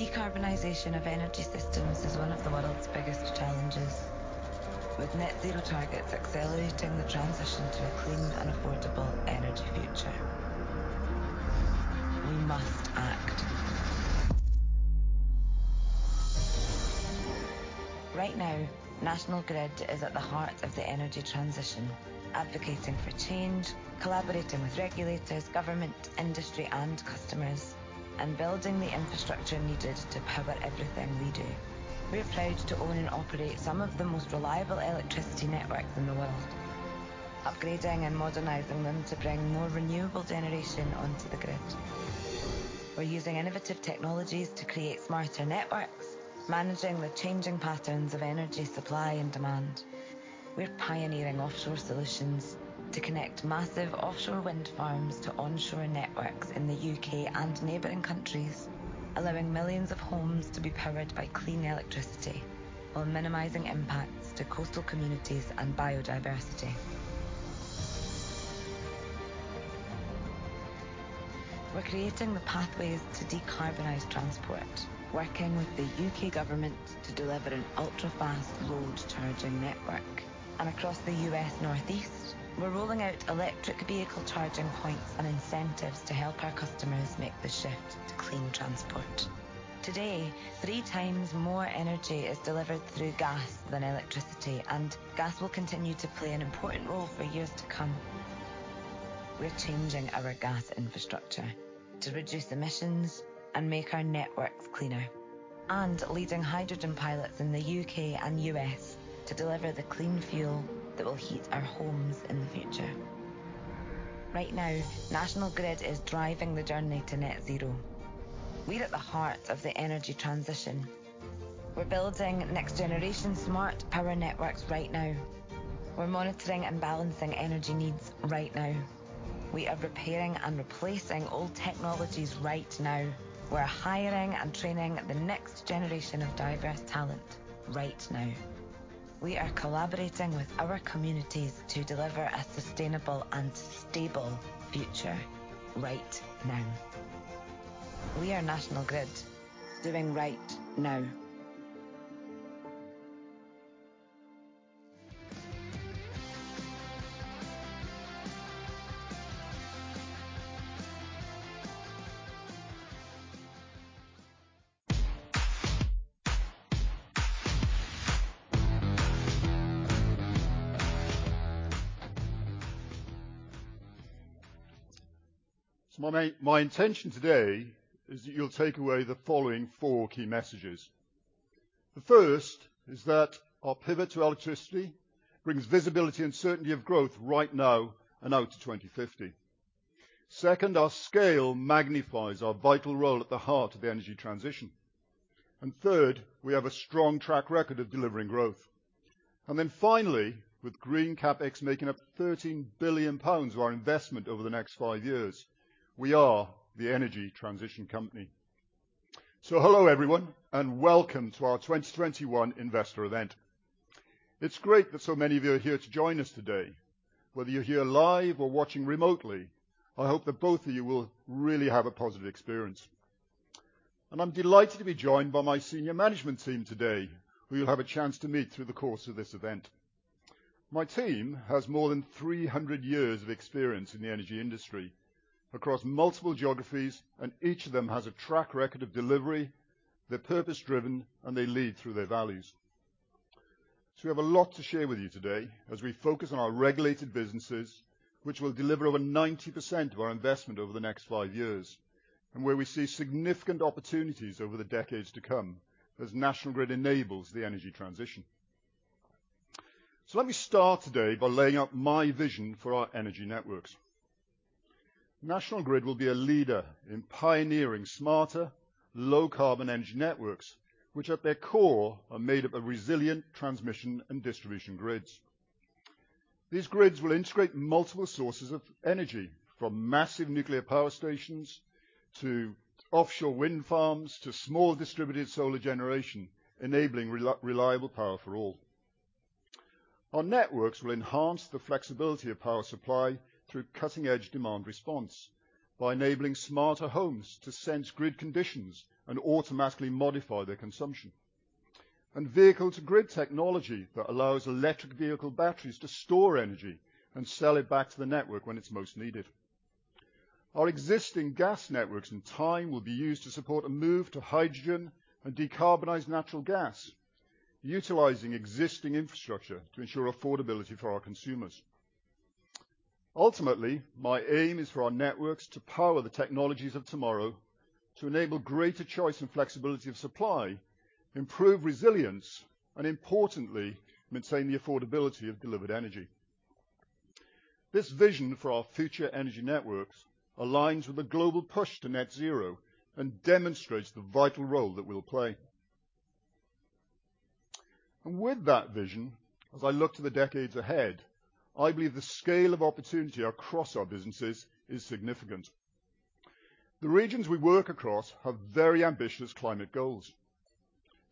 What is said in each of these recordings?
The decarbonization of energy systems is one of the world's biggest challenges, with net zero targets accelerating the transition to a clean and affordable energy future. We must act. Right now, National Grid is at the heart of the energy transition, advocating for change, collaborating with regulators, government, industry, and customers, and building the infrastructure needed to power everything we do. We're proud to own and operate some of the most reliable electricity networks in the world, upgrading and modernizing them to bring more renewable generation onto the grid. We're using innovative technologies to create smarter networks, managing the changing patterns of energy supply and demand. We're pioneering offshore solutions to connect massive offshore wind farms to onshore networks in the U.K. and neighboring countries, allowing millions of homes to be powered by clean electricity while minimizing impacts to coastal communities and biodiversity. We're creating the pathways to decarbonize transport, working with the U.K. government to deliver an ultra-fast load charging network. Across the U.S. Northeast, we're rolling out electric vehicle charging points and incentives to help our customers make the shift to clean transport. Today, 3x more energy is delivered through gas than electricity, and gas will continue to play an important role for years to come. We're changing our gas infrastructure to reduce emissions and make our networks cleaner. We're leading hydrogen pilots in the U.K. and U.S. to deliver the clean fuel that will heat our homes in the future. Right now, National Grid is driving the journey to net zero. We're at the heart of the energy transition. We're building next generation smart power networks right now. We're monitoring and balancing energy needs right now. We are repairing and replacing old technologies right now. We're hiring and training the next generation of diverse talent right now. We are collaborating with our communities to deliver a sustainable and stable future right now. We are National Grid doing right now. My intention today is that you'll take away the following four key messages. The first is that our pivot to electricity brings visibility and certainty of growth right now and out to 2050. Second, our scale magnifies our vital role at the heart of the energy transition. Third, we have a strong track record of delivering growth. Finally, with green CapEx making up 13 billion pounds of our investment over the next five years, we are the energy transition company. Hello, everyone, and welcome to our 2021 investor event. It's great that so many of you are here to join us today. Whether you're here live or watching remotely, I hope that both of you will really have a positive experience. I'm delighted to be joined by my senior management team today, who you'll have a chance to meet through the course of this event. My team has more than 300 years of experience in the energy industry across multiple geographies, and each of them has a track record of delivery, they're purpose-driven, and they lead through their values. We have a lot to share with you today as we focus on our regulated businesses, which will deliver over 90% of our investment over the next five years, and where we see significant opportunities over the decades to come as National Grid enables the energy transition. Let me start today by laying out my vision for our energy networks. National Grid will be a leader in pioneering smarter low carbon energy networks, which at their core are made up of resilient transmission and distribution grids. These grids will integrate multiple sources of energy, from massive nuclear power stations to offshore wind farms, to small distributed solar generation, enabling reliable power for all. Our networks will enhance the flexibility of power supply through cutting-edge demand response by enabling smarter homes to sense grid conditions and automatically modify their consumption. Vehicle-to-grid technology that allows electric vehicle batteries to store energy and sell it back to the network when it's most needed. Our existing gas networks in time will be used to support a move to hydrogen and decarbonize natural gas, utilizing existing infrastructure to ensure affordability for our consumers. Ultimately, my aim is for our networks to power the technologies of tomorrow to enable greater choice and flexibility of supply, improve resilience, and importantly, maintain the affordability of delivered energy. This vision for our future energy networks aligns with the global push to net zero and demonstrates the vital role that we'll play. With that vision, as I look to the decades ahead, I believe the scale of opportunity across our businesses is significant. The regions we work across have very ambitious climate goals.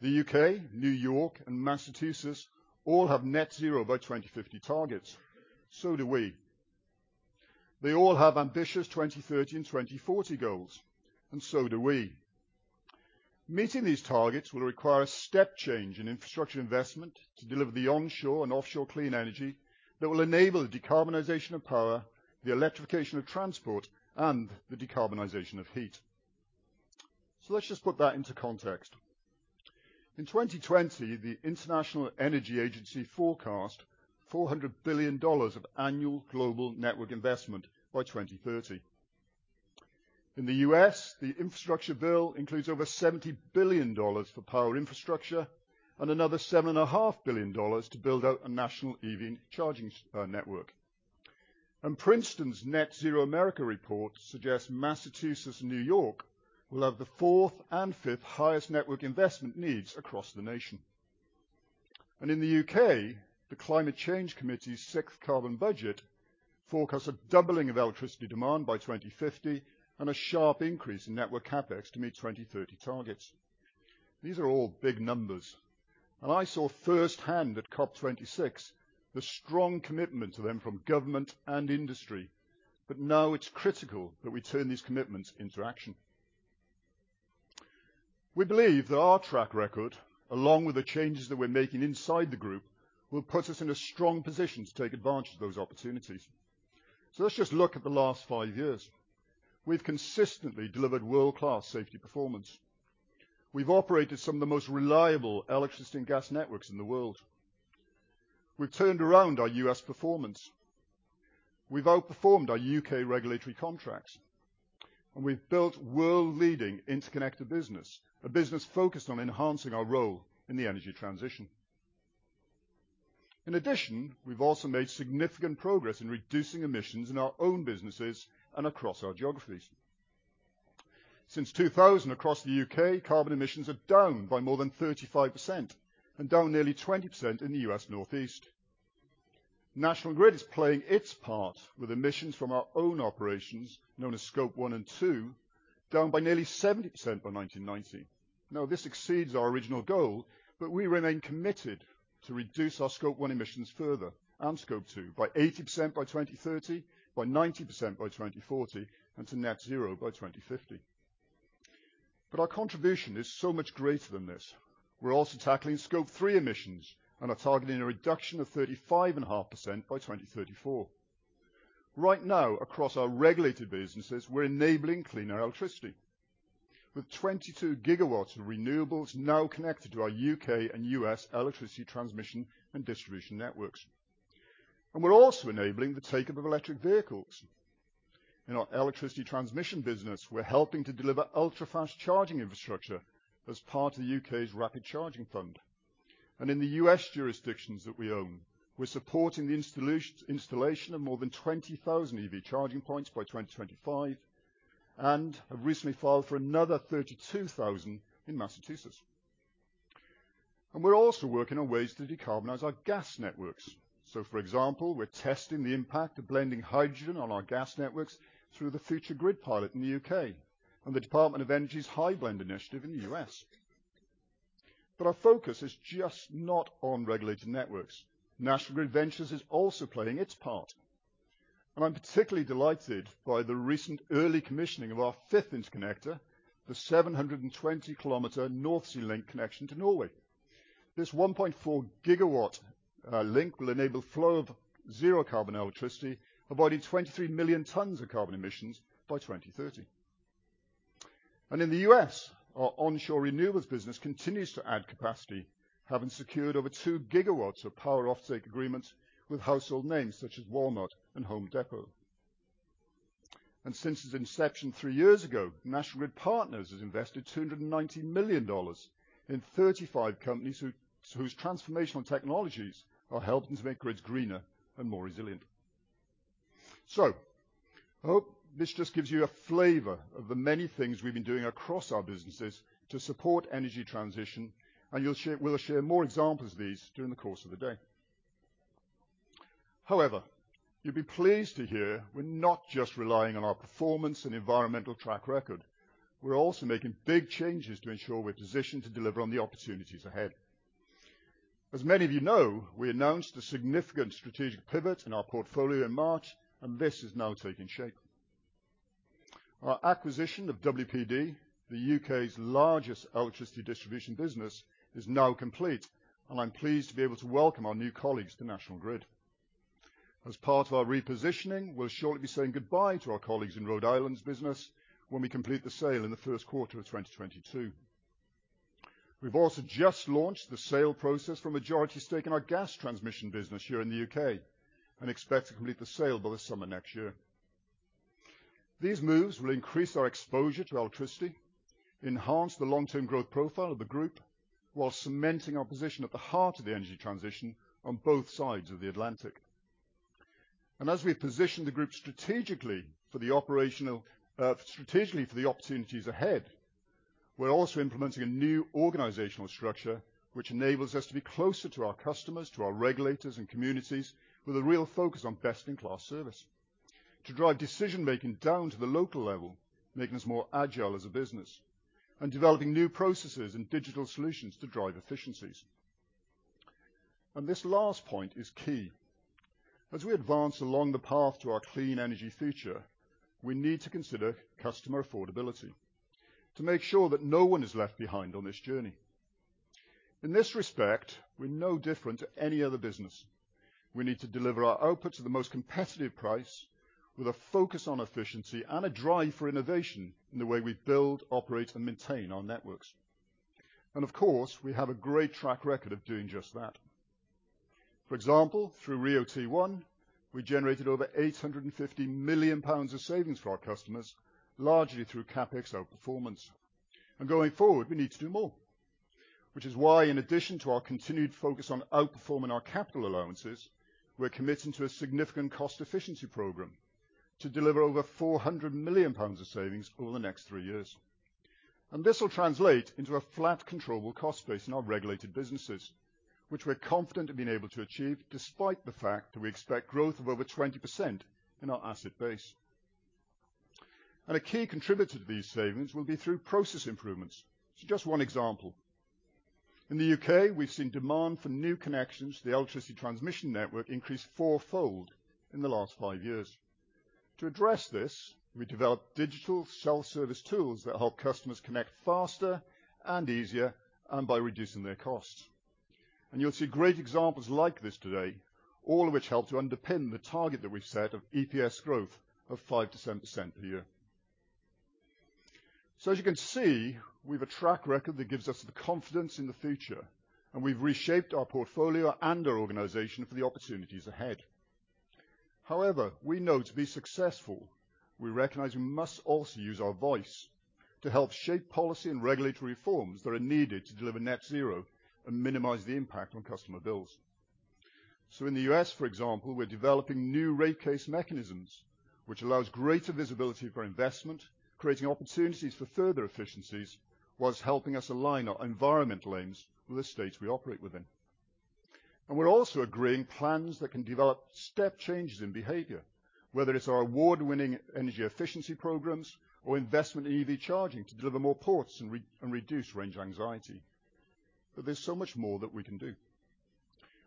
The U.K., New York, and Massachusetts all have net zero by 2050 targets. Do we. They all have ambitious 2030 and 2040 goals, and so do we. Meeting these targets will require a step change in infrastructure investment to deliver the onshore and offshore clean energy that will enable the decarbonization of power, the electrification of transport, and the decarbonization of heat. Let's just put that into context. In 2020, the International Energy Agency forecast $400 billion of annual global network investment by 2030. In the U.S., the infrastructure bill includes over $70 billion for power infrastructure and another $7.5 billion to build out a national EV charging network. Princeton's Net-Zero America report suggests Massachusetts and New York will have the fourth and fifth highest network investment needs across the nation. In the U.K., the Climate Change Committee's Sixth Carbon Budget forecasts a doubling of electricity demand by 2050 and a sharp increase in network CapEx to meet 2030 targets. These are all big numbers. I saw firsthand at COP26 the strong commitment to them from government and industry. Now it's critical that we turn these commitments into action. We believe that our track record, along with the changes that we're making inside the group, will put us in a strong position to take advantage of those opportunities. Let's just look at the last five years. We've consistently delivered world-class safety performance. We've operated some of the most reliable electricity and gas networks in the world. We've turned around our U.S. performance. We've outperformed our U.K. regulatory contracts, and we've built world-leading interconnected business, a business focused on enhancing our role in the energy transition. In addition, we've also made significant progress in reducing emissions in our own businesses and across our geographies. Since 2000, across the U.K., carbon emissions are down by more than 35% and down nearly 20% in the U.S. Northeast. National Grid is playing its part with emissions from our own operations, known as Scope 1 and 2, down by nearly 70% by 1990. This exceeds our original goal, but we remain committed to reduce our Scope 1 emissions further and Scope 2 by 80% by 2030, by 90% by 2040, and to net zero by 2050. Our contribution is so much greater than this. We're also tackling Scope 3 emissions and are targeting a reduction of 35.5% by 2034. Right now, across our regulated businesses, we're enabling cleaner electricity with 22 GW of renewables now connected to our U.K. and U.S. electricity transmission and distribution networks. We're also enabling the take-up of electric vehicles. In our electricity transmission business, we're helping to deliver ultra-fast charging infrastructure as part of the U.K.'s Rapid Charging Fund. In the U.S. jurisdictions that we own, we're supporting the installation of more than 20,000 EV charging points by 2025, and have recently filed for another 32,000 in Massachusetts. We're also working on ways to decarbonize our gas networks. For example, we're testing the impact of blending hydrogen on our gas networks through the Future Grid Pilot in the U.K. and the Department of Energy's HyBlend initiative in the U.S. Our focus is just not on regulated networks. National Grid Ventures is also playing its part. I'm particularly delighted by the recent early commissioning of our fifth interconnector, the 720-km North Sea Link connection to Norway. This 1.4-GW link will enable flow of zero carbon electricity, avoiding 23 million tons of carbon emissions by 2030. In the U.S., our onshore renewables business continues to add capacity, having secured over 2 GW of power off-take agreements with household names such as Walmart and Home Depot. Since its inception three years ago, National Grid Partners has invested $290 million in 35 companies whose transformational technologies are helping to make grids greener and more resilient. I hope this just gives you a flavor of the many things we've been doing across our businesses to support energy transition, and we'll share more examples of these during the course of the day. However, you'll be pleased to hear we're not just relying on our performance and environmental track record. We're also making big changes to ensure we're positioned to deliver on the opportunities ahead. As many of you know, we announced a significant strategic pivot in our portfolio in March, and this is now taking shape. Our acquisition of WPD, the U.K.'s largest electricity distribution business, is now complete, and I'm pleased to be able to welcome our new colleagues to National Grid. As part of our repositioning, we'll shortly be saying goodbye to our colleagues in Rhode Island's business when we complete the sale in the first quarter of 2022. We've also just launched the sale process for a majority stake in our gas transmission business here in the U.K. and expect to complete the sale by the summer next year. These moves will increase our exposure to electricity, enhance the long-term growth profile of the group, while cementing our position at the heart of the energy transition on both sides of the Atlantic. As we position the group strategically for the opportunities ahead, we're also implementing a new organizational structure which enables us to be closer to our customers, to our regulators and communities, with a real focus on best-in-class service. To drive decision-making down to the local level, making us more agile as a business, and developing new processes and digital solutions to drive efficiencies. This last point is key. As we advance along the path to our clean energy future, we need to consider customer affordability to make sure that no one is left behind on this journey. In this respect, we're no different to any other business. We need to deliver our output to the most competitive price with a focus on efficiency and a drive for innovation in the way we build, operate, and maintain our networks. Of course, we have a great track record of doing just that. For example, through RIIO-T1, we generated over 850 million pounds of savings for our customers, largely through CapEx outperformance. Going forward, we need to do more. Which is why, in addition to our continued focus on outperforming our capital allowances, we're committing to a significant cost efficiency program to deliver over 400 million pounds of savings over the next three years. This will translate into a flat, controllable cost base in our regulated businesses, which we're confident in being able to achieve despite the fact that we expect growth of over 20% in our asset base. A key contributor to these savings will be through process improements. Just one example. In the U.K., we've seen demand for new connections to the electricity transmission network increase fourfold in the last five years. To address this, we developed digital self-service tools that help customers connect faster and easier and by reducing their costs. You'll see great examples like this today, all of which help to underpin the target that we've set of EPS growth of 5%-7% per year. As you can see, we've a track record that gives us the confidence in the future, and we've reshaped our portfolio and our organization for the opportunities ahead. However, we know to be successful, we recognize we must also use our voice to help shape policy and regulatory reforms that are needed to deliver net zero and minimize the impact on customer bills. In the U.S., for example, we're developing new rate case mechanisms, which allows greater visibility for investment, creating opportunities for further efficiencies, while helping us align our environmental aims with the states we operate within. We're also agreeing plans that can develop step changes in behavior, whether it's our award-winning energy efficiency programs or investment in EV charging to deliver more ports and reduce range anxiety. There's so much more that we can do.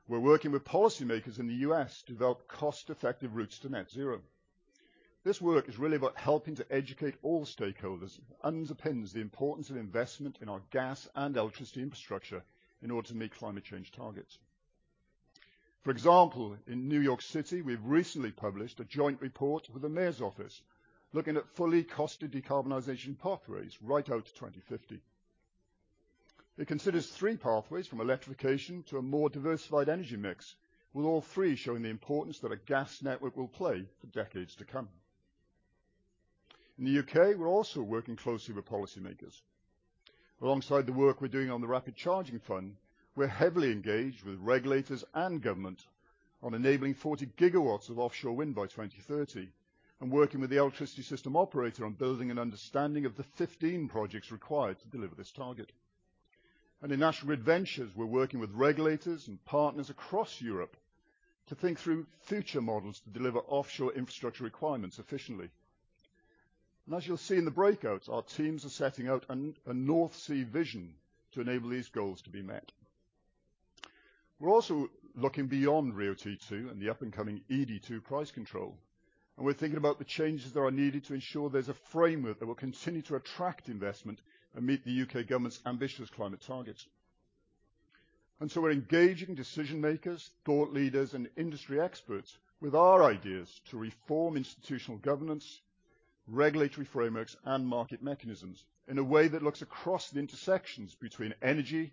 We're working with policymakers in the U.S. to develop cost-effective routes to net zero. This work is really about helping to educate all stakeholders and underpins the importance of investment in our gas and electricity infrastructure in order to meet climate change targets. For example, in New York City, we've recently published a joint report with the mayor's office looking at fully costed decarbonization pathways right out to 2050. It considers three pathways from electrification to a more diversified energy mix, with all three showing the importance that a gas network will play for decades to come. In the U.K., we're also working closely with policymakers. Alongside the work we're doing on the Rapid Charging Fund, we're heavily engaged with regulators and government on enabling 40 GW of offshore wind by 2030, working with the electricity system operator on building an understanding of the 15 projects required to deliver this target. In National Grid Ventures, we're working with regulators and partners across Europe to think through future models to deliver offshore infrastructure requirements efficiently. As you'll see in the breakouts, our teams are setting out a North Sea vision to enable these goals to be met. We're also looking beyond RIIO-T2 and the up-and-coming ED2 price control, and we're thinking about the changes that are needed to ensure there's a framework that will continue to attract investment and meet the U.K. government's ambitious climate targets. We're engaging decision-makers, thought leaders, and industry experts with our ideas to reform institutional governance, regulatory frameworks, and market mechanisms in a way that looks across the intersections between energy,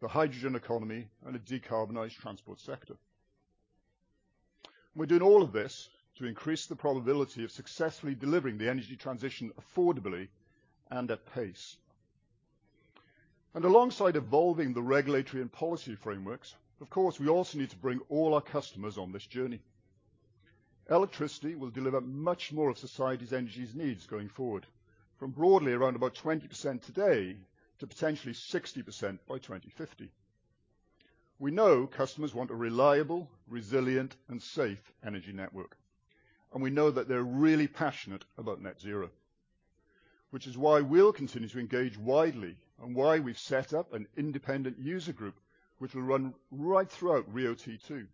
the hydrogen economy, and a decarbonized transport sector. We're doing all of this to increase the probability of successfully delivering the energy transition affordably and at pace. Alongside evolving the regulatory and policy frameworks, of course, we also need to bring all our customers on this journey. Electricity will deliver much more of society's energy needs going forward, from broadly around about 20% today to potentially 60% by 2050. We know customers want a reliable, resilient, and safe energy network, and we know that they're really passionate about net zero, which is why we'll continue to engage widely and why we've set up an independent user group, which will run right throughout RIIO-T2.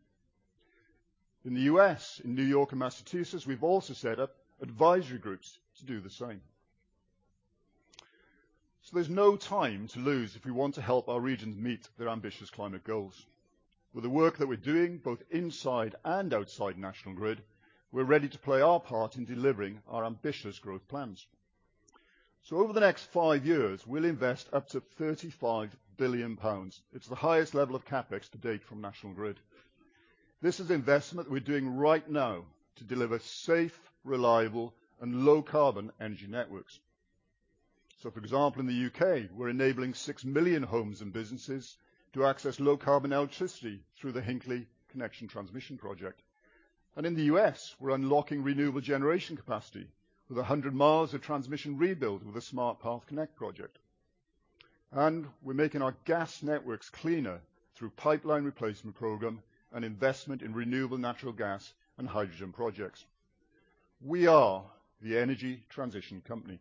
In the U.S., in New York and Massachusetts, we've also set up advisory groups to do the same. There's no time to lose if we want to help our regions meet their ambitious climate goals. With the work that we're doing both inside and outside National Grid, we're ready to play our part in delivering our ambitious growth plans. Over the next five years, we'll invest up to 35 billion pounds. It's the highest level of CapEx to date from National Grid. This is investment we're doing right now to deliver safe, reliable, and low-carbon energy networks. For example, in the U.K., we're enabling 6 million homes and businesses to access low-carbon electricity through the Hinkley Point C Connection Project. In the U.S., we're unlocking renewable generation capacity with 100 mi of transmission rebuild with the Smart Path Connect project. We're making our gas networks cleaner through pipeline replacement program and investment in renewable natural gas and hydrogen projects. We are the energy transition company.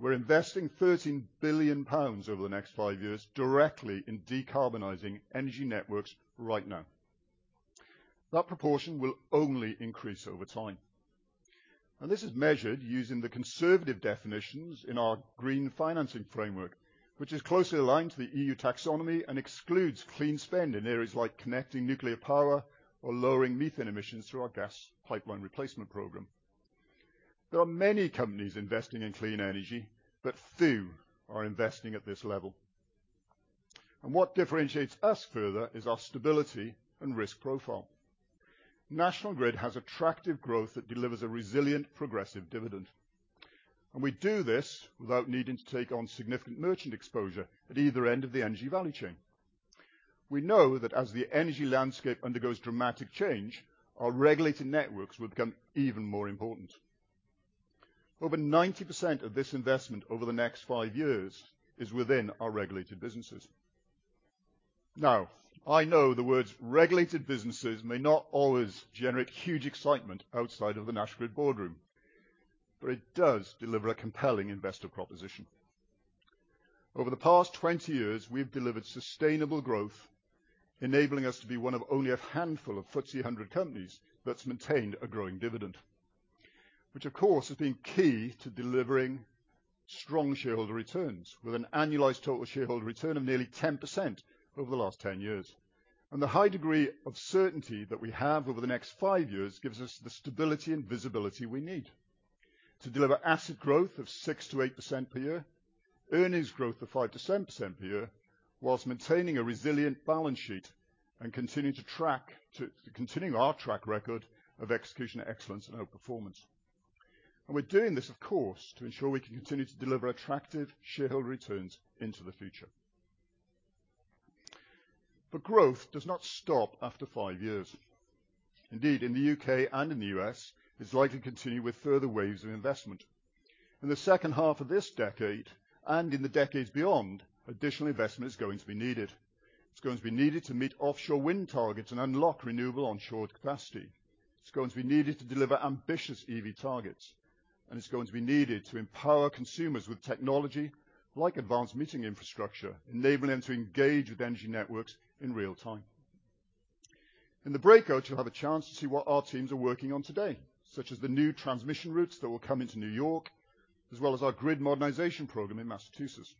We're investing 13 billion pounds over the next five years directly in decarbonizing energy networks right now. That proportion will only increase over time. This is measured using the conservative definitions in our Green Financing Framework, which is closely aligned to the EU Taxonomy and excludes clean spend in areas like connecting nuclear power or lowering methane emissions through our gas pipeline replacement program. There are many companies investing in clean energy, but few are investing at this level. What differentiates us further is our stability and risk profile. National Grid has attractive growth that delivers a resilient progressive dividend, and we do this without needing to take on significant merchant exposure at either end of the energy value chain. We know that as the energy landscape undergoes dramatic change, our regulated networks will become even more important. Over 90% of this investment over the next five years is within our regulated businesses. Now, I know the words regulated businesses may not always generate huge excitement outside of the National Grid boardroom, but it does deliver a compelling investor proposition. Over the past 20 years, we've delivered sustainable growth, enabling us to be one of only a handful of FTSE 100 companies that's maintained a growing dividend, which of course, has been key to delivering strong shareholder returns with an annualized total shareholder return of nearly 10% over the last 10 years. The high degree of certainty that we have over the next five years gives us the stability and visibility we need to deliver asset growth of 6%-8% per year, earnings growth of 5%-7% per year, while maintaining a resilient balance sheet and continuing our track record of execution excellence and outperformance. We're doing this, of course, to ensure we can continue to deliver attractive shareholder returns into the future. Growth does not stop after five years. Indeed, in the U.K. and in the U.S., it's likely to continue with further waves of investment. In the second half of this decade and in the decades beyond, additional investment is going to be needed. It's going to be needed to meet offshore wind targets and unlock renewable onshore capacity. It's going to be needed to deliver ambitious EV targets. And it's going to be needed to empower consumers with technology like advanced metering infrastructure, enabling them to engage with energy networks in real time. In the breakout, you'll have a chance to see what our teams are working on today, such as the new transmission routes that will come into New York, as well as our grid modernization program in Massachusetts.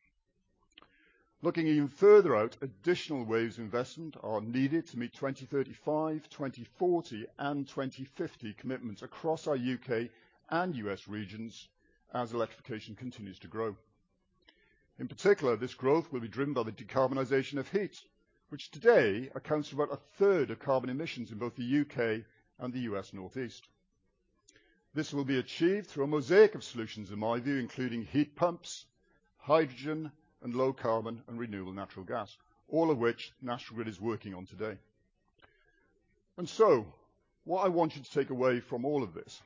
Looking even further out, additional waves of investment are needed to meet 2035, 2040, and 2050 commitments across our U.K. and U.S. regions as electrification continues to grow. In particular, this growth will be driven by the decarbonization of heat, which today accounts for about 1/3 of carbon emissions in both the U.K. and the U.S. Northeast. This will be achieved through a mosaic of solutions, in my view, including heat pumps, hydrogen, and low carbon and renewable natural gas, all of which National Grid is working on today. What I want you to take away from all of this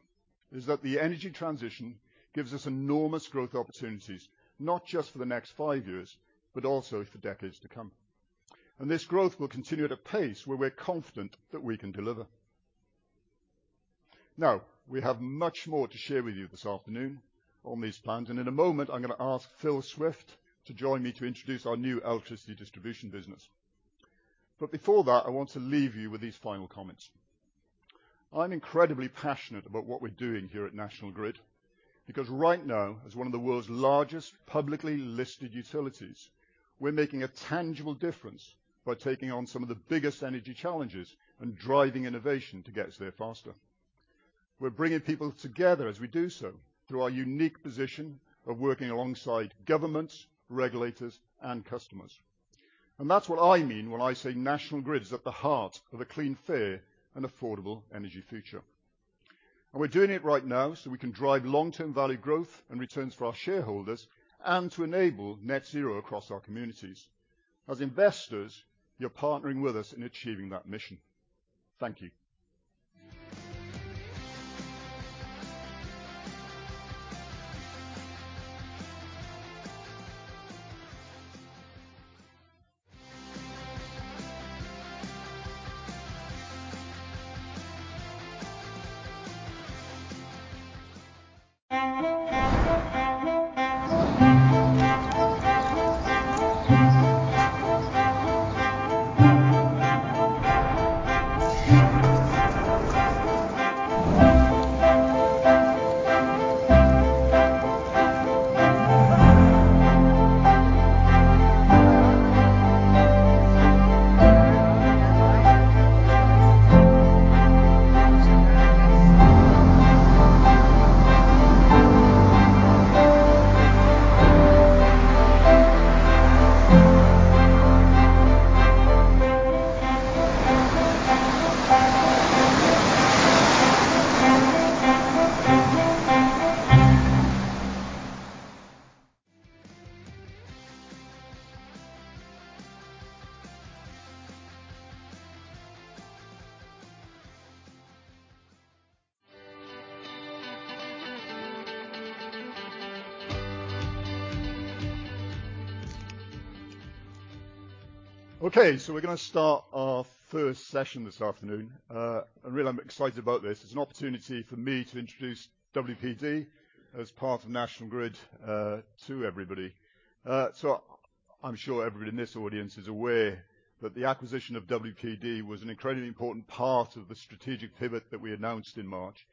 is that the energy transition gives us enormous growth opportunities, not just for the next five years, but also for decades to come. This growth will continue at a pace where we're confident that we can deliver. Now, we have much more to share with you this afternoon on these plans, and in a moment, I'm gonna ask Phil Swift to join me to introduce our new Electricity Distribution business. But before that, I want to leave you with these final comments. I'm incredibly passionate about what we're doing here at National Grid because right now, as one of the world's largest publicly-listed utilities, we're making a tangible difference by taking on some of the biggest energy challenges and driving innovation to get us there faster. We're bringing people together as we do so through our unique position of working alongside governments, regulators, and customers. That's what I mean when I say National Grid is at the heart of a clean, fair, and affordable energy future. We're doing it right now so we can drive long-term value growth and returns for our shareholders and to enable net zero across our communities. As investors, you're partnering with us in achieving that mission. Thank you. Okay, we're gonna start our first session this afternoon. Really I'm excited about this. It's an opportunity for me to introduce WPD as part of National Grid to everybody. I'm sure everybody in this audience is aware that the acquisition of WPD was an incredibly important part of the strategic pivot that we announced in March.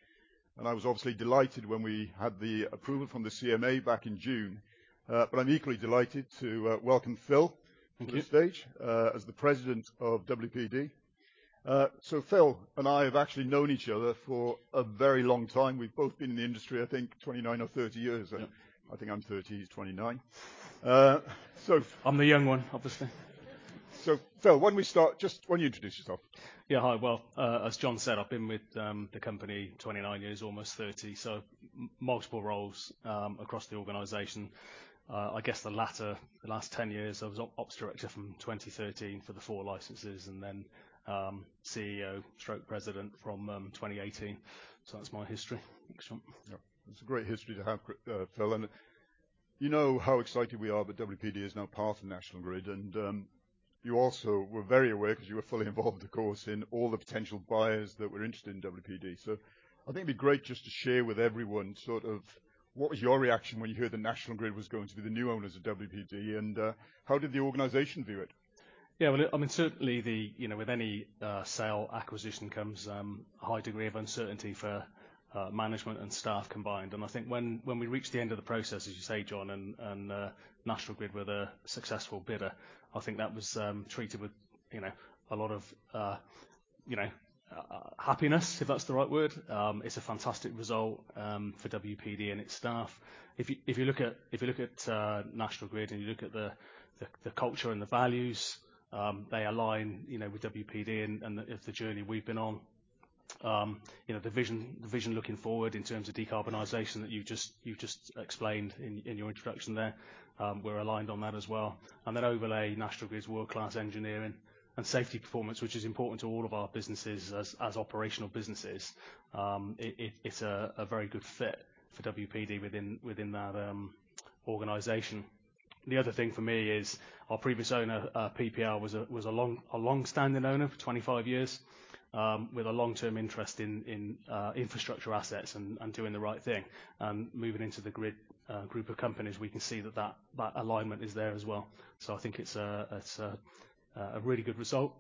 I was obviously delighted when we had the approval from the CMA back in June. I'm equally delighted to welcome Phil- Thank you. ...to the stage as the President of WPD. Phil and I have actually known each other for a very long time. We've both been in the industry, I think, 29 or 30 years. Yeah. I think I'm 30, he's 29. I'm the young one, obviously. Phil, why don't you introduce yourself? Yeah. Hi. Well, as John said, I've been with the company 29 years, almost 30, so multiple roles across the organization. I guess the latter, the last 10 years, I was Ops director from 2013 for the four licenses and then, CEO/president from 2018. That's my history. Thanks, John. Yeah. It's a great history to have, Phil, and you know how excited we are that WPD is now part of National Grid, and you also were very aware because you were fully involved, of course, in all the potential buyers that were interested in WPD. I think it'd be great just to share with everyone sort of what was your reaction when you heard that National Grid was going to be the new owners of WPD, and how did the organization view it? Yeah, well, I mean, certainly with any sale acquisition comes a high degree of uncertainty for management and staff combined. I think when we reached the end of the process, as you say, John, and National Grid were the successful bidder, I think that was treated with a lot of happiness, if that's the right word. It's a fantastic result for WPD and its staff. If you look at National Grid, and you look at the culture and the values, they align with WPD and the journey we've been on. You know, the vision looking forward in terms of decarbonization that you just explained in your introduction there, we're aligned on that as well. Overlay National Grid's world-class engineering and safety performance, which is important to all of our businesses as operational businesses. It's a very good fit for WPD within that organization. The other thing for me is our previous owner, PPL was a long-standing owner for 25 years, with a long-term interest in infrastructure assets and doing the right thing. Moving into the Grid group of companies, we can see that alignment is there as well. I think it's a really good result.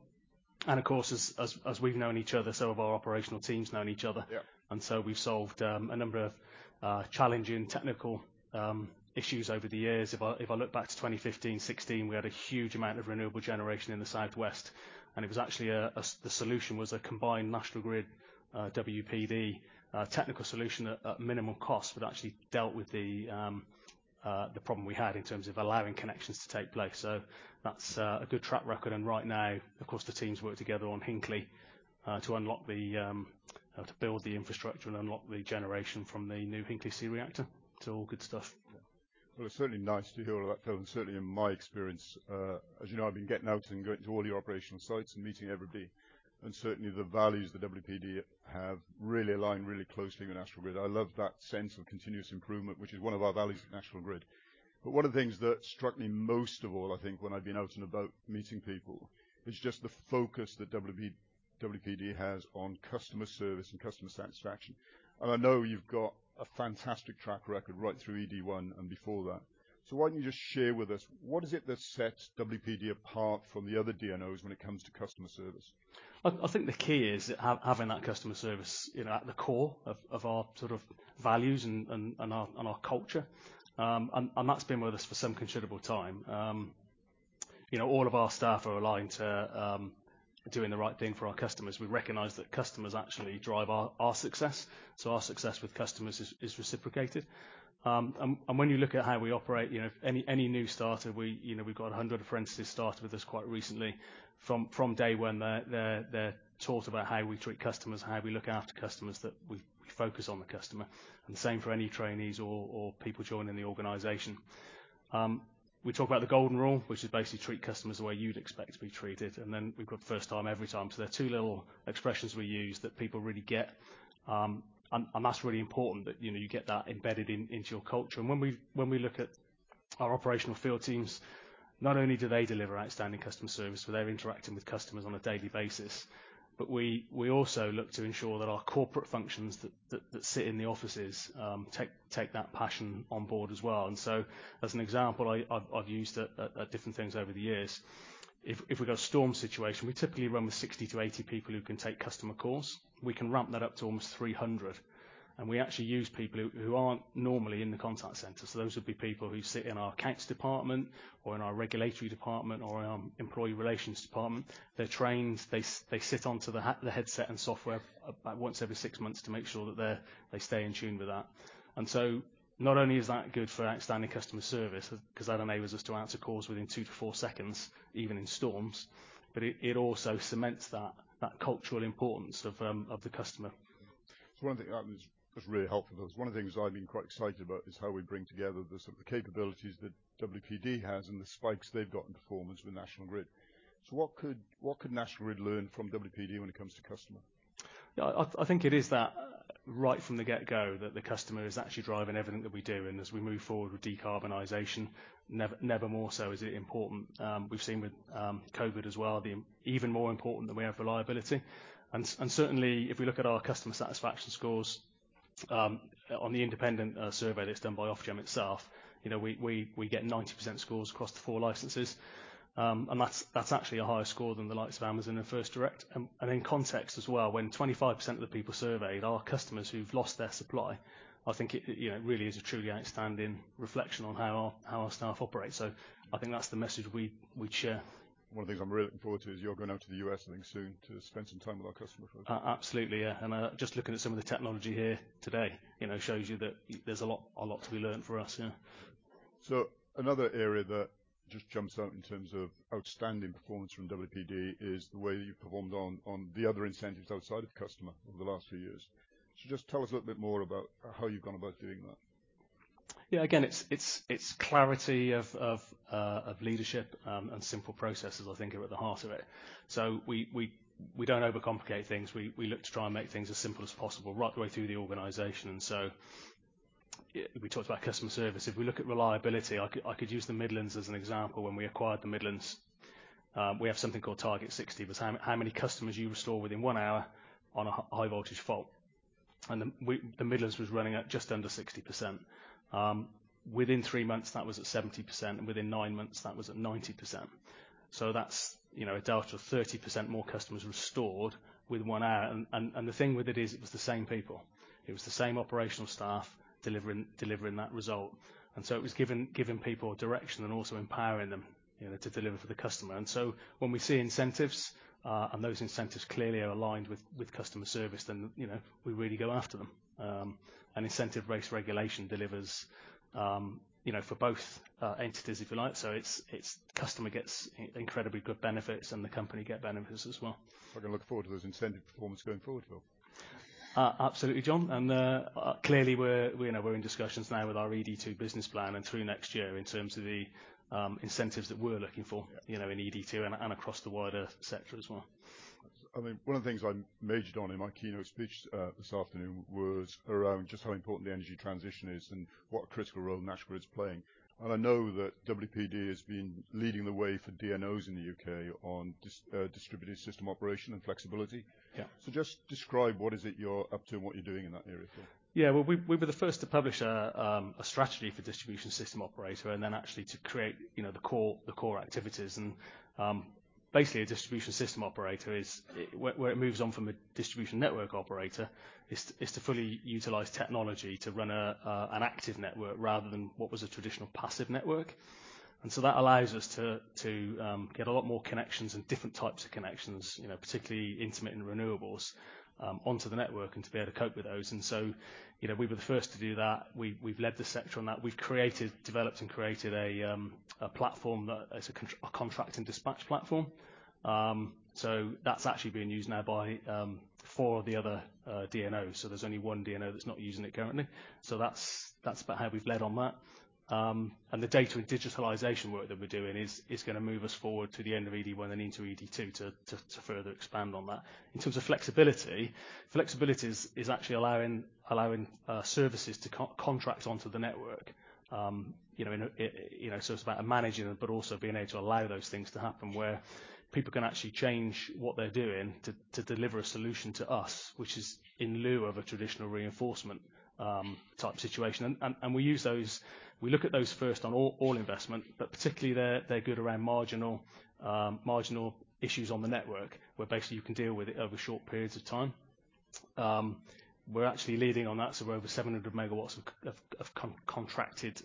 Of course, as we've known each other, so have our operational teams known each other. Yeah. We've solved a number of challenging technical issues over the years. If I look back to 2015, 2016, we had a huge amount of renewable generation in the southwest, and it was actually the solution was a combined National Grid, WPD, technical solution at minimum cost, but actually dealt with the problem we had in terms of allowing connections to take place. That's a good track record and right now, of course, the teams work together on Hinkley to build the infrastructure and unlock the generation from the new Hinkley C reactor. All good stuff. Well, it's certainly nice to hear all that, Phil, and certainly in my experience, as you know, I've been getting out and going to all your operational sites and meeting everybody. Certainly, the values that WPD have really align really closely with National Grid. I love that sense of continuous improvement, which is one of our values at National Grid. One of the things that struck me most of all, I think, when I've been out and about meeting people, is just the focus that WPD has on customer service and customer satisfaction. I know you've got a fantastic track record right through ED1 and before that. Why don't you just share with us what is it that sets WPD apart from the other DNOs when it comes to customer service? I think the key is having that customer service, you know, at the core of our sort of values and our culture. That's been with us for some considerable time. You know, all of our staff are aligned to doing the right thing for our customers. We recognize that customers actually drive our success. So our success with customers is reciprocated. When you look at how we operate, you know, any new starter, we've got 100 apprentices start with us quite recently. From day one, they're taught about how we treat customers and how we look after customers, that we focus on the customer. The same for any trainees or people joining the organization. We talk about the golden rule, which is basically treat customers the way you'd expect to be treated. Then we've got first time, every time. They're two little expressions we use that people really get, and that's really important that, you know, you get that embedded in, into your culture. When we look at our operational field teams, not only do they deliver outstanding customer service, where they're interacting with customers on a daily basis, but we also look to ensure that our corporate functions that sit in the offices take that passion on board as well. As an example, I've used at different things over the years. If we've got a storm situation, we typically run with 60-80 people who can take customer calls. We can ramp that up to almost 300. We actually use people who aren't normally in the contact center. Those would be people who sit in our accounts department or in our regulatory department or in our employee relations department. They're trained, they sit on the headset and software about once every six months to make sure that they stay in tune with that. Not only is that good for outstanding customer service, because that enables us to answer calls within two to four seconds, even in storms, but it also cements that cultural importance of the customer. One thing that was really helpful, because one of the things I've been quite excited about is how we bring together the sort of capabilities that WPD has and the spikes they've got in performance with National Grid. What could National Grid learn from WPD when it comes to customer? I think it is that right from the get-go, that the customer is actually driving everything that we do. As we move forward with decarbonization, never more so is it important. We've seen with COVID as well that it's even more important that we have reliability. Certainly if we look at our customer satisfaction scores on the independent survey that's done by Ofgem itself, you know, we get 90% scores across the four licenses. And that's actually a higher score than the likes of Amazon and First Direct. In context as well, when 25% of the people surveyed are customers who've lost their supply, I think it, you know, really is a truly outstanding reflection on how our staff operate. I think that's the message we'd share. One of the things I'm really looking forward to is you're going out to the U.S. I think soon to spend some time with our customers. Absolutely, yeah. Just looking at some of the technology here today, you know, shows you that there's a lot to be learned for us, yeah. Another area that just jumps out in terms of outstanding performance from WPD is the way you've performed on the other incentives outside of customer over the last few years. Just tell us a little bit more about how you've gone about doing that. Yeah, again, it's clarity of leadership and simple processes, I think are at the heart of it. We don't overcomplicate things. We look to try and make things as simple as possible right the way through the organization. We talked about customer service. If we look at reliability, I could use the Midlands as an example. When we acquired the Midlands, we have something called Target Sixty. That's how many customers you restore within one hour on a high voltage fault. The Midlands was running at just under 60%. Within three months, that was at 70%, and within nine months, that was at 90%. That's, you know, a delta of 30% more customers restored within one hour. The thing with it is, it was the same people. It was the same operational staff delivering that result. It was giving people direction and also empowering them, you know, to deliver for the customer. When we see incentives, and those incentives clearly are aligned with customer service, then, you know, we really go after them. Incentive-based regulation delivers, you know, for both entities, if you like. It's customer gets incredibly good benefits and the company get benefits as well. I can look forward to those incentive performance going forward, Phil. Absolutely, John. Clearly we're, you know, in discussions now with our ED2 business plan and through next year in terms of the incentives that we're looking for, you know, in ED2 and across the wider sector as well. I mean, one of the things I majored on in my keynote speech this afternoon was around just how important the energy transition is and what a critical role National Grid is playing. I know that WPD has been leading the way for DNOs in the U.K. on distributed system operation and flexibility. Yeah. Just describe what is it you're up to and what you're doing in that area, Phil? Well, we were the first to publish a strategy for distribution system operator and then actually to create, you know, the core activities. Basically a distribution system operator is where it moves on from a distribution network operator is to fully utilize technology to run an active network rather than what was a traditional passive network. That allows us to get a lot more connections and different types of connections, you know, particularly intermittent renewables onto the network and to be able to cope with those. You know, we were the first to do that. We've led the sector on that. We've created, developed and created a platform that is a contract and dispatch platform. That's actually being used now by four of the other DNOs. There's only one DNO that's not using it currently. That's about how we've led on that. The data and digitalization work that we're doing is gonna move us forward to the end of ED1 and into ED2 to further expand on that. In terms of flexibility is actually allowing services to contract onto the network. You know, so it's about managing them, but also being able to allow those things to happen where people can actually change what they're doing to deliver a solution to us, which is in lieu of a traditional reinforcement type situation. We use those. We look at those first on all investment, but particularly they're good around marginal issues on the network, where basically you can deal with it over short periods of time. We're actually leading on that, so we're over 700 MW of contracted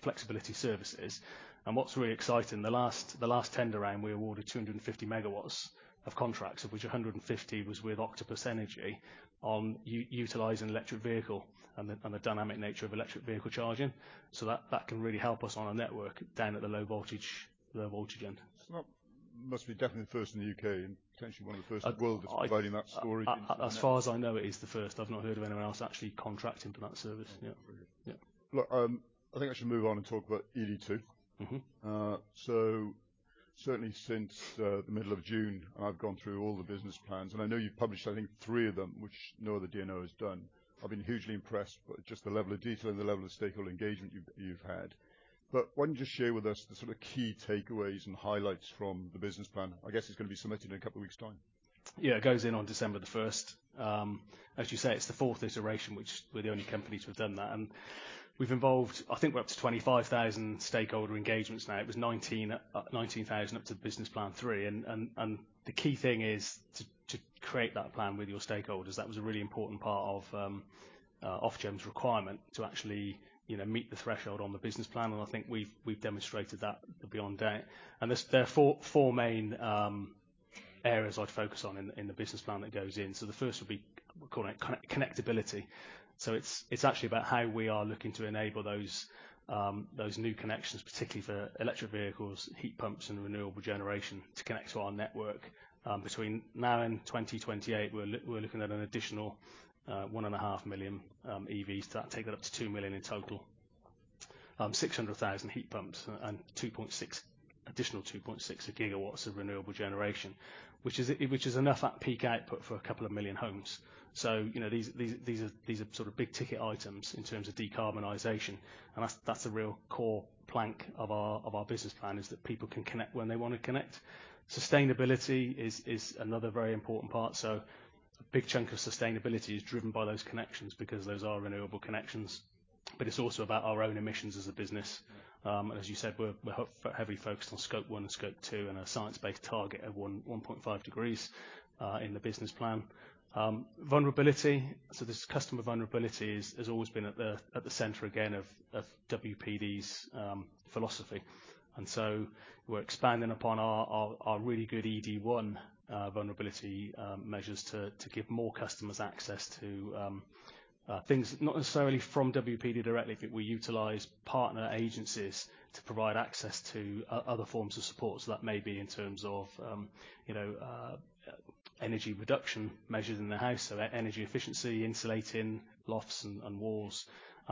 flexibility services. What's really exciting, the last tender round, we awarded 250 MW of contracts, of which 150 MW was with Octopus Energy on utilizing electric vehicle and the dynamic nature of electric vehicle charging. That can really help us on our network down at the low voltage end. That must be definitely first in the U.K. and potentially one of the first in the world providing that storage. As far as I know, it is the first. I've not heard of anyone else actually contracting for that service. Yeah. Very good. Yeah. Look, I think I should move on and talk about ED2. Certainly, since the middle of June, I've gone through all the business plans, and I know you've published, I think three of them, which no other DNO has done. I've been hugely impressed by just the level of detail and the level of stakeholder engagement you've had. Why don't you just share with us the sort of key takeaways and highlights from the business plan? I guess it's going to be submitted in a couple of weeks' time. Yeah, it goes in on December the first. As you say, it's the fourth iteration, which we're the only company to have done that. We've involved, I think we're up to 25,000 stakeholder engagements now. It was 19,000 up to business plan three. The key thing is to create that plan with your stakeholders. That was a really important part of Ofgem's requirement to actually, you know, meet the threshold on the business plan. I think we've demonstrated that beyond doubt. There are four main areas I'd focus on in the business plan that goes in. The first would be, we call it connectability. It's actually about how we are looking to enable those new connections, particularly for electric vehicles, heat pumps, and renewable generation to connect to our network. Between now and 2028, we're looking at an additional 1.5 million EVs. That'll take it up to 2 million in total. 600,000 heat pumps and additional 2.6 GW of renewable generation, which is enough at peak output for a couple of million homes. You know, these are sort of big-ticket items in terms of decarbonization. That's a real core plank of our business plan, is that people can connect when they wanna connect. Sustainability is another very important part. A big chunk of sustainability is driven by those connections because those are renewable connections. It's also about our own emissions as a business. As you said, we're heavily focused on Scope 1 and Scope 2, and a science-based target of 1.5 degrees in the business plan. Vulnerability. This customer vulnerability has always been at the center again of WPD's philosophy. We're expanding upon our really good ED1 vulnerability measures to give more customers access to things not necessarily from WPD directly. I think we utilize partner agencies to provide access to other forms of support. That may be in terms of you know, energy reduction measures in the house, energy efficiency, insulating lofts and walls,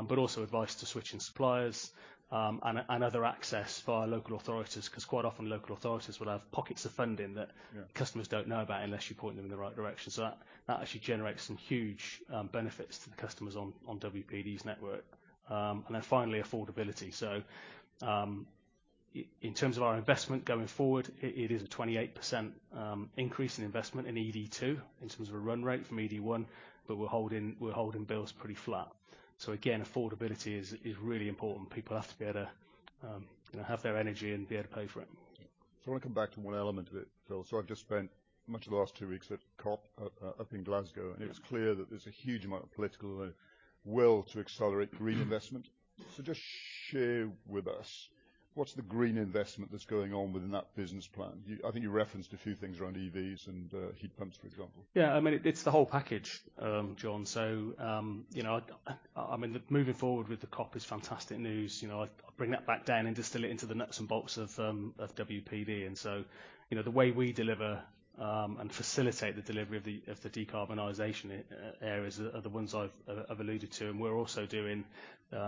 but also advice to switching suppliers, and other access via local authorities. 'Cause quite often local authorities will have pockets of funding that- Yeah. ...customers don't know about unless you point them in the right direction. That actually generates some huge benefits to the customers on WPD's network. And then finally, affordability. In terms of our investment going forward, it is a 28% increase in investment in ED2 in terms of a run rate from ED1, but we're holding bills pretty flat. Again, affordability is really important. People have to be able to, you know, have their energy and be able to pay for it. I wanna come back to one element of it, Phil. I've just spent much of the last two weeks at COP26 in Glasgow, and it's clear that there's a huge amount of political will to accelerate green investment. Just share with us, what's the green investment that's going on within that business plan? I think you referenced a few things around EVs and heat pumps, for example. Yeah. I mean, it's the whole package, John. You know, I mean, moving forward with the COP is fantastic news. You know, I bring that back down and distill it into the nuts and bolts of WPD. You know, the way we deliver and facilitate the delivery of the decarbonization areas are the ones I've alluded to. We're also doing, you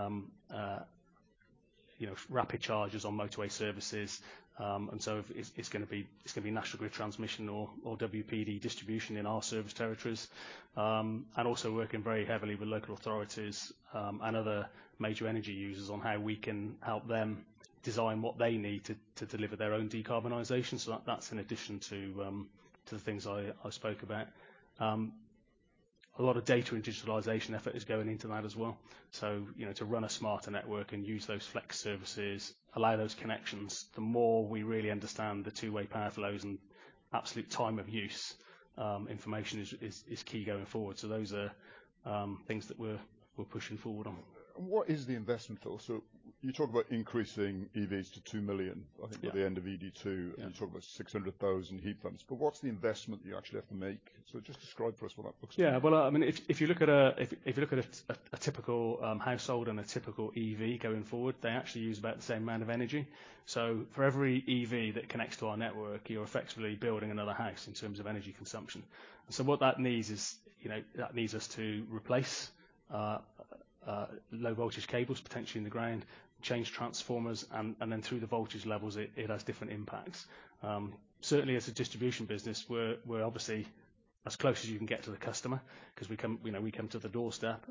know, rapid charges on motorway services. It's gonna be National Grid transmission or WPD distribution in our service territories. We're also working very heavily with local authorities and other major energy users on how we can help them design what they need to deliver their own decarbonization. That's an addition to the things I spoke about. A lot of data and digitalization effort is going into that as well. You know, to run a smarter network and use those flex services, allow those connections. The more we really understand the two-way power flows and absolute time of use, information is key going forward. Those are things that we're pushing forward on. What is the investment, Phil? You talk about increasing EVs to 2 million- Yeah. I think by the end of ED2- Yeah. ...talk about 600,000 heat pumps. What's the investment you actually have to make? Just describe for us what that looks like. Well, I mean, if you look at a typical household and a typical EV going forward, they actually use about the same amount of energy. For every EV that connects to our network, you're effectively building another house in terms of energy consumption. What that needs is, you know, that needs us to replace low voltage cables potentially in the ground, change transformers, and then through the voltage levels, it has different impacts. Certainly as a distribution business, we're obviously as close as you can get to the customer 'cause we come, you know, to the doorstep.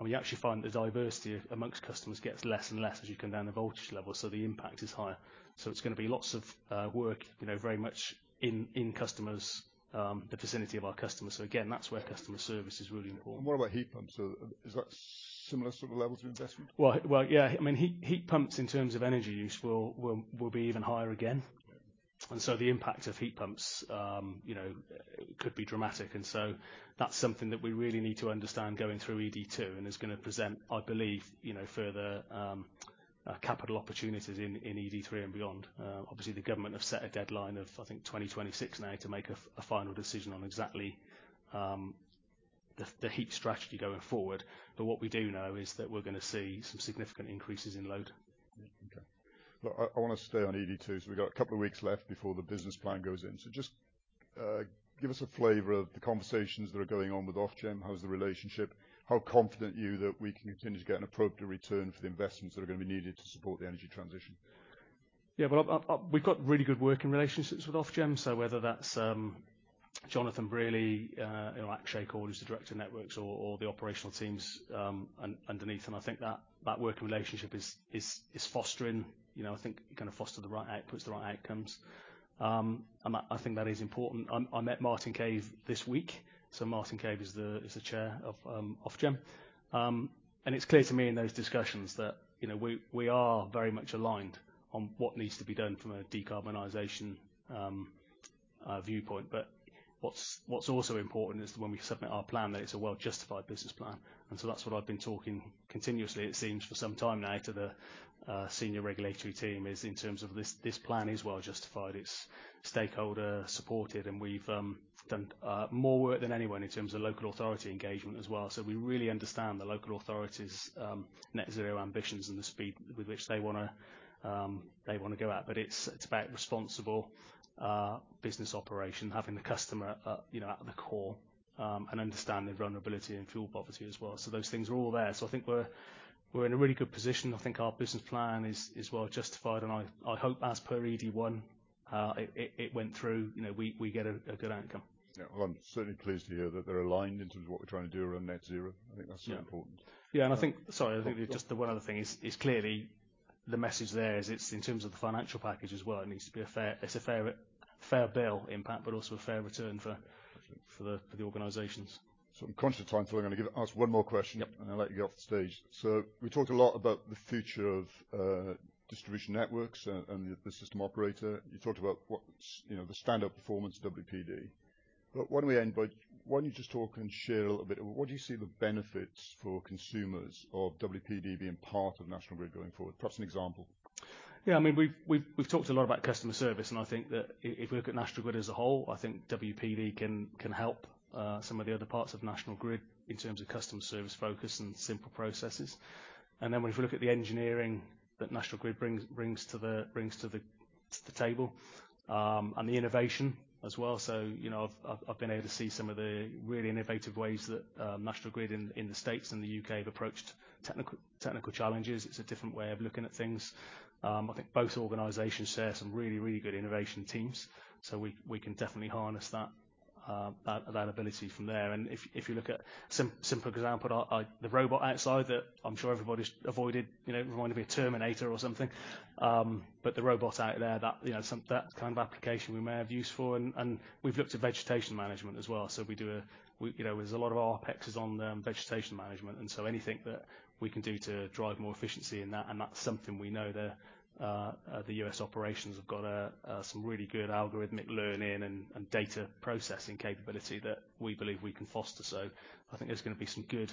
We actually find the diversity among customers gets less and less as you come down the voltage level, so the impact is higher. It's gonna be lots of work, you know, very much in the vicinity of our customers. Again, that's where customer service is really important. What about heat pumps? Is that similar sort of levels of investment? Well, yeah. I mean, heat pumps in terms of energy use will be even higher again. The impact of heat pumps, you know, could be dramatic. That's something that we really need to understand going through ED2 and is gonna present, I believe, you know, further capital opportunities in ED3 and beyond. Obviously the government have set a deadline of I think 2026 now to make a final decision on exactly the heat strategy going forward. What we do know is that we're gonna see some significant increases in load. Okay. Look, I wanna stay on ED2, so we've got a couple of weeks left before the business plan goes in. Just give us a flavor of the conversations that are going on with Ofgem. How's the relationship? How confident are you that we can continue to get an appropriate return for the investments that are gonna be needed to support the energy transition? Yeah, well, we've got really good working relationships with Ofgem. Whether that's Jonathan Brearley, you know, Akshay Kaul who's the Director of Networks or the operational teams underneath him. I think that working relationship is fostering, you know, I think gonna foster the right outputs, the right outcomes. I think that is important. I met Martin Cave this week. Martin Cave is the Chair of Ofgem. It's clear to me in those discussions that, you know, we are very much aligned on what needs to be done from a decarbonization viewpoint. What's also important is that when we submit our plan, that it's a well-justified business plan. That's what I've been talking continuously, it seems, for some time now to the senior regulatory team in terms of this plan. It is well justified. It's stakeholder-supported, and we've done more work than anyone in terms of local authority engagement as well. We really understand the local authorities' net zero ambitions and the speed with which they wanna go out. It's about responsible business operation, having the customer you know at the core and understanding vulnerability and fuel poverty as well. Those things are all there. I think we're in a really good position. I think our business plan is well justified. I hope as per ED1 it went through, you know, we get a good outcome. Yeah. Well, I'm certainly pleased to hear that they're aligned in terms of what we're trying to do around net zero. Yeah. I think that's important. Yeah. I think sorry, just the one other thing is clearly the message there is it's in terms of the financial package as well. It needs to be a fair bill impact, but also a fair return for the organizations. I'm conscious of time, so I'm gonna ask one more question. Yep. I'll let you get off the stage. We talked a lot about the future of distribution networks and the system operator. You talked about what's the standard performance of WPD. Why don't you just talk and share a little bit, what do you see the benefits for consumers of WPD being part of National Grid going forward? Perhaps an example. Yeah, I mean, we've talked a lot about customer service, and I think that if we look at National Grid as a whole, I think WPD can help some of the other parts of National Grid in terms of customer service focus and simple processes. Then when we look at the engineering that National Grid brings to the table and the innovation as well. You know, I've been able to see some of the really innovative ways that National Grid in the States and the U.K. have approached technical challenges. It's a different way of looking at things. I think both organizations share some really good innovation teams. We can definitely harness that availability from there. If you look at simple example, like the robot outside that I'm sure everybody's avoided, you know, everyone wanting to be a terminator or something. But the robot out there that, you know, that kind of application we may have use for. We've looked at vegetation management as well. We, you know, there's a lot of our focus is on vegetation management, and so anything that we can do to drive more efficiency in that, and that's something we know the U.S. operations have got some really good algorithmic learning and data processing capability that we believe we can foster. I think there's gonna be some good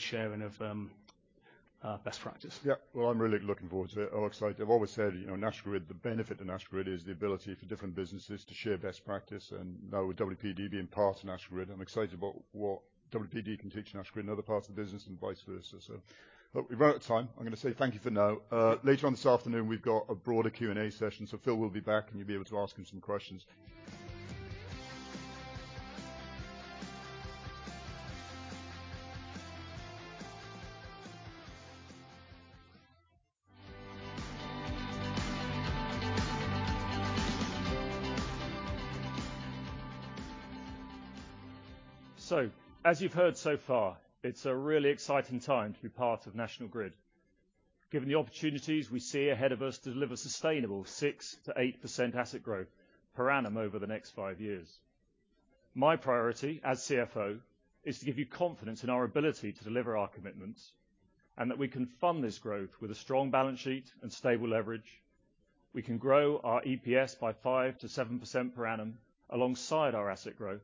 sharing of best practice. Yeah. Well, I'm really looking forward to it. I'm excited. I've always said, you know, National Grid, the benefit of National Grid is the ability for different businesses to share best practice. Now with WPD being part of National Grid, I'm excited about what WPD can teach National Grid in other parts of the business and vice versa. Look, we've run out of time. I'm gonna say thank you for now. Later on this afternoon, we've got a broader Q&A session. Phil will be back, and you'll be able to ask him some questions. As you've heard so far, it's a really exciting time to be part of National Grid, given the opportunities we see ahead of us to deliver sustainable 6%-8% asset growth per annum over the next five years. My priority as CFO is to give you confidence in our ability to deliver our commitments, and that we can fund this growth with a strong balance sheet and stable leverage. We can grow our EPS by 5%-7% per annum alongside our asset growth,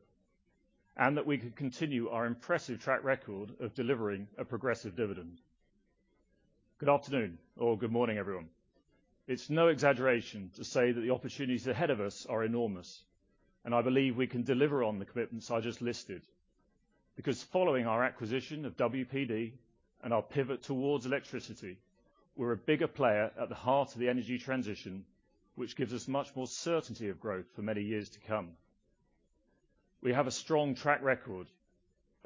and that we can continue our impressive track record of delivering a progressive dividend. Good afternoon or good morning, everyone. It's no exaggeration to say that the opportunities ahead of us are enormous, and I believe we can deliver on the commitments I just listed. Because following our acquisition of WPD and our pivot towards electricity, we're a bigger player at the heart of the energy transition, which gives us much more certainty of growth for many years to come. We have a strong track record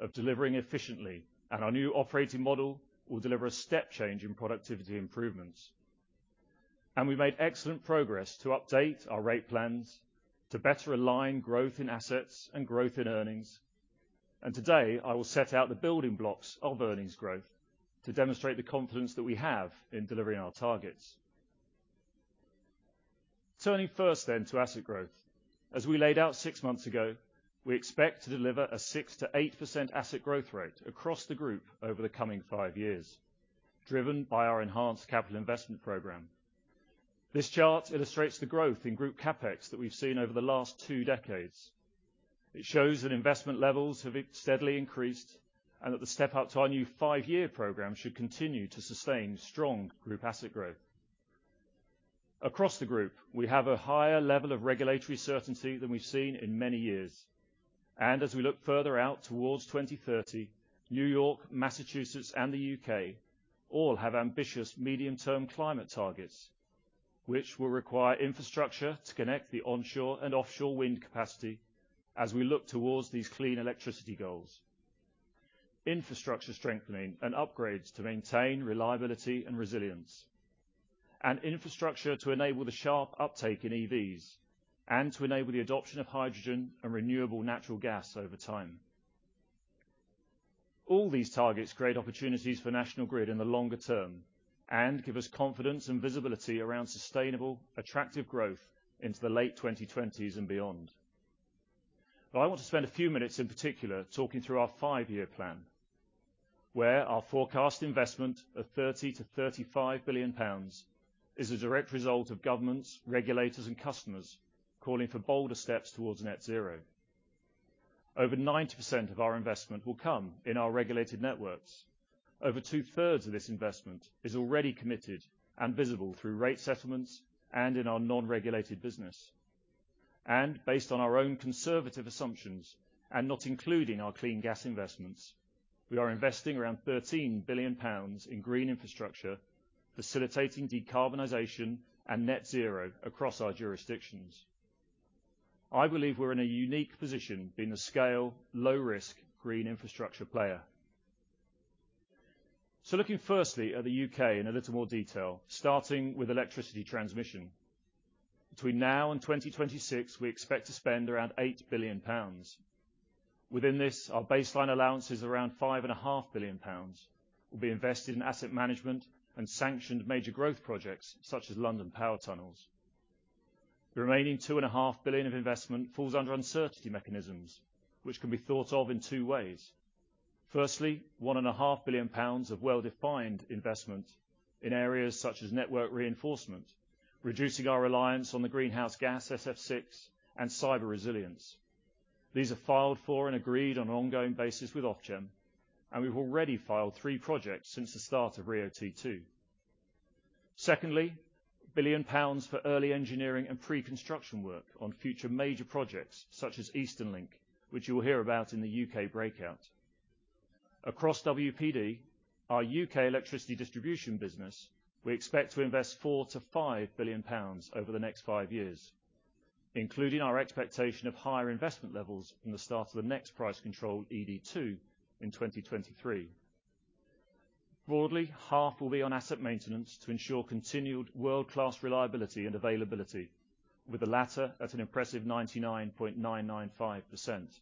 of delivering efficiently, and our new operating model will deliver a step change in productivity improvements. We've made excellent progress to update our rate plans to better align growth in assets and growth in earnings. Today, I will set out the building blocks of earnings growth to demonstrate the confidence that we have in delivering our targets. Turning first to asset growth. As we laid out six months ago, we expect to deliver a 6%-8% asset growth rate across the group over the coming five years, driven by our enhanced capital investment program. This chart illustrates the growth in group CapEx that we've seen over the last two decades. It shows that investment levels have steadily increased and that the step up to our new five-year program should continue to sustain strong group asset growth. Across the group, we have a higher level of regulatory certainty than we've seen in many years. As we look further out towards 2030, New York, Massachusetts, and the U.K. all have ambitious medium-term climate targets, which will require infrastructure to connect the onshore and offshore wind capacity as we look towards these clean electricity goals, infrastructure strengthening and upgrades to maintain reliability and resilience, and infrastructure to enable the sharp uptake in EVs and to enable the adoption of hydrogen and renewable natural gas over time. All these targets create opportunities for National Grid in the longer term and give us confidence and visibility around sustainable, attractive growth into the late 2020s and beyond. I want to spend a few minutes in particular talking through our five-year plan, where our forecast investment of 30 billion-35 billion pounds is a direct result of governments, regulators, and customers calling for bolder steps towards net zero. Over 90% of our investment will come in our regulated networks. Over 2/3 of this investment is already committed and visible through rate settlements and in our non-regulated business. Based on our own conservative assumptions, and not including our clean gas investments, we are investing around 13 billion pounds in green infrastructure, facilitating decarbonization and net zero across our jurisdictions. I believe we're in a unique position being a scale, low risk, green infrastructure player. Looking firstly at the U.K. in a little more detail, starting with electricity transmission. Between now and 2026, we expect to spend around 8 billion pounds. Within this, our baseline allowance is around 5.5 billion pounds will be invested in asset management and sanctioned major growth projects, such as London Power Tunnels. The remaining 2.5 billion of investment falls under uncertainty mechanisms, which can be thought of in two ways. Firstly, 1.5 billion pounds of well-defined investment in areas such as network reinforcement, reducing our reliance on the greenhouse gas SF6, and cyber resilience. These are filed for and agreed on an ongoing basis with Ofgem, and we've already filed three projects since the start of RIIO-T2. Secondly, 1 billion pounds for early engineering and pre-construction work on future major projects such as Eastern Link, which you will hear about in the U.K. breakout. Across WPD, our U.K. electricity distribution business, we expect to invest 4 billion-5 billion pounds over the next five years, including our expectation of higher investment levels in the start of the next price control, ED2, in 2023. Broadly, half will be on asset maintenance to ensure continued world-class reliability and availability, with the latter at an impressive 99.995%.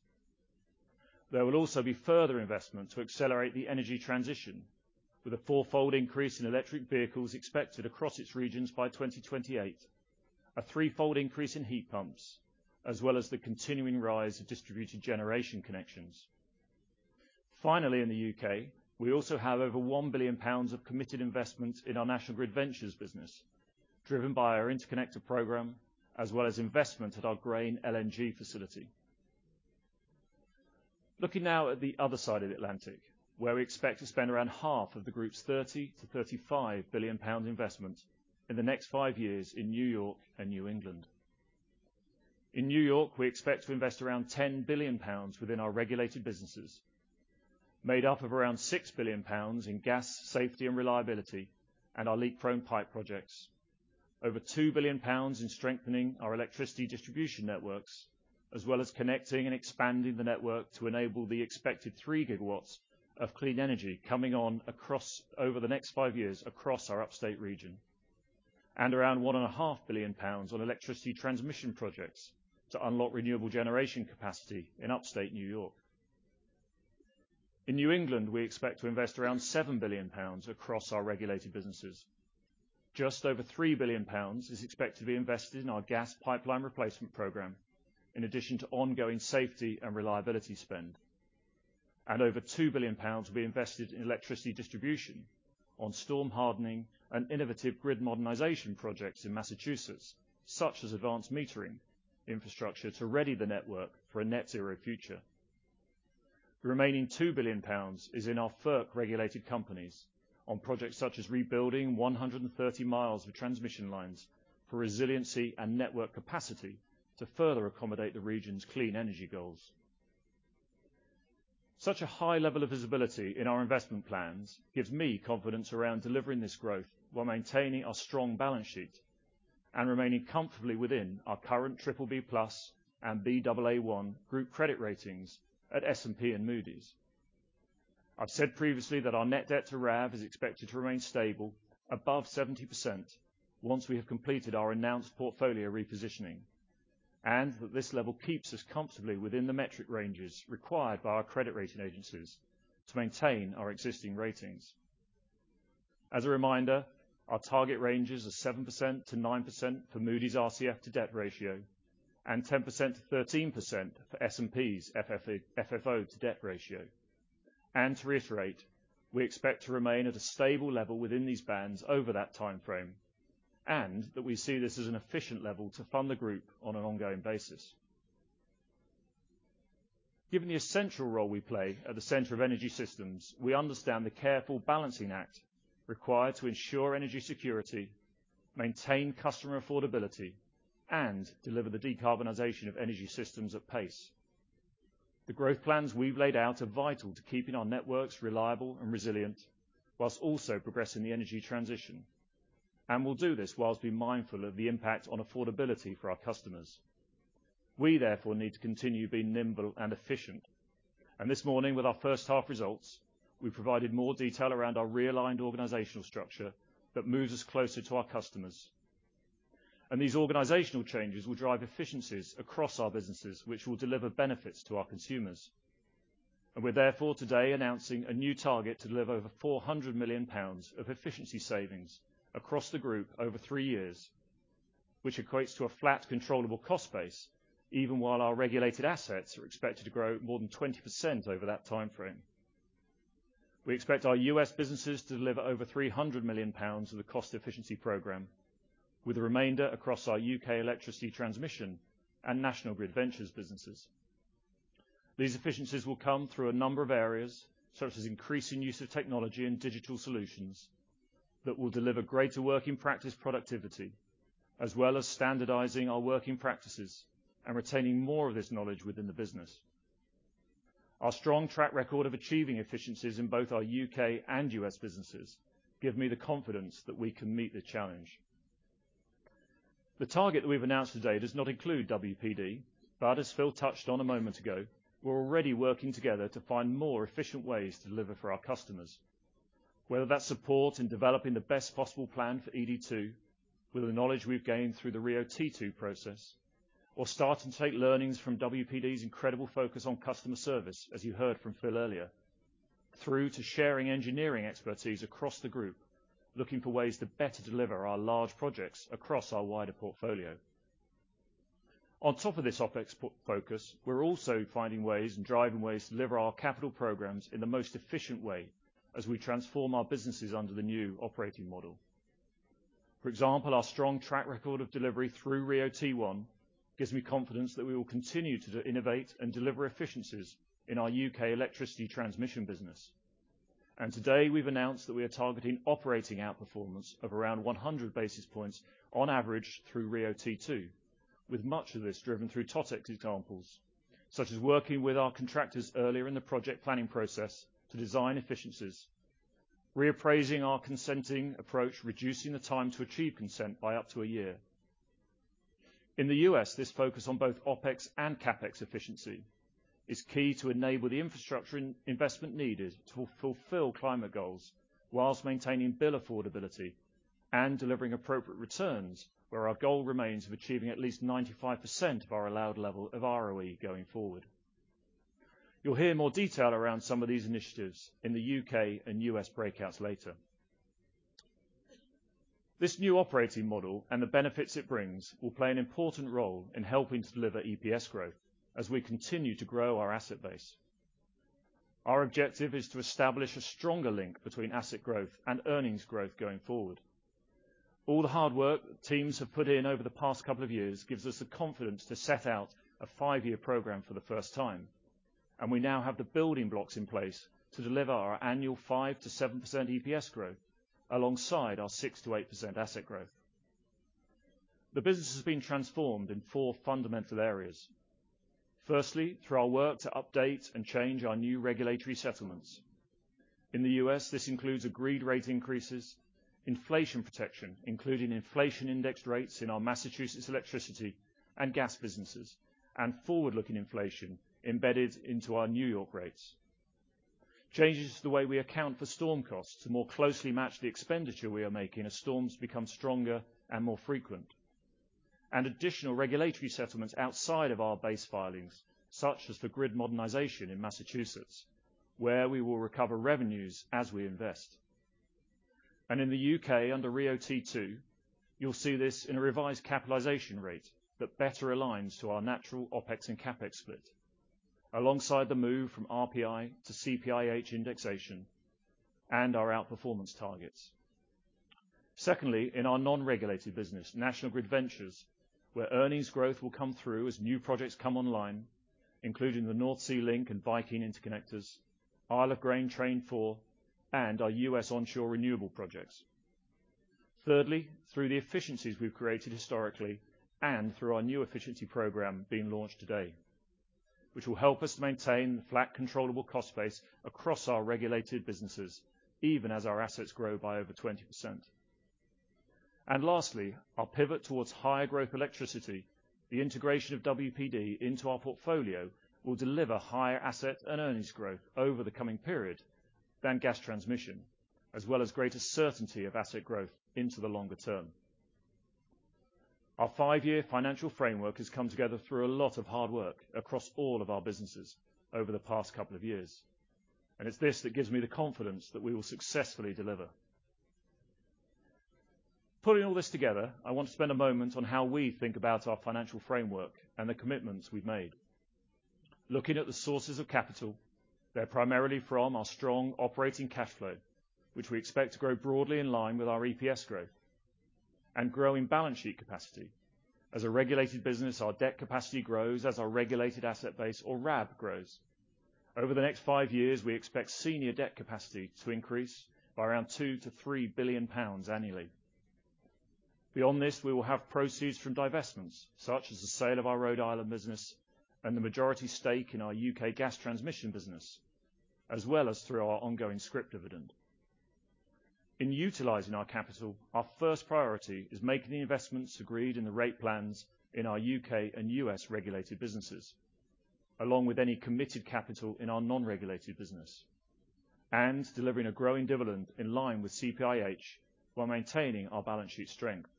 There will also be further investment to accelerate the energy transition with a four-fold increase in electric vehicles expected across its regions by 2028, a three-fold increase in heat pumps, as well as the continuing rise of distributed generation connections. Finally, in the U.K., we also have over 1 billion pounds of committed investment in our National Grid Ventures business, driven by our interconnector program as well as investment at our Grain LNG facility. Looking now at the other side of the Atlantic, where we expect to spend around half of the Group's 30 billion-35 billion pound investment in the next five years in New York and New England. In New York, we expect to invest around 10 billion pounds within our regulated businesses, made up of around 6 billion pounds in gas safety and reliability, and our leak-prone pipe projects. Over 2 billion pounds in strengthening our electricity distribution networks, as well as connecting and expanding the network to enable the expected 3 GW of clean energy coming online over the next five years across our Upstate region. Around 1.5 billion pounds on electricity transmission projects to unlock renewable generation capacity in Upstate New York. In New England, we expect to invest around 7 billion pounds across our regulated businesses. Just over 3 billion pounds is expected to be invested in our gas pipeline replacement program, in addition to ongoing safety and reliability spend. Over 2 billion pounds will be invested in electricity distribution on storm hardening and innovative grid modernization projects in Massachusetts, such as advanced metering infrastructure to ready the network for a net zero future. The remaining 2 billion pounds is in our FERC-regulated companies on projects such as rebuilding 130 mi of transmission lines for resiliency and network capacity to further accommodate the region's clean energy goals. Such a high level of visibility in our investment plans gives me confidence around delivering this growth while maintaining our strong balance sheet and remaining comfortably within our current triple BBB+ and B double A one group credit ratings at S&P and Moody's. I've said previously that our net debt to RAV is expected to remain stable above 70% once we have completed our announced portfolio repositioning, and that this level keeps us comfortably within the metric ranges required by our credit rating agencies to maintain our existing ratings. As a reminder, our target ranges are 7%-9% for Moody's RCF to debt ratio and 10%-13% for S&P's FFO to debt ratio. To reiterate, we expect to remain at a stable level within these bands over that timeframe, and that we see this as an efficient level to fund the group on an ongoing basis. Given the essential role we play at the center of energy systems, we understand the careful balancing act required to ensure energy security, maintain customer affordability, and deliver the decarbonization of energy systems at pace. The growth plans we've laid out are vital to keeping our networks reliable and resilient while also progressing the energy transition. We'll do this while being mindful of the impact on affordability for our customers. We therefore need to continue being nimble and efficient. This morning, with our first half results, we provided more detail around our realigned organizational structure that moves us closer to our customers. These organizational changes will drive efficiencies across our businesses, which will deliver benefits to our consumers. We're therefore today announcing a new target to deliver over 400 million pounds of efficiency savings across the group over three years, which equates to a flat, controllable cost base, even while our regulated assets are expected to grow more than 20% over that timeframe. We expect our U.S. businesses to deliver over 300 million pounds of the cost efficiency program, with the remainder across our U.K. electricity transmission and National Grid Ventures businesses. These efficiencies will come through a number of areas, such as increasing use of technology and digital solutions that will deliver greater working practice productivity, as well as standardizing our working practices and retaining more of this knowledge within the business. Our strong track record of achieving efficiencies in both our U.K. and U.S. businesses give me the confidence that we can meet the challenge. The target that we've announced today does not include WPD, but as Phil touched on a moment ago, we're already working together to find more efficient ways to deliver for our customers. Whether that's support in developing the best possible plan for ED2, with the knowledge we've gained through the RIIO-T2 process, or start and take learnings from WPD's incredible focus on customer service, as you heard from Phil earlier, through to sharing engineering expertise across the group, looking for ways to better deliver our large projects across our wider portfolio. On top of this OpEx focus, we're also finding ways and driving ways to deliver our capital programs in the most efficient way as we transform our businesses under the new operating model. For example, our strong track record of delivery through RIIO-T1 gives me confidence that we will continue to innovate and deliver efficiencies in our U.K. electricity transmission business. Today, we've announced that we are targeting operating outperformance of around 100 basis points on average through RIIO-T2, with much of this driven through TotEx examples, such as working with our contractors earlier in the project planning process to design efficiencies, reappraising our consenting approach, reducing the time to achieve consent by up to a year. In the U.S., this focus on both OpEx and CapEx efficiency is key to enable the infrastructure investment needed to fulfill climate goals while maintaining bill affordability and delivering appropriate returns, where our goal remains of achieving at least 95% of our allowed level of ROE going forward. You'll hear more detail around some of these initiatives in the U.K. and U.S. Breakouts later. This new operating model and the benefits it brings will play an important role in helping to deliver EPS growth as we continue to grow our asset base. Our objective is to establish a stronger link between asset growth and earnings growth going forward. All the hard work teams have put in over the past couple of years gives us the confidence to set out a five-year program for the first time, and we now have the building blocks in place to deliver our annual 5%-7% EPS growth alongside our 6%-8% asset growth. The business has been transformed in four fundamental areas. Firstly, through our work to update and change our new regulatory settlements. In the U.S., this includes agreed rate increases, inflation protection, including inflation index rates in our Massachusetts electricity and gas businesses, and forward-looking inflation embedded into our New York rates. Changes to the way we account for storm costs to more closely match the expenditure we are making as storms become stronger and more frequent. Additional regulatory settlements outside of our base filings, such as the grid modernization in Massachusetts, where we will recover revenues as we invest. In the U.K., under RIIO-T2, you'll see this in a revised capitalization rate that better aligns to our natural OpEx and CapEx split, alongside the move from RPI to CPIH indexation and our outperformance targets. Secondly, in our non-regulated business, National Grid Ventures, where earnings growth will come through as new projects come online, including the North Sea Link and Viking Link, Isle of Grain Tank IV, and our U.S. onshore renewable projects. Thirdly, through the efficiencies we've created historically and through our new efficiency program being launched today, which will help us maintain flat, controllable cost base across our regulated businesses, even as our assets grow by over 20%. Lastly, our pivot towards higher growth electricity. The integration of WPD into our portfolio will deliver higher asset and earnings growth over the coming period than gas transmission, as well as greater certainty of asset growth into the longer term. Our five-year financial framework has come together through a lot of hard work across all of our businesses over the past couple of years, and it's this that gives me the confidence that we will successfully deliver. Putting all this together, I want to spend a moment on how we think about our financial framework and the commitments we've made. Looking at the sources of capital, they're primarily from our strong operating cash flow, which we expect to grow broadly in line with our EPS growth and growing balance sheet capacity. As a regulated business, our debt capacity grows as our regulated asset base, or RAB, grows. Over the next five years, we expect senior debt capacity to increase by around 2 billion-3 billion pounds annually. Beyond this, we will have proceeds from divestments, such as the sale of our Rhode Island business and the majority stake in our U.K. gas transmission business, as well as through our ongoing scrip dividend. In utilizing our capital, our first priority is making the investments agreed in the rate plans in our U.K. and U.S. regulated businesses. Along with any committed capital in our non-regulated business, and delivering a growing dividend in line with CPIH while maintaining our balance sheet strength.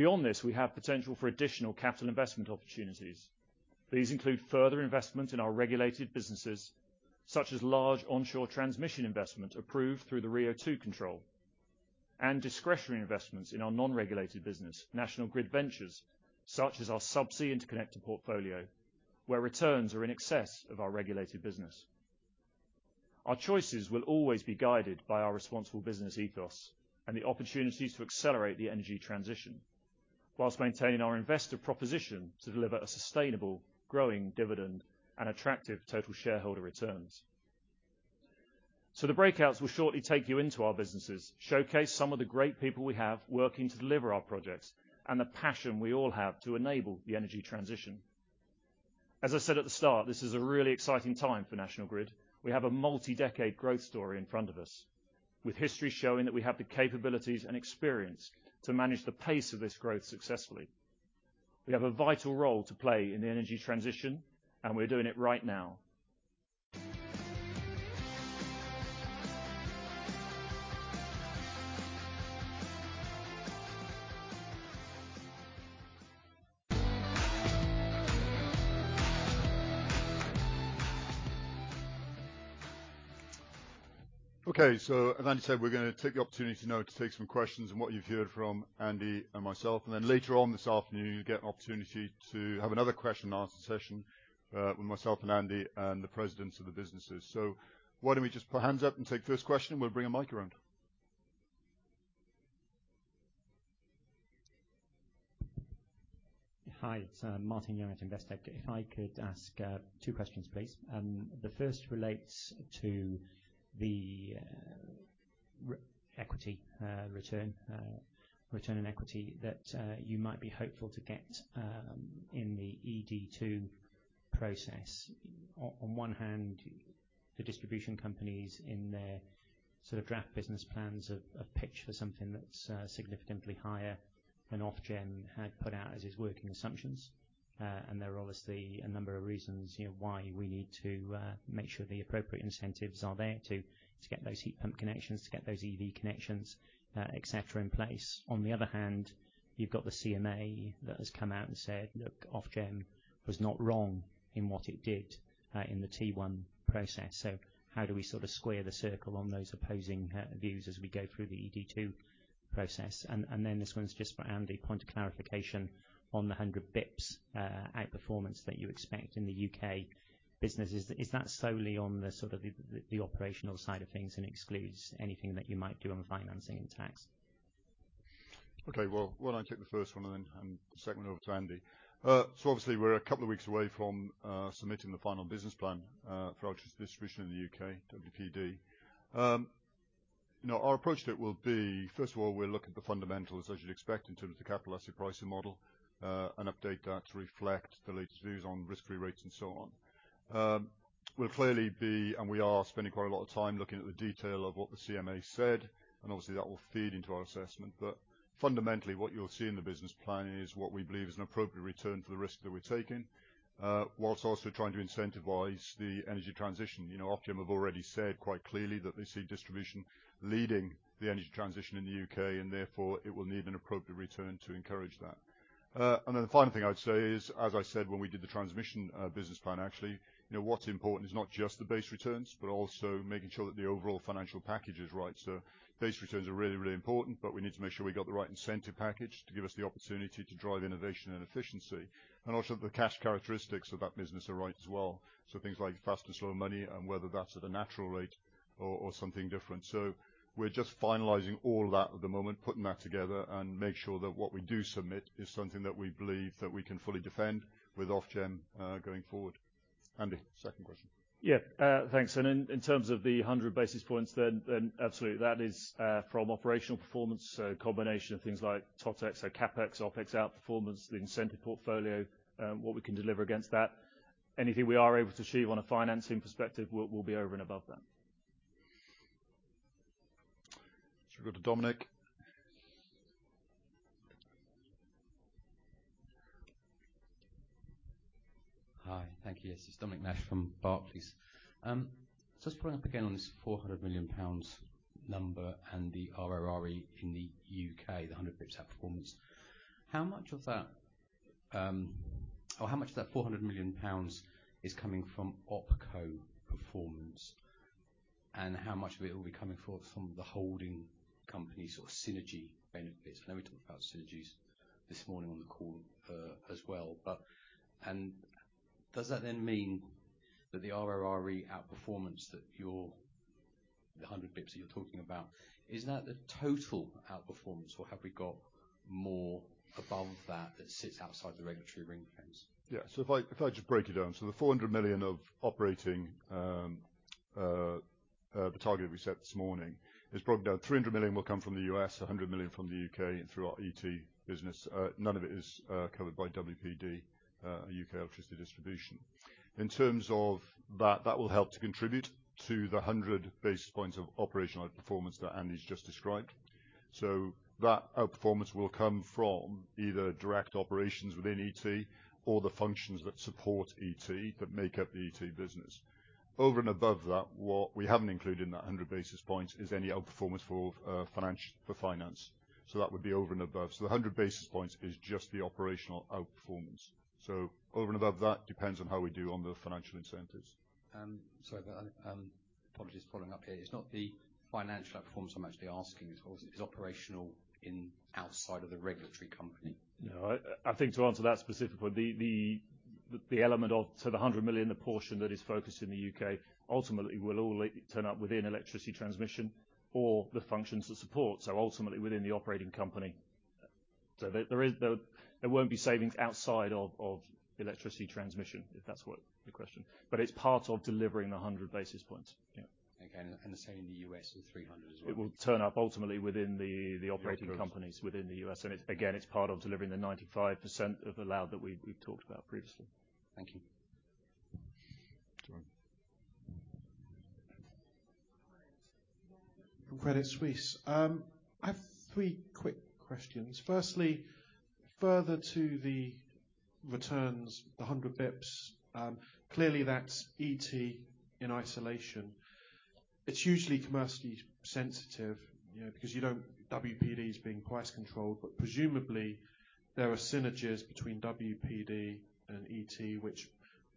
Beyond this, we have potential for additional capital investment opportunities. These include further investment in our regulated businesses, such as large onshore transmission investment approved through the RIIO-2 control, and discretionary investments in our non-regulated business, National Grid Ventures, such as our subsea interconnector portfolio, where returns are in excess of our regulated business. Our choices will always be guided by our responsible business ethos and the opportunities to accelerate the energy transition whilst maintaining our investor proposition to deliver a sustainable growing dividend and attractive total shareholder returns. The breakouts will shortly take you into our businesses, showcase some of the great people we have working to deliver our projects, and the passion we all have to enable the energy transition. As I said at the start, this is a really exciting time for National Grid. We have a multi-decade growth story in front of us, with history showing that we have the capabilities and experience to manage the pace of this growth successfully. We have a vital role to play in the energy transition, and we're doing it right now. Okay, as Andy said, we're gonna take the opportunity now to take some questions on what you've heard from Andy and myself, and then later on this afternoon, you'll get an opportunity to have another question-and-answer session, with myself and Andy and the presidents of the businesses. Why don't we just put hands up and take the first question? We'll bring a mic around. Hi, it's Martin Young at Investec. If I could ask two questions, please. The first relates to the return on equity that you might be hopeful to get in the ED2 process. On one hand, the distribution companies in their sort of draft business plans have pitched for something that's significantly higher than Ofgem had put out as its working assumptions. There are obviously a number of reasons, you know, why we need to make sure the appropriate incentives are there to get those heat pump connections, to get those EV connections, etc, in place. On the other hand, you've got the CMA that has come out and said, "Look, Ofgem was not wrong in what it did in the T1 process." How do we sort of square the circle on those opposing views as we go through the ED2 process? This one's just for Andy. Point of clarification on the 100 basis points outperformance that you expect in the U.K. business. Is that solely on the sort of operational side of things and excludes anything that you might do on financing and tax? Okay. Well, why don't I take the first one and then hand the second one over to Andy. Obviously we're a couple of weeks away from submitting the final business plan for our distribution in the U.K., WPD. You know, our approach to it will be, first of all, we'll look at the fundamentals, as you'd expect, in terms of Capital Asset Pricing Model and update that to reflect the latest views on risk-free rates and so on. We'll clearly be, and we are, spending quite a lot of time looking at the detail of what the CMA said, and obviously, that will feed into our assessment. Fundamentally, what you'll see in the business plan is what we believe is an appropriate return for the risk that we're taking whilst also trying to incentivize the energy transition. You know, Ofgem have already said quite clearly that they see distribution leading the energy transition in the U.K., and therefore it will need an appropriate return to encourage that. The final thing I would say is, as I said when we did the transmission business plan, actually, you know what's important is not just the base returns, but also making sure that the overall financial package is right. Base returns are really, really important, but we need to make sure we got the right incentive package to give us the opportunity to drive innovation and efficiency. Also the cash characteristics of that business are right as well. Things like fast and slow money, and whether that's at a natural rate or something different. We're just finalizing all that at the moment, putting that together and make sure that what we do submit is something that we believe that we can fully defend with Ofgem, going forward. Andy, second question. Thanks. In terms of the 100 basis points, then absolutely that is from operational performance, so a combination of things like TotEx or CapEx, OpEx outperformance, the incentive portfolio, what we can deliver against that. Anything we are able to achieve on a financing perspective will be over and above that. Should we go to Dominic? Hi. Thank you. This is Dominic Nash from Barclays. Just following up again on this 400 million pounds number and the RORE in the U.K., the 100 basis points outperformance. How much of that, or how much of that 400 million pounds is coming from OpCo performance? How much of it will be coming from the holding company sort of synergy benefits? I know we talked about synergies this morning on the call, as well. Does that then mean that the RORE outperformance that you're the 100 basis points that you're talking about, is that the total outperformance, or have we got more above that that sits outside the regulatory ring-fence? Yeah. If I just break it down. The 400 million of operating, the target we set this morning. It's broken down, 300 million will come from the U.S., 100 million from the U.K. through our ET business. None of it is covered by WPD, U.K. Electricity Distribution. In terms of that will help to contribute to the 100 basis points of operational outperformance that Andy's just described. That outperformance will come from either direct operations within ET or the functions that support ET that make up the ET business. Over and above that, what we haven't included in that 100 basis points is any outperformance for finance that would be over and above. The 100 basis points is just the operational outperformance over and above that depends on how we do on the financial incentives. Sorry, but apologies for following up here. It's not the financial outperformance I'm actually asking. It's operational outperformance outside of the regulatory compact. No. I think to answer that specifically, the element of the 100 million portion that is focused in the U.K. ultimately will all turn up within electricity transmission or the functions to support, so ultimately within the operating company. There is though there won't be savings outside of electricity transmission, if that's what the question. It's part of delivering the 100 basis points. Yeah. Okay. The same in the U.S. with 300 as well. It will turn up ultimately within the operating companies within the U.S. It, again, it's part of delivering the 95% of allowed that we talked about previously. Thank you. All right. From Credit Suisse. I have three quick questions. Firstly, further to the returns, the 100 basis points, clearly that's ET in isolation. It's usually commercially sensitive, you know, because you don't want WPD being quite controlled. Presumably there are synergies between WPD and ET which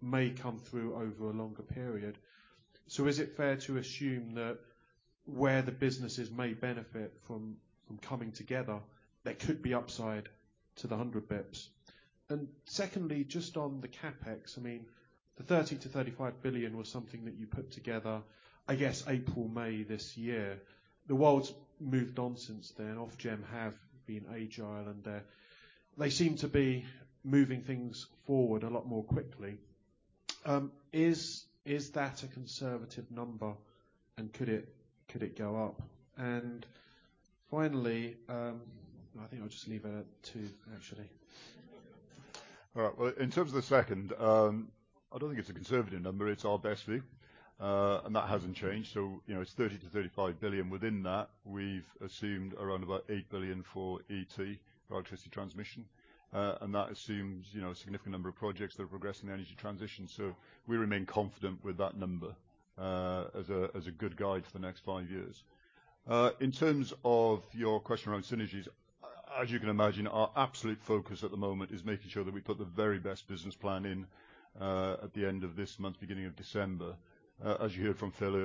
may come through over a longer period. Is it fair to assume that where the businesses may benefit from coming together, there could be upside to the 100 basis points? Secondly, just on the CapEx, I mean the 30 billion-35 billion was something that you put together, I guess April, May this year. The world's moved on since then. Ofgem have been agile, and they're, they seem to be moving things forward a lot more quickly. Is that a conservative number, and could it go up? Finally, I think I'll just leave it at two, actually. All right. Well, in terms of the second, I don't think it's a conservative number. It's our best view. And that hasn't changed. So, you know, it's 30 billion-35 billion. Within that, we've assumed around about 8 billion for ET, for electricity transmission. And that assumes, you know, a significant number of projects that are progressing the energy transition. So we remain confident with that number, as a good guide for the next five years. In terms of your question around synergies, as you can imagine, our absolute focus at the moment is making sure that we put the very best business plan in, at the end of this month, beginning of December. As you heard from Phil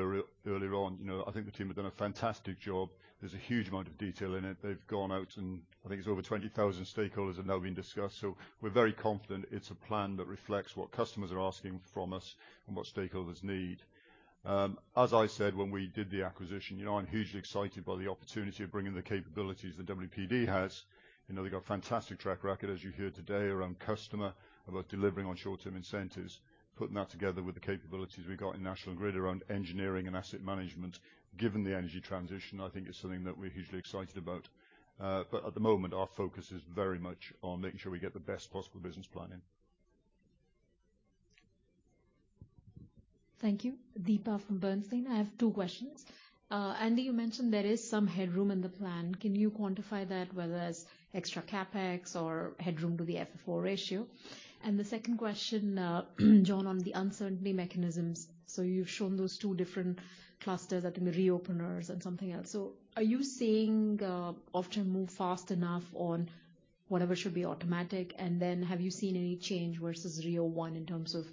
earlier on, you know, I think the team have done a fantastic job. There's a huge amount of detail in it. They've gone out, and I think it's over 20,000 stakeholders have now been discussed. We're very confident it's a plan that reflects what customers are asking from us and what stakeholders need. As I said when we did the acquisition, you know, I'm hugely excited by the opportunity of bringing the capabilities that WPD has. You know, they've got a fantastic track record, as you heard today, around customer, about delivering on short-term incentives. Putting that together with the capabilities we've got in National Grid around engineering and asset management, given the energy transition, I think is something that we're hugely excited about. At the moment, our focus is very much on making sure we get the best possible business plan in. Thank you. Deepa from Bernstein. I have two questions. Andy, you mentioned there is some headroom in the plan. Can you quantify that, whether it's extra CapEx or headroom to the FFO ratio? The second question, John, on the uncertainty mechanisms. You've shown those two different clusters that in the reopeners and something else. Are you seeing Ofgem move fast enough on whatever should be automatic? Have you seen any change versus RIIO-1 in terms of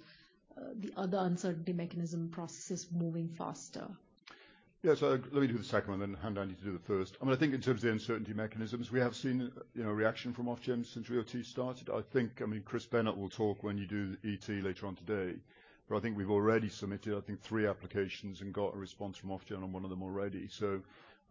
the other uncertainty mechanism processes moving faster? Yeah. Let me do the second one, then hand Andy to do the first. I mean, I think in terms of the uncertainty mechanisms, we have seen, you know, reaction from Ofgem since RIIO-2 started. I think, I mean, Chris Bennett will talk when you do ET later on today, but I think we've already submitted, I think three applications and got a response from Ofgem on one of them already. You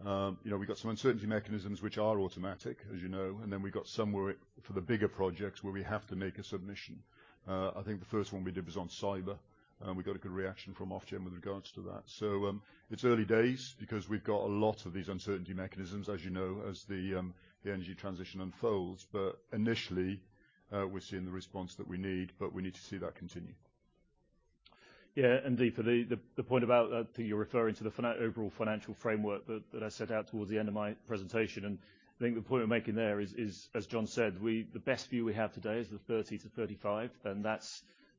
know, we've got some uncertainty mechanisms which are automatic, as you know, and then we've got some where, for the bigger projects, where we have to make a submission. I think the first one we did was on cyber, and we got a good reaction from Ofgem with regards to that. It's early days because we've got a lot of these uncertainty mechanisms, as you know, as the energy transition unfolds. Initially, we're seeing the response that we need, but we need to see that continue. Yeah. Deepa, the point you're referring to the overall financial framework that I set out towards the end of my presentation. I think the point we're making there is, as John said, the best view we have today is the 30-35, and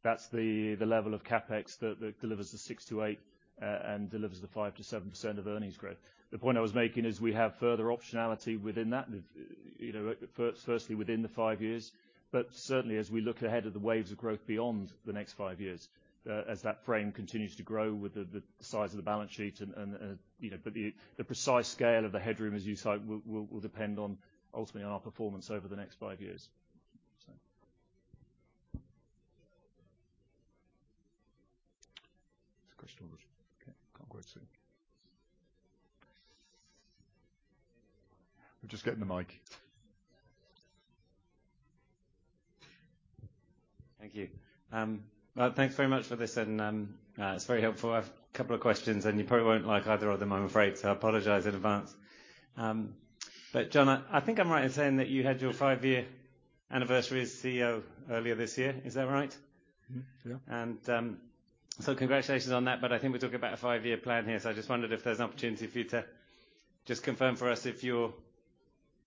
that's the level of CapEx that delivers the 6%-8%, and delivers the 5%-7% earnings growth. The point I was making is we have further optionality within that, you know, firstly within the five years, but certainly as we look ahead of the waves of growth beyond the next five years, as that frame continues to grow with the size of the balance sheet and, you know. The precise scale of the headroom as you cite will depend ultimately on our performance over the next five years. There's a question over- Okay. Can't quite see. We're just getting the mic. Thank you. Well, thanks very much for this, and it's very helpful. I have a couple of questions, and you probably won't like either of them I'm afraid, so I apologize in advance. John, I think I'm right in saying that you had your five-year anniversary as CEO earlier this year. Is that right? Mm-hmm. Yeah. Congratulations on that, but I think we talk about a five-year plan here, so I just wondered if there's an opportunity for you to just confirm for us if you're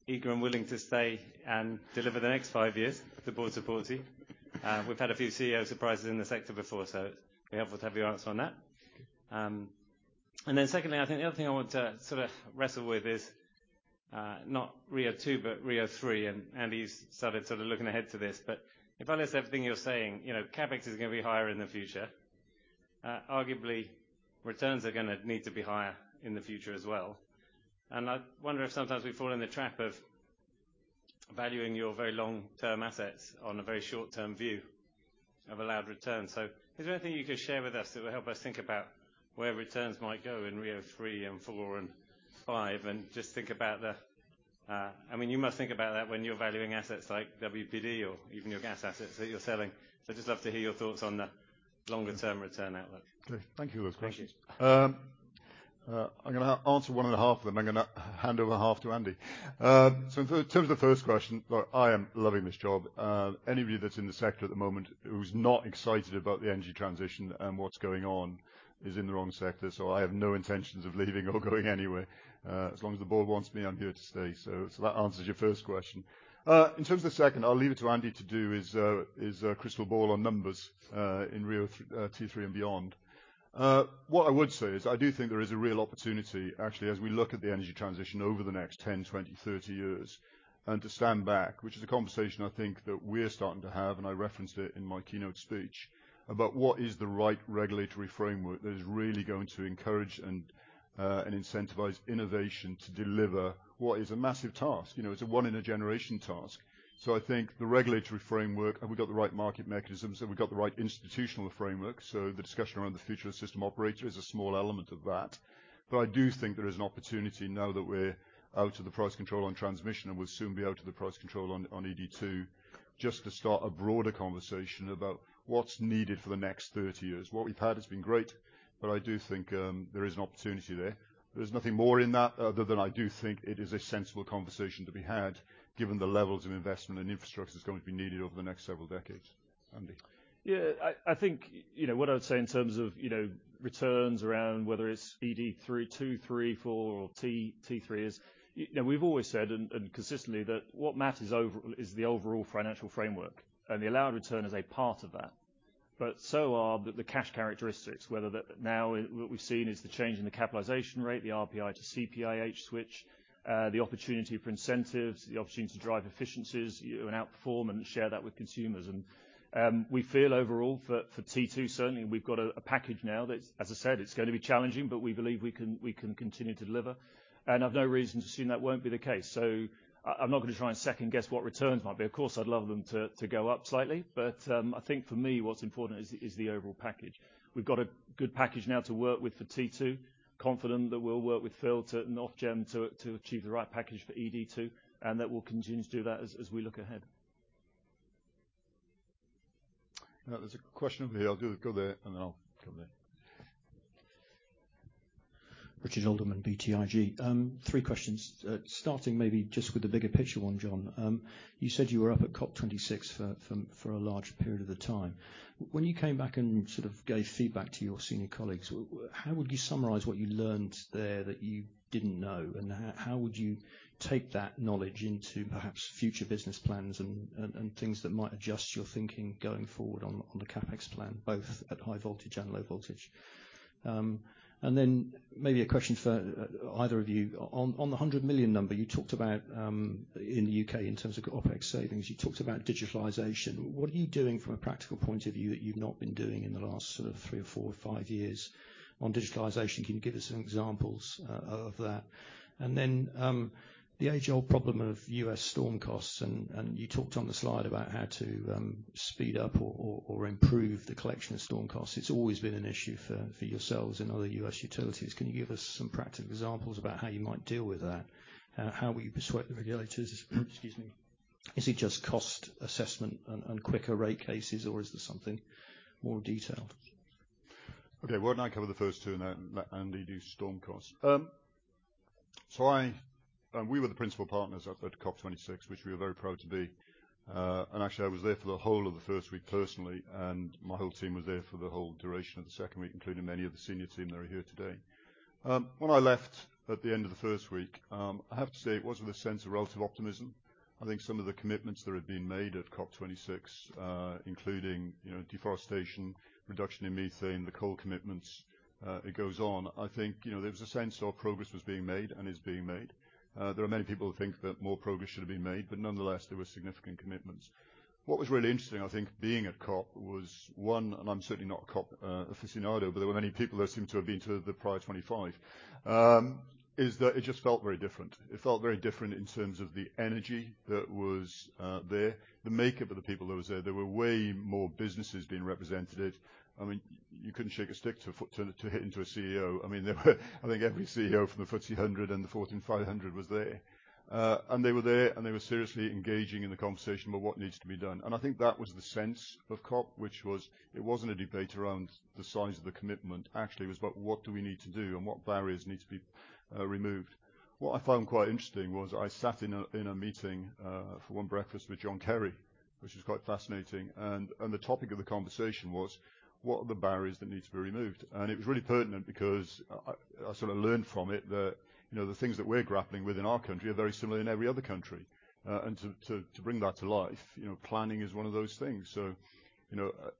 eager and willing to stay and deliver the next five years if the board supports you. We've had a few CEO surprises in the sector before, so it'd be helpful to have your answer on that. Secondly, I think the other thing I want to sort of wrestle with is not RIIO-2, but RIIO-3, and he's started sort of looking ahead to this. But if I list everything you're saying, you know, CapEx is gonna be higher in the future. Arguably, returns are gonna need to be higher in the future as well. I wonder if sometimes we fall in the trap of valuing your very long-term assets on a very short-term view of allowed returns. Is there anything you could share with us that would help us think about where returns might go in RIIO-3 and 4 and 5, and just think about the, I mean, you must think about that when you're valuing assets like WPD or even your gas assets that you're selling. I'd just love to hear your thoughts on the longer-term return outlook. Okay. Thank you for those questions. Thank you. I'm gonna answer one and a half of them. I'm gonna hand over the half to Andy. In terms of the first question, look, I am loving this job. Anybody that's in the sector at the moment who's not excited about the energy transition and what's going on is in the wrong sector, so I have no intentions of leaving or going anywhere. As long as the board wants me, I'm here to stay. That answers your first question. In terms of the second, I'll leave it to Andy to do his crystal ball on numbers in RIIO-T3 and beyond. What I would say is I do think there is a real opportunity, actually, as we look at the energy transition over the next 10, 20, 30 years, and to stand back, which is a conversation I think that we're starting to have, and I referenced it in my keynote speech, about what is the right regulatory framework that is really going to encourage and incentivize innovation to deliver what is a massive task. You know, it's a one in a generation task. I think the regulatory framework, have we got the right market mechanisms, have we got the right institutional framework. The discussion around the future of the system operator is a small element of that. I do think there is an opportunity now that we're out of the price control and transmission, and we'll soon be out of the price control on ED2, just to start a broader conversation about what's needed for the next 30 years. What we've had has been great, but I do think there is an opportunity there. There's nothing more in that other than I do think it is a sensible conversation to be had given the levels of investment in infrastructure that's going to be needed over the next several decades. Andy. Yeah. I think you know what I would say in terms of you know returns around whether it's ED3, 2, 3, 4 or T, T3 is you know we've always said and consistently that what matters overall is the overall financial framework. The allowed return is a part of that. So are the cash characteristics. What we've seen is the change in the capitalization rate, the RPI to CPIH switch, the opportunity for incentives, the opportunity to drive efficiencies and outperform and share that with consumers. We feel overall for T2 certainly we've got a package now that's as I said it's gonna be challenging but we believe we can continue to deliver. I've no reason to assume that won't be the case. I'm not gonna try and second-guess what returns might be. Of course, I'd love them to go up slightly. But, I think for me what's important is the overall package. We've got a good package now to work with for T2. Confident that we'll work with Phil and Ofgem to achieve the right package for ED2, and that we'll continue to do that as we look ahead. Now, there's a question over here. I'll go there, and then I'll come there. Richard Alderman, BTIG. Three questions. Starting maybe just with the bigger picture one, John. You said you were up at COP26 for a large period of the time. When you came back and sort of gave feedback to your senior colleagues, how would you summarize what you learned there that you didn't know? And how would you take that knowledge into perhaps future business plans and things that might adjust your thinking going forward on the CapEx plan, both at high voltage and low voltage? And then maybe a question for either of you. On the 100 million number you talked about in the U.K. in terms of OpEx savings, you talked about digitalization. What are you doing from a practical point of view that you've not been doing in the last sort of three or four or five years on digitalization? Can you give us some examples of that? The age-old problem of U.S. storm costs and you talked on the slide about how to speed up or improve the collection of storm costs. It's always been an issue for yourselves and other U.S. utilities. Can you give us some practical examples about how you might deal with that? How will you persuade the regulators? Excuse me. Is it just cost assessment and quicker rate cases, or is there something more detailed? Okay. Why don't I cover the first two, and then let Andy do storm costs. We were the principal partners up at COP26, which we were very proud to be. Actually, I was there for the whole of the first week personally, and my whole team was there for the whole duration of the second week, including many of the senior team that are here today. When I left at the end of the first week, I have to say it was with a sense of relative optimism. I think some of the commitments that had been made at COP26, including, you know, deforestation, reduction in methane, the coal commitments, it goes on. I think, you know, there was a sense our progress was being made and is being made. There are many people who think that more progress should have been made, but nonetheless, there were significant commitments. What was really interesting, I think, being at COP was, one, and I'm certainly not a COP aficionado, but there were many people there seemed to have been to the prior 25. It just felt very different. It felt very different in terms of the energy that was there, the makeup of the people that was there. There were way more businesses being represented. I mean, you couldn't shake a stick without hitting a CEO. I mean, there were I think every CEO from the FTSE 100 and the Fortune 500 was there. And they were there, and they were seriously engaging in the conversation about what needs to be done. I think that was the sense of COP, which was it wasn't a debate around the size of the commitment. Actually, it was about what do we need to do and what barriers need to be removed. What I found quite interesting was I sat in a meeting for one breakfast with John Kerry, which was quite fascinating. The topic of the conversation was, what are the barriers that need to be removed? It was really pertinent because I sort of learned from it that, you know, the things that we're grappling with in our country are very similar in every other country. To bring that to life, you know, planning is one of those things.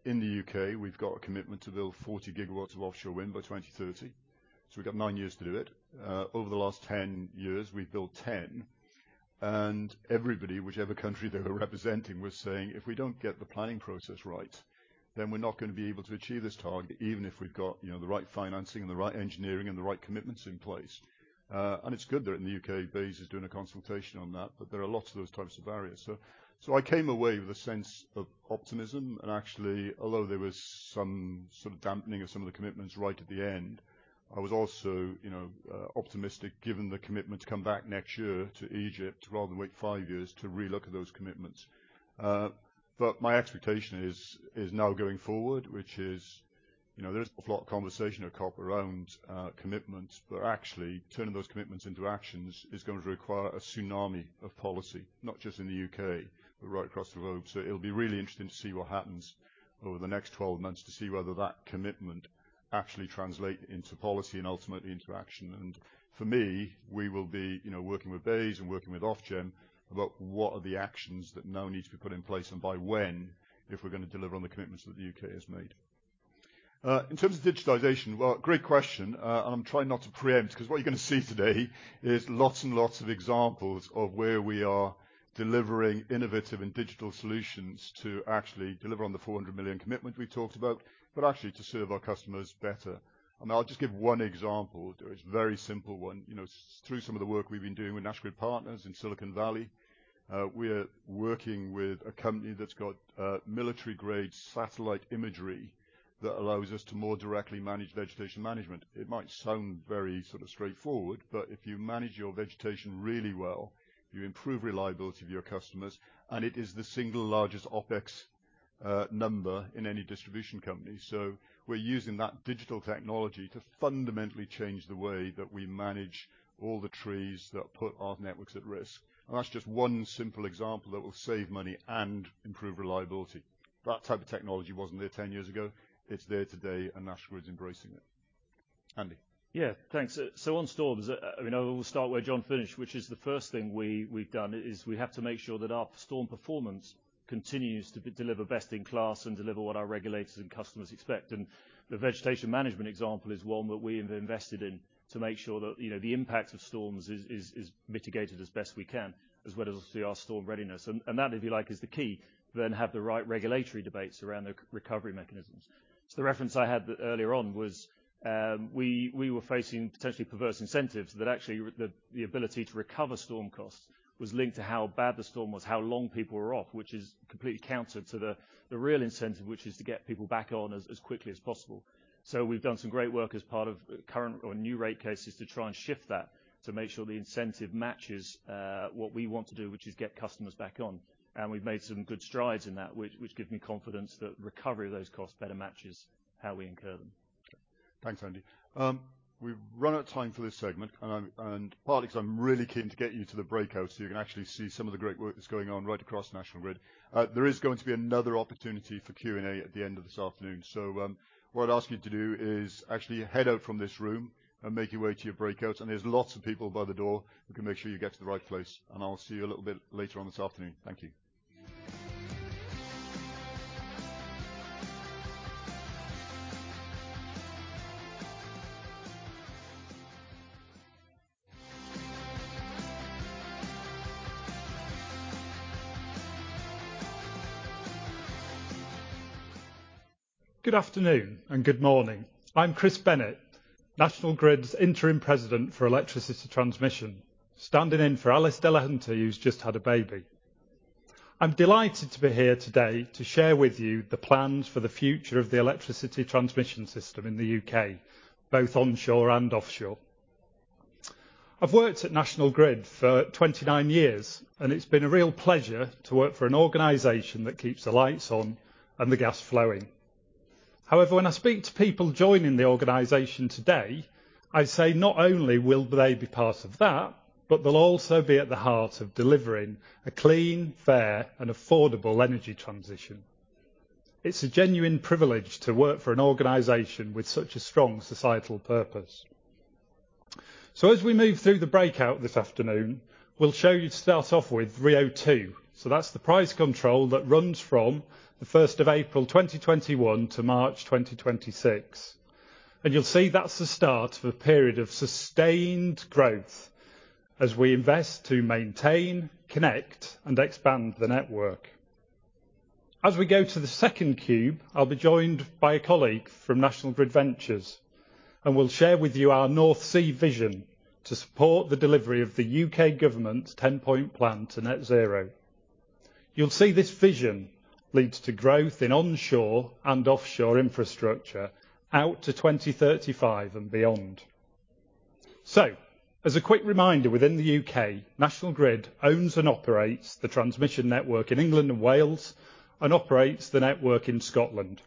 In the U.K. we've got a commitment to build 40 GW of offshore wind by 2030. We've got nine years to do it. Over the last 10 years, we've built ten. Everybody, whichever country they were representing, was saying, "If we don't get the planning process right, then we're not gonna be able to achieve this target, even if we've got, you know, the right financing and the right engineering and the right commitments in place." It's good that in the U.K., BEIS is doing a consultation on that, but there are lots of those types of barriers. I came away with a sense of optimism and actually, although there was some sort of dampening of some of the commitments right at the end, I was also, you know, optimistic given the commitment to come back next year to Egypt rather than wait five years to relook at those commitments. My expectation is now going forward, which is, you know, there is an awful lot of conversation at COP around commitments, but actually turning those commitments into actions is going to require a tsunami of policy, not just in the U.K., but right across the globe. So it'll be really interesting to see what happens over the next 12 months to see whether that commitment actually translate into policy and ultimately into action. For me, we will be, you know, working with BEIS and working with Ofgem about what are the actions that now need to be put in place and by when, if we're gonna deliver on the commitments that the U.K. has made. In terms of digitization, well, great question. I'm trying not to preempt because what you're gonna see today is lots and lots of examples of where we are delivering innovative and digital solutions to actually deliver on the 400 million commitment we talked about, but actually to serve our customers better. I'll just give one example. It's a very simple one. You know, through some of the work we've been doing with National Grid Partners in Silicon Valley, we're working with a company that's got military-grade satellite imagery that allows us to more directly manage vegetation management. It might sound very sort of straightforward, but if you manage your vegetation really well, you improve reliability of your customers, and it is the single largest OpEx number in any distribution company. We're using that digital technology to fundamentally change the way that we manage all the trees that put our networks at risk. That's just one simple example that will save money and improve reliability. That type of technology wasn't there 10 years ago. It's there today, and National Grid's embracing it. Andy? Yeah, thanks. On storms, I mean, I will start where John finished, which is the first thing we've done is we have to make sure that our storm performance continues to deliver best in class and deliver what our regulators and customers expect. The vegetation management example is one that we have invested in to make sure that, you know, the impact of storms is mitigated as best we can, as well as, obviously, our storm readiness. That, if you like, is the key to then have the right regulatory debates around the recovery mechanisms. The reference I had earlier on was, we were facing potentially perverse incentives that actually the ability to recover storm costs was linked to how bad the storm was, how long people were off, which is completely counter to the real incentive, which is to get people back on as quickly as possible. We've done some great work as part of current or new rate cases to try and shift that, to make sure the incentive matches what we want to do, which is get customers back on. We've made some good strides in that, which give me confidence that recovery of those costs better matches how we incur them. Thanks, Andy. We've run out of time for this segment and partly because I'm really keen to get you to the breakout so you can actually see some of the great work that's going on right across National Grid. There is going to be another opportunity for Q&A at the end of this afternoon. What I'd ask you to do is actually head out from this room and make your way to your breakouts. There's lots of people by the door who can make sure you get to the right place. I'll see you a little bit later on this afternoon. Thank you. Good afternoon and good morning. I'm Chris Bennett, National Grid's Interim President for Electricity Transmission, standing in for Alice Delahunty, who's just had a baby. I'm delighted to be here today to share with you the plans for the future of the electricity transmission system in the U.K., both onshore and offshore. I've worked at National Grid for 29 years, and it's been a real pleasure to work for an organization that keeps the lights on and the gas flowing. However, when I speak to people joining the organization today, I say not only will they be part of that, but they'll also be at the heart of delivering a clean, fair, and affordable energy transition. It's a genuine privilege to work for an organization with such a strong societal purpose. As we move through the breakout this afternoon, we'll show you to start off with RIIO-2. That's the price control that runs from 1st of April 2021 to March 2026. You'll see that's the start of a period of sustained growth as we invest to maintain, connect, and expand the network. As we go to the second cube, I'll be joined by a colleague from National Grid Ventures, and we'll share with you our North Sea vision to support the delivery of the U.K. government's 10-point plan to net zero. You'll see this vision leads to growth in onshore and offshore infrastructure out to 2035 and beyond. As a quick reminder, within the U.K., National Grid owns and operates the transmission network in England and Wales and operates the network in Scotland.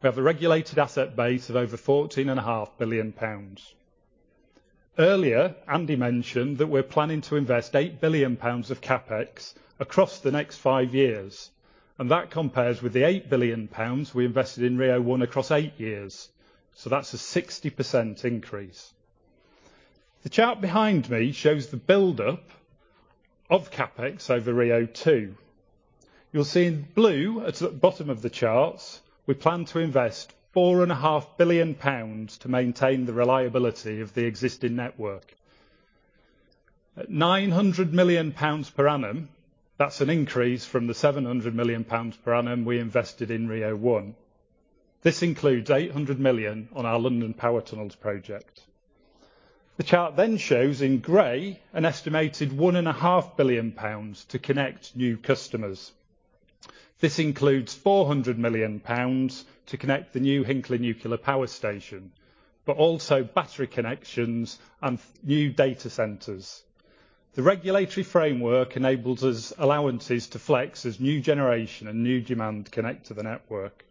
We have a regulated asset base of over 14.5 billion pounds. Earlier, Andy mentioned that we're planning to invest 8 billion pounds of CapEx across the next five years, and that compares with the 8 billion pounds we invested in RIIO-1 across eight years. That's a 60% increase. The chart behind me shows the buildup of CapEx over RIIO-2. You'll see in blue at the bottom of the charts, we plan to invest 4.5 billion pounds to maintain the reliability of the existing network. At 900 million pounds per annum, that's an increase from the 700 million pounds per annum we invested in RIIO-1. This includes 800 million on our London Power Tunnels project. The chart then shows in gray an estimated 1.5 billion pounds to connect new customers. This includes 400 million pounds to connect the new Hinkley Point C nuclear power station, but also battery connections and new data centers. The regulatory framework enables us allowances to flex as new generation and new demand connect to the network.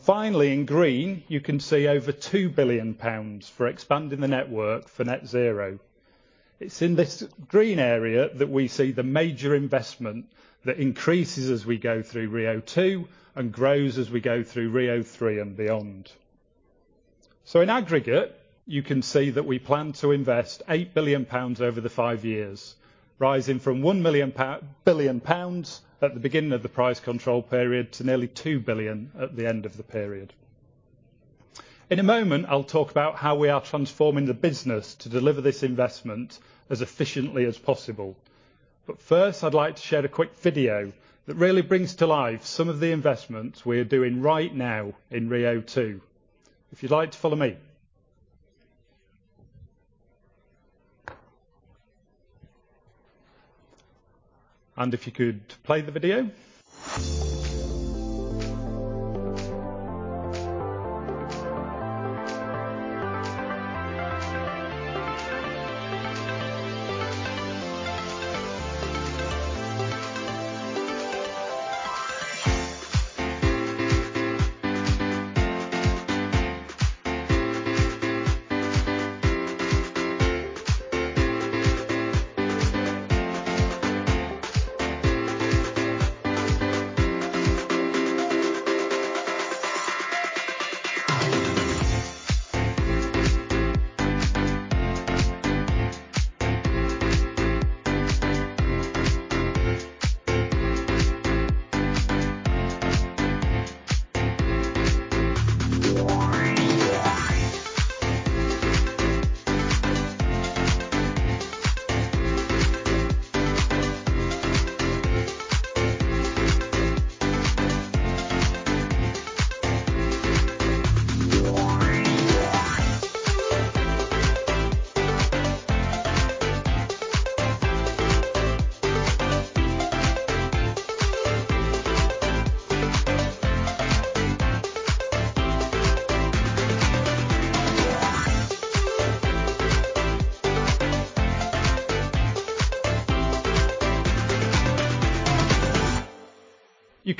Finally, in green, you can see over 2 billion pounds for expanding the network for net zero. It's in this green area that we see the major investment that increases as we go through RIIO-2 and grows as we go through RIIO-3 and beyond. In aggregate, you can see that we plan to invest 8 billion pounds over the five years, rising from 1 billion pounds at the beginning of the price control period to nearly 2 billion at the end of the period. In a moment, I'll talk about how we are transforming the business to deliver this investment as efficiently as possible. First, I'd like to share a quick video that really brings to life some of the investments we're doing right now in RIIO-2. If you'd like to follow me. If you could play the video.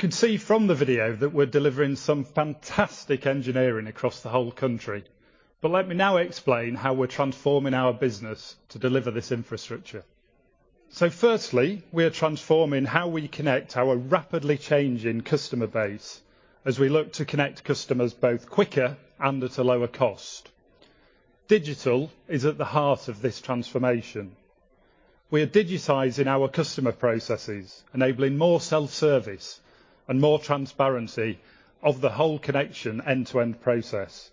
You can see from the video that we're delivering some fantastic engineering across the whole country. Let me now explain how we're transforming our business to deliver this infrastructure. Firstly, we are transforming how we connect our rapidly changing customer base as we look to connect customers both quicker and at a lower cost. Digital is at the heart of this transformation. We are digitizing our customer processes, enabling more self-service and more transparency of the whole connection end-to-end process.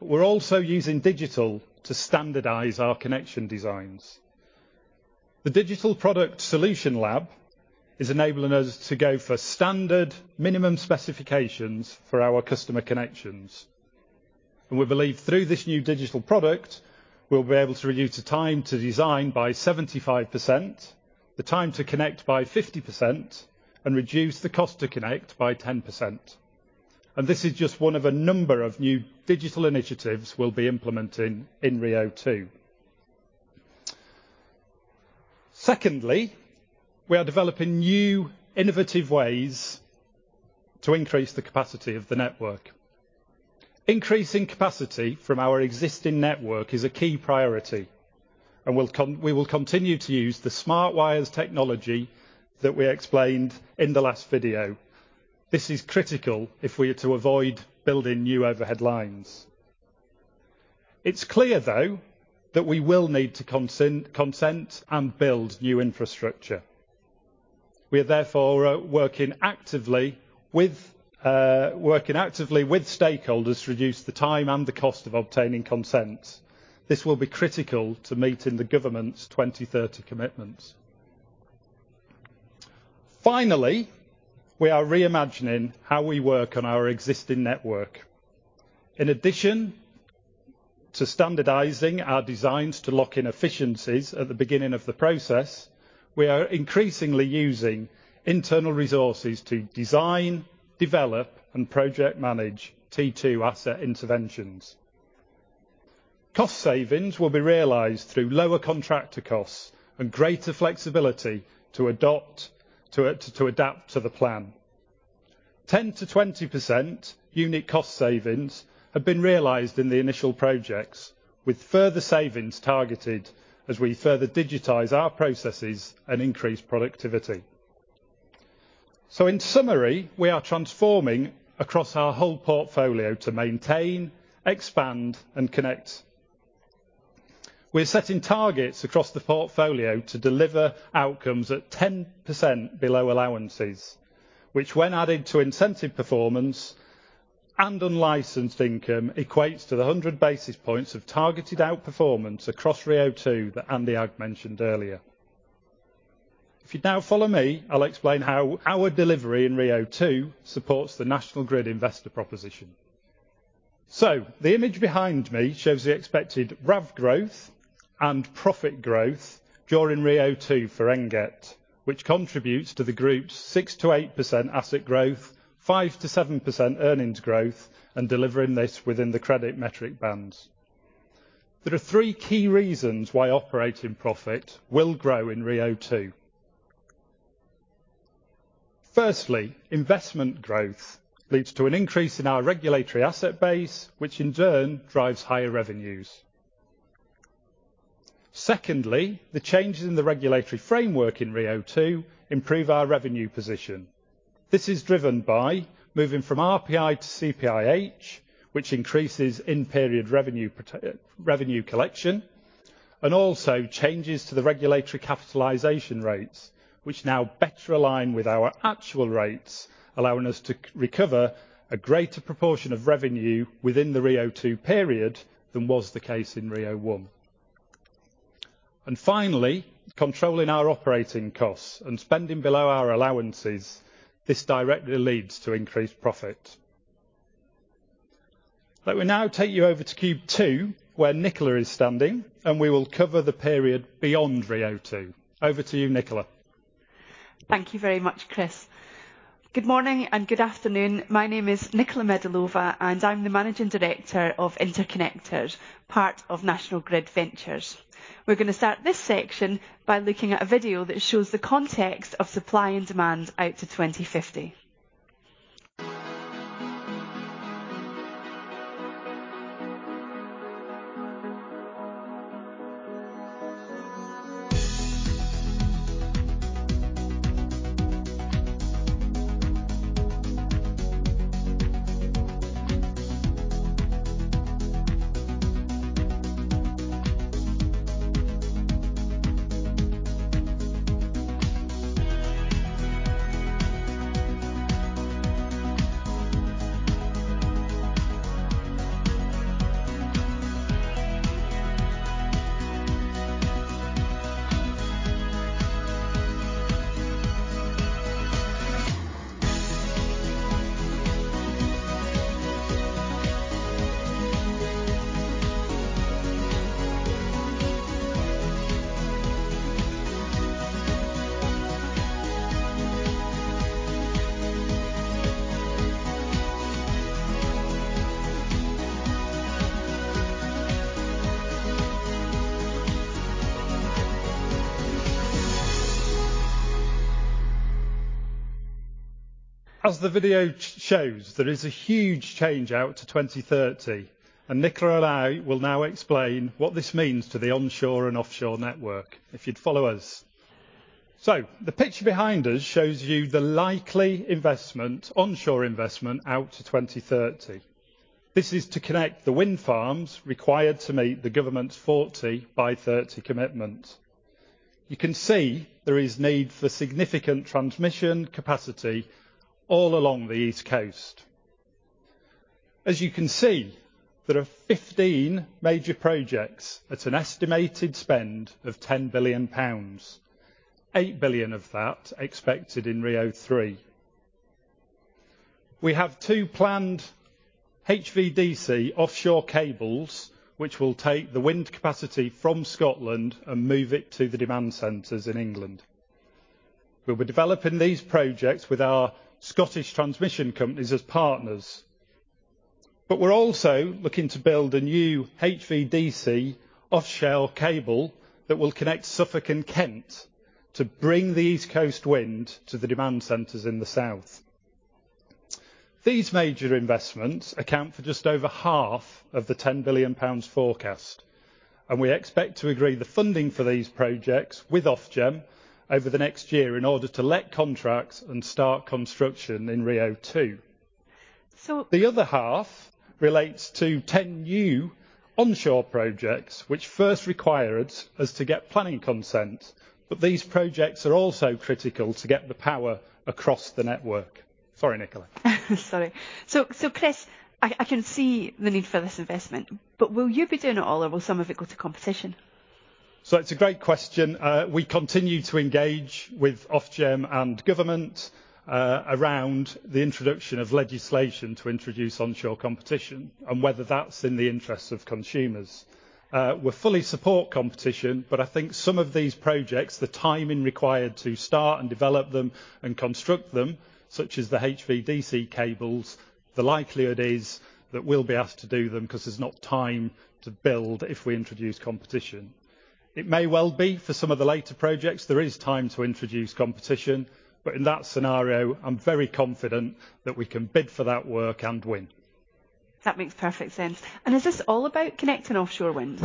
We're also using digital to standardize our connection designs. The Digital Product Solution Lab is enabling us to go for standard minimum specifications for our customer connections. We believe through this new digital product, we'll be able to reduce the time to design by 75%, the time to connect by 50%, and reduce the cost to connect by 10%. This is just one of a number of new digital initiatives we'll be implementing in RIIO-2. Secondly, we are developing new innovative ways to increase the capacity of the network. Increasing capacity from our existing network is a key priority, and we will continue to use the Smart Wires technology that we explained in the last video. This is critical if we are to avoid building new overhead lines. It's clear, though, that we will need to consent and build new infrastructure. We are therefore working actively with stakeholders to reduce the time and the cost of obtaining consent. This will be critical to meeting the government's 2030 commitment. Finally, we are reimagining how we work on our existing network. In addition to standardizing our designs to lock in efficiencies at the beginning of the process, we are increasingly using internal resources to design, develop, and project manage T2 asset interventions. Cost savings will be realized through lower contractor costs and greater flexibility to adapt to the plan. 10%-20% unit cost savings have been realized in the initial projects, with further savings targeted as we further digitize our processes and increase productivity. In summary, we are transforming across our whole portfolio to maintain, expand and connect. We're setting targets across the portfolio to deliver outcomes at 10% below allowances, which when added to incentive performance and unlicensed income, equates to 100 basis points of targeted outperformance across RIIO-2 that Andy had mentioned earlier. If you'd now follow me, I'll explain how our delivery in RIIO-2 supports the National Grid investor proposition. The image behind me shows the expected RAV growth and profit growth during RIIO-2 for NGET, which contributes to the group's 6%-8% asset growth, 5%-7% earnings growth, and delivering this within the credit metric bands. There are three key reasons why operating profit will grow in RIIO-2. Firstly, investment growth leads to an increase in our regulatory asset base, which in turn drives higher revenues. Secondly, the changes in the regulatory framework in RIIO-2 improve our revenue position. This is driven by moving from RPI to CPIH, which increases in-period revenue collection, and also changes to the regulatory capitalization rates, which now better align with our actual rates, allowing us to recover a greater proportion of revenue within the RIIO-2 period than was the case in RIIO-1. Finally, controlling our operating costs and spending below our allowances. This directly leads to increased profit. Let me now take you over to cube two, where Nicola is standing, and we will cover the period beyond RIIO-2. Over to you, Nicola. Thank you very much, Chris. Good morning and good afternoon. My name is Nicola Medalova, and I'm the Managing Director of Interconnectors, part of National Grid Ventures. We're gonna start this section by looking at a video that shows the context of supply and demand out to 2050. As the video shows, there is a huge change out to 2030, and Nicola and I will now explain what this means to the onshore and offshore network, if you'd follow us. The picture behind us shows you the likely investment, onshore investment out to 2030. This is to connect the wind farms required to meet the government's 40 by 30 commitment. You can see there is need for significant transmission capacity all along the East Coast. As you can see, there are 15 major projects at an estimated spend of 10 billion pounds, 8 billion of that expected in RIIO-3. We have two planned HVDC offshore cables, which will take the wind capacity from Scotland and move it to the demand centers in England. We'll be developing these projects with our Scottish transmission companies as partners. We're also looking to build a new HVDC offshore cable that will connect Suffolk and Kent to bring the East Coast wind to the demand centers in the south. These major investments account for just over half of the 10 billion pounds forecast, and we expect to agree the funding for these projects with Ofgem over the next year in order to let contracts and start construction in RIIO-2. The other half relates to 10 new onshore projects which first require us to get planning consent, but these projects are also critical to get the power across the network. Sorry, Nicola. Sorry. Chris, I can see the need for this investment, but will you be doing it all or will some of it go to competition? It's a great question. We continue to engage with Ofgem and government around the introduction of legislation to introduce onshore competition and whether that's in the interests of consumers. We fully support competition, but I think some of these projects, the timing required to start and develop them and construct them, such as the HVDC cables, the likelihood is that we'll be asked to do them because there's not time to build if we introduce competition. It may well be for some of the later projects, there is time to introduce competition, but in that scenario, I'm very confident that we can bid for that work and win. That makes perfect sense. Is this all about connecting offshore winds?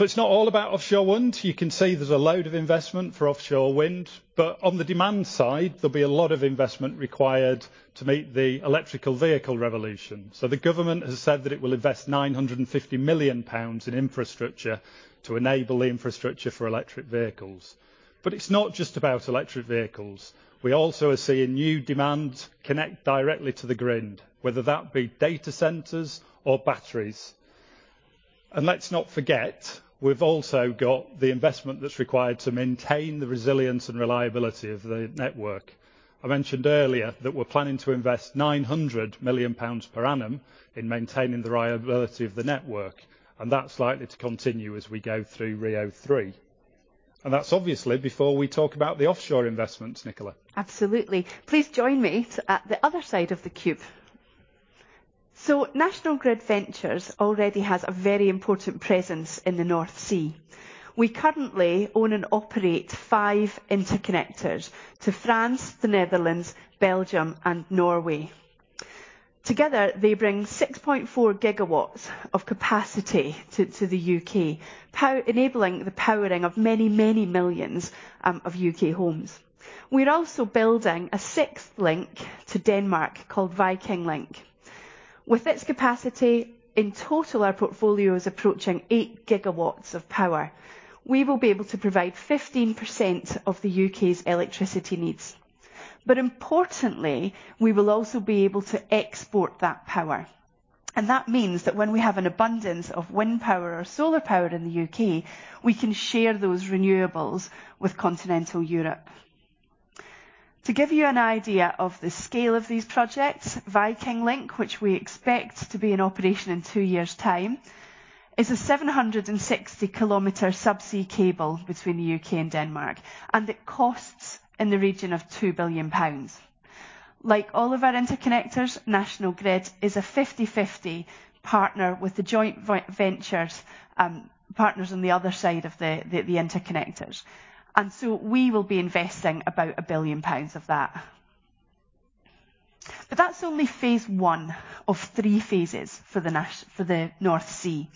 It's not all about offshore wind. You can see there's a load of investment for offshore wind, but on the demand side, there'll be a lot of investment required to meet the electric vehicle revolution. The government has said that it will invest 950 million pounds in infrastructure to enable the infrastructure for electric vehicles. It's not just about electric vehicles. We also are seeing new demand connect directly to the grid, whether that be data centers or batteries. Let's not forget, we've also got the investment that's required to maintain the resilience and reliability of the network. I mentioned earlier that we're planning to invest 900 million pounds per annum in maintaining the reliability of the network, and that's likely to continue as we go through RIIO-3. That's obviously before we talk about the offshore investments, Nicola. Absolutely. Please join me at the other side of the cube. National Grid Ventures already has a very important presence in the North Sea. We currently own and operate five interconnectors to France, the Netherlands, Belgium, and Norway. Together, they bring 6.4 GW of capacity to the U.K., enabling the powering of many, many millions of U.K. homes. We're also building a sixth link to Denmark called Viking Link. With its capacity, in total, our portfolio is approaching 8 GW of power. We will be able to provide 15% of the U.K.'s electricity needs. Importantly, we will also be able to export that power. That means that when we have an abundance of wind power or solar power in the U.K., we can share those renewables with continental Europe. To give you an idea of the scale of these projects, Viking Link, which we expect to be in operation in two years' time, is a 760-km subsea cable between the U.K. and Denmark, and it costs in the region of 2 billion pounds. Like all of our interconnectors, National Grid is a 50-50 partner with the joint venture partners on the other side of the interconnectors. We will be investing about 1 billion pounds of that. That's only phase I of three phases for the North Sea.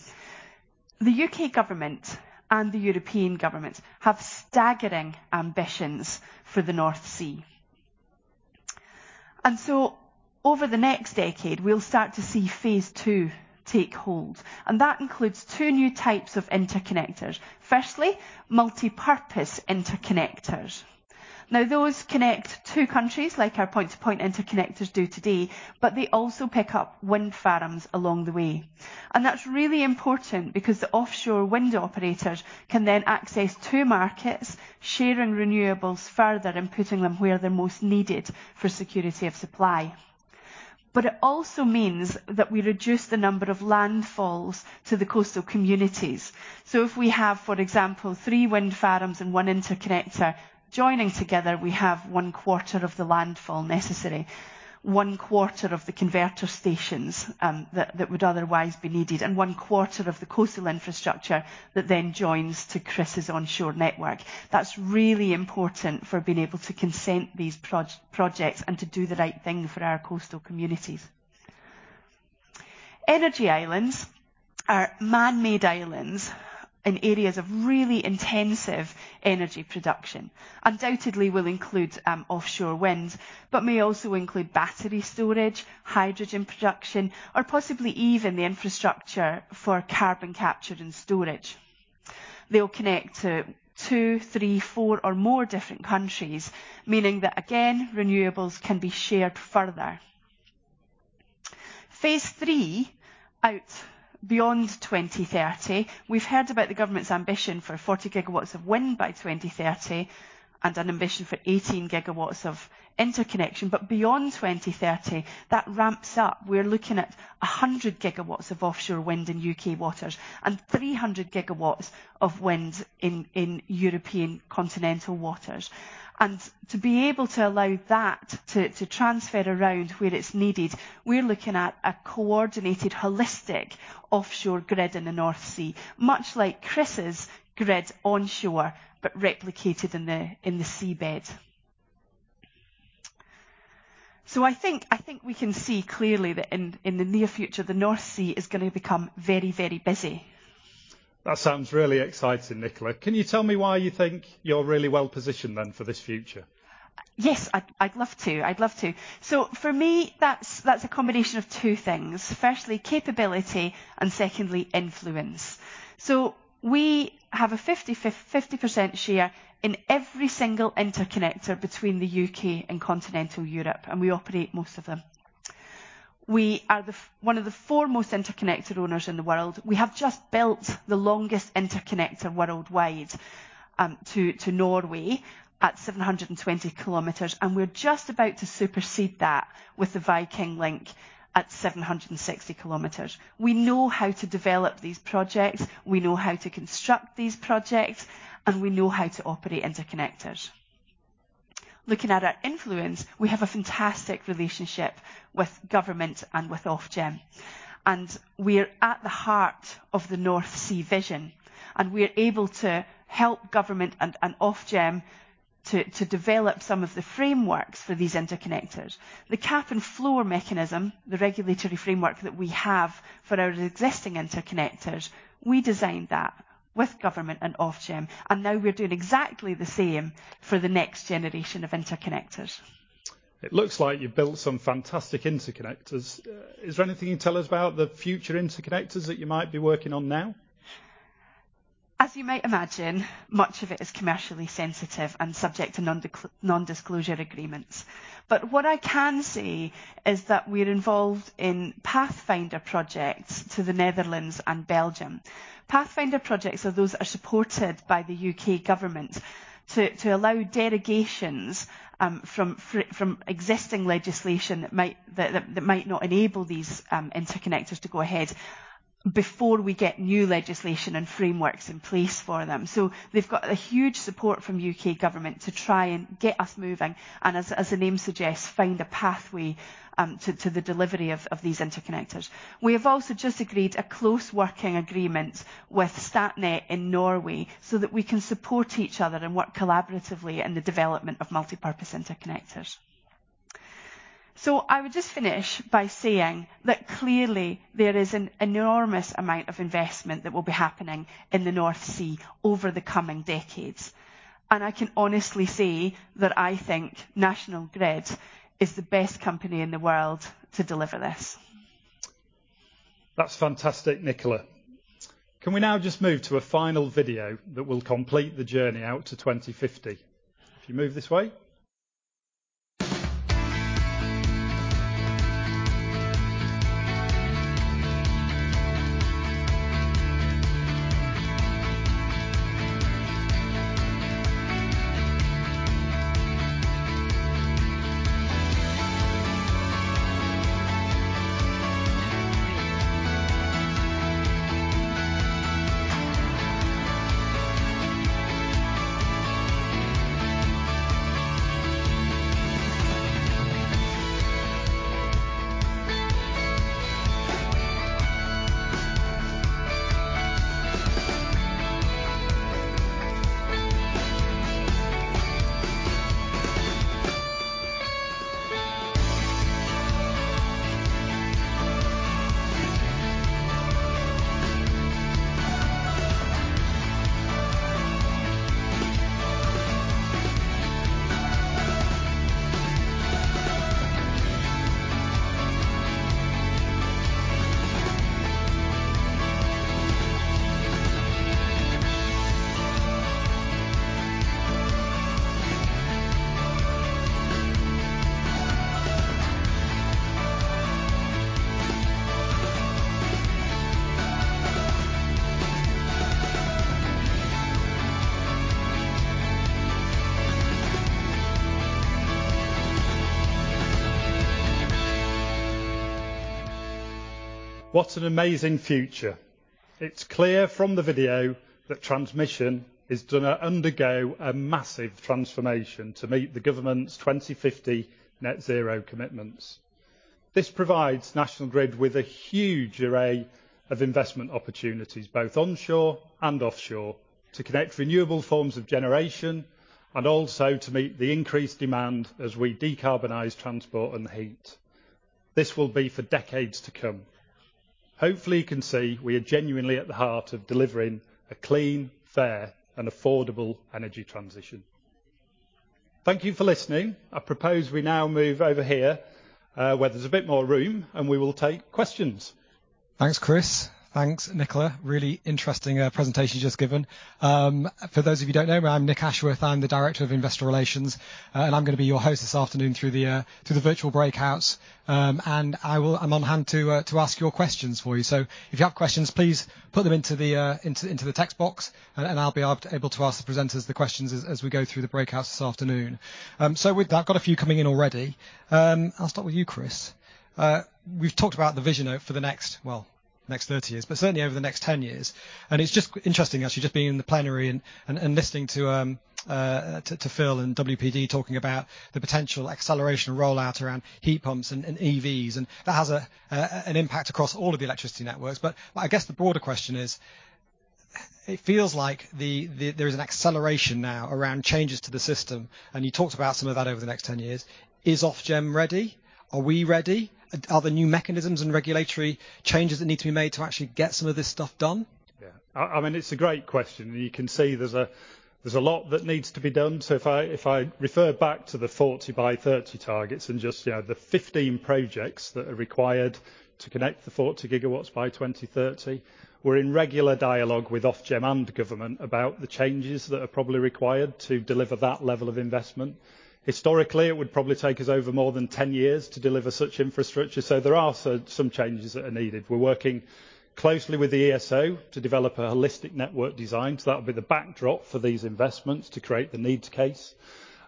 The U.K. government and the European government have staggering ambitions for the North Sea. Over the next decade, we'll start to see phase II take hold, and that includes two new types of interconnectors. Firstly, multipurpose interconnectors. Now, those connect two countries like our point-to-point interconnectors do today, but they also pick up wind farms along the way. That's really important because the offshore wind operators can then access two markets, sharing renewables further and putting them where they're most needed for security of supply. It also means that we reduce the number of landfalls to the coastal communities. If we have, for example, three wind farms and one interconnector joining together, we have 1/4 of the landfall necessary, 1/4 of the converter stations, that would otherwise be needed, and 1/4 of the coastal infrastructure that then joins to Chris' onshore network. That's really important for being able to consent these projects and to do the right thing for our coastal communities. Energy islands are man-made islands in areas of really intensive energy production. Undoubtedly will include offshore wind, but may also include battery storage, hydrogen production, or possibly even the infrastructure for carbon capture and storage. They'll connect to two, three, four, or more different countries, meaning that again, renewables can be shared further. Phase III, out beyond 2030. We've heard about the government's ambition for 40 GW of wind by 2030 and an ambition for 18 GW of interconnection. Beyond 2030, that ramps up. We're looking at 100 GW of offshore wind in U.K. waters and 300 GW of wind in European continental waters. To be able to allow that to transfer around where it's needed, we're looking at a coordinated holistic offshore grid in the North Sea, much like Chris' grid onshore, but replicated in the seabed. I think we can see clearly that in the near future, the North Sea is gonna become very, very busy. That sounds really exciting, Nicola. Can you tell me why you think you're really well-positioned then for this future? Yes. I'd love to. For me, that's a combination of two things. Firstly, capability, and secondly, influence. We have a 50% share in every single interconnector between the U.K. and continental Europe, and we operate most of them. We are one of the foremost interconnector owners in the world. We have just built the longest interconnector worldwide to Norway at 720 km, and we're just about to supersede that with the Viking Link at 760 km. We know how to develop these projects, we know how to construct these projects, and we know how to operate interconnectors. Looking at our influence, we have a fantastic relationship with government and with Ofgem, and we're at the heart of the North Sea vision, and we're able to help government and Ofgem to develop some of the frameworks for these interconnectors. The cap and floor mechanism, the regulatory framework that we have for our existing interconnectors, we designed that with government and Ofgem, and now we're doing exactly the same for the next generation of interconnectors. It looks like you've built some fantastic interconnectors. Is there anything you can tell us about the future interconnectors that you might be working on now? As you might imagine, much of it is commercially sensitive and subject to non-disclosure agreements. What I can say is that we're involved in pathfinder projects to the Netherlands and Belgium. Pathfinder projects are those that are supported by the U.K. government to allow derogations from existing legislation that might not enable these interconnectors to go ahead before we get new legislation and frameworks in place for them. They've got a huge support from U.K. government to try and get us moving, and as the name suggests, find a pathway to the delivery of these interconnectors. We have also just agreed a close working agreement with Statnett in Norway so that we can support each other and work collaboratively in the development of multipurpose interconnectors. I would just finish by saying that clearly there is an enormous amount of investment that will be happening in the North Sea over the coming decades, and I can honestly say that I think National Grid is the best company in the world to deliver this. That's fantastic, Nicola. Can we now just move to a final video that will complete the journey out to 2050? If you move this way. What an amazing future. It's clear from the video that transmission is gonna undergo a massive transformation to meet the government's 2050 net zero commitments. This provides National Grid with a huge array of investment opportunities, both onshore and offshore, to connect renewable forms of generation and also to meet the increased demand as we decarbonize transport and heat. This will be for decades to come. Hopefully, you can see we are genuinely at the heart of delivering a clean, fair, and affordable energy transition. Thank you for listening. I propose we now move over here, where there's a bit more room, and we will take questions. Thanks, Chris. Thanks, Nicola. Really interesting presentation you've just given. For those of you don't know me, I'm Nick Ashworth, I'm the Director of Investor Relations, and I'm gonna be your host this afternoon through the virtual breakouts. I'm on hand to ask your questions for you. So if you have questions, please put them into the text box and I'll be able to ask the presenters the questions as we go through the breakouts this afternoon. I've got a few coming in already. I'll start with you, Chris. We've talked about the vision for the next, well, next 30 years, but certainly over the next 10 years. It's just interesting actually just being in the plenary and listening to Phil and WPD talking about the potential acceleration rollout around heat pumps and EVs, and that has an impact across all of the electricity networks. I guess the broader question is, it feels like there's an acceleration now around changes to the system, and you talked about some of that over the next 10 years. Is Ofgem ready? Are we ready? Are there new mechanisms and regulatory changes that need to be made to actually get some of this stuff done? I mean, it's a great question, and you can see there's a lot that needs to be done. If I refer back to the 40 by 30 targets and just, you know, the 15 projects that are required to connect the 40 GW by 2030, we're in regular dialogue with Ofgem and government about the changes that are probably required to deliver that level of investment. Historically, it would probably take us over more than 10 years to deliver such infrastructure, so there are some changes that are needed. We're working closely with the ESO to develop a Holistic Network Design, so that'll be the backdrop for these investments to create the needs case.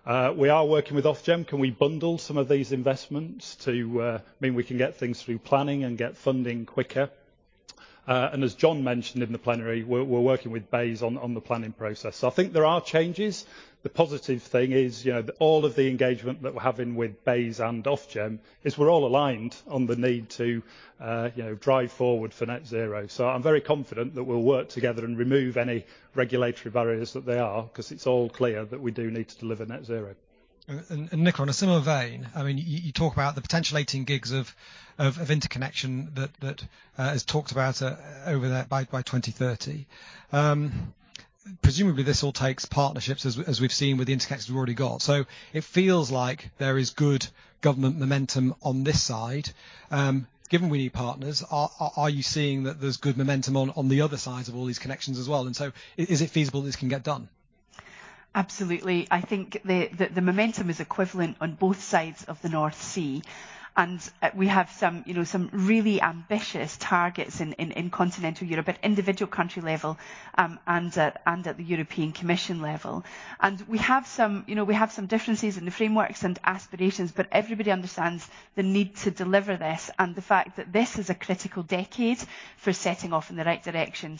We are working with Ofgem. Can we bundle some of these investments to I mean, we can get things through planning and get funding quicker. As John mentioned in the plenary, we're working with BEIS on the planning process. I think there are changes. The positive thing is, you know, all of the engagement that we're having with BEIS and Ofgem is we're all aligned on the need to, you know, drive forward for net zero. I'm very confident that we'll work together and remove any regulatory barriers that there are, 'cause it's all clear that we do need to deliver net zero. Nicola, in a similar vein, I mean, you talk about the potential 18 G of interconnection that is talked about over that by 2030. Presumably, this all takes partnerships, as we've seen with the interconnections we've already got. It feels like there is good government momentum on this side. Given we need partners, are you seeing that there's good momentum on the other sides of all these connections as well? Is it feasible this can get done? Absolutely. I think the momentum is equivalent on both sides of the North Sea, and we have some, you know, some really ambitious targets in continental Europe at individual country level, and at the European Commission level. We have some, you know, some differences in the frameworks and aspirations, but everybody understands the need to deliver this and the fact that this is a critical decade for setting off in the right direction.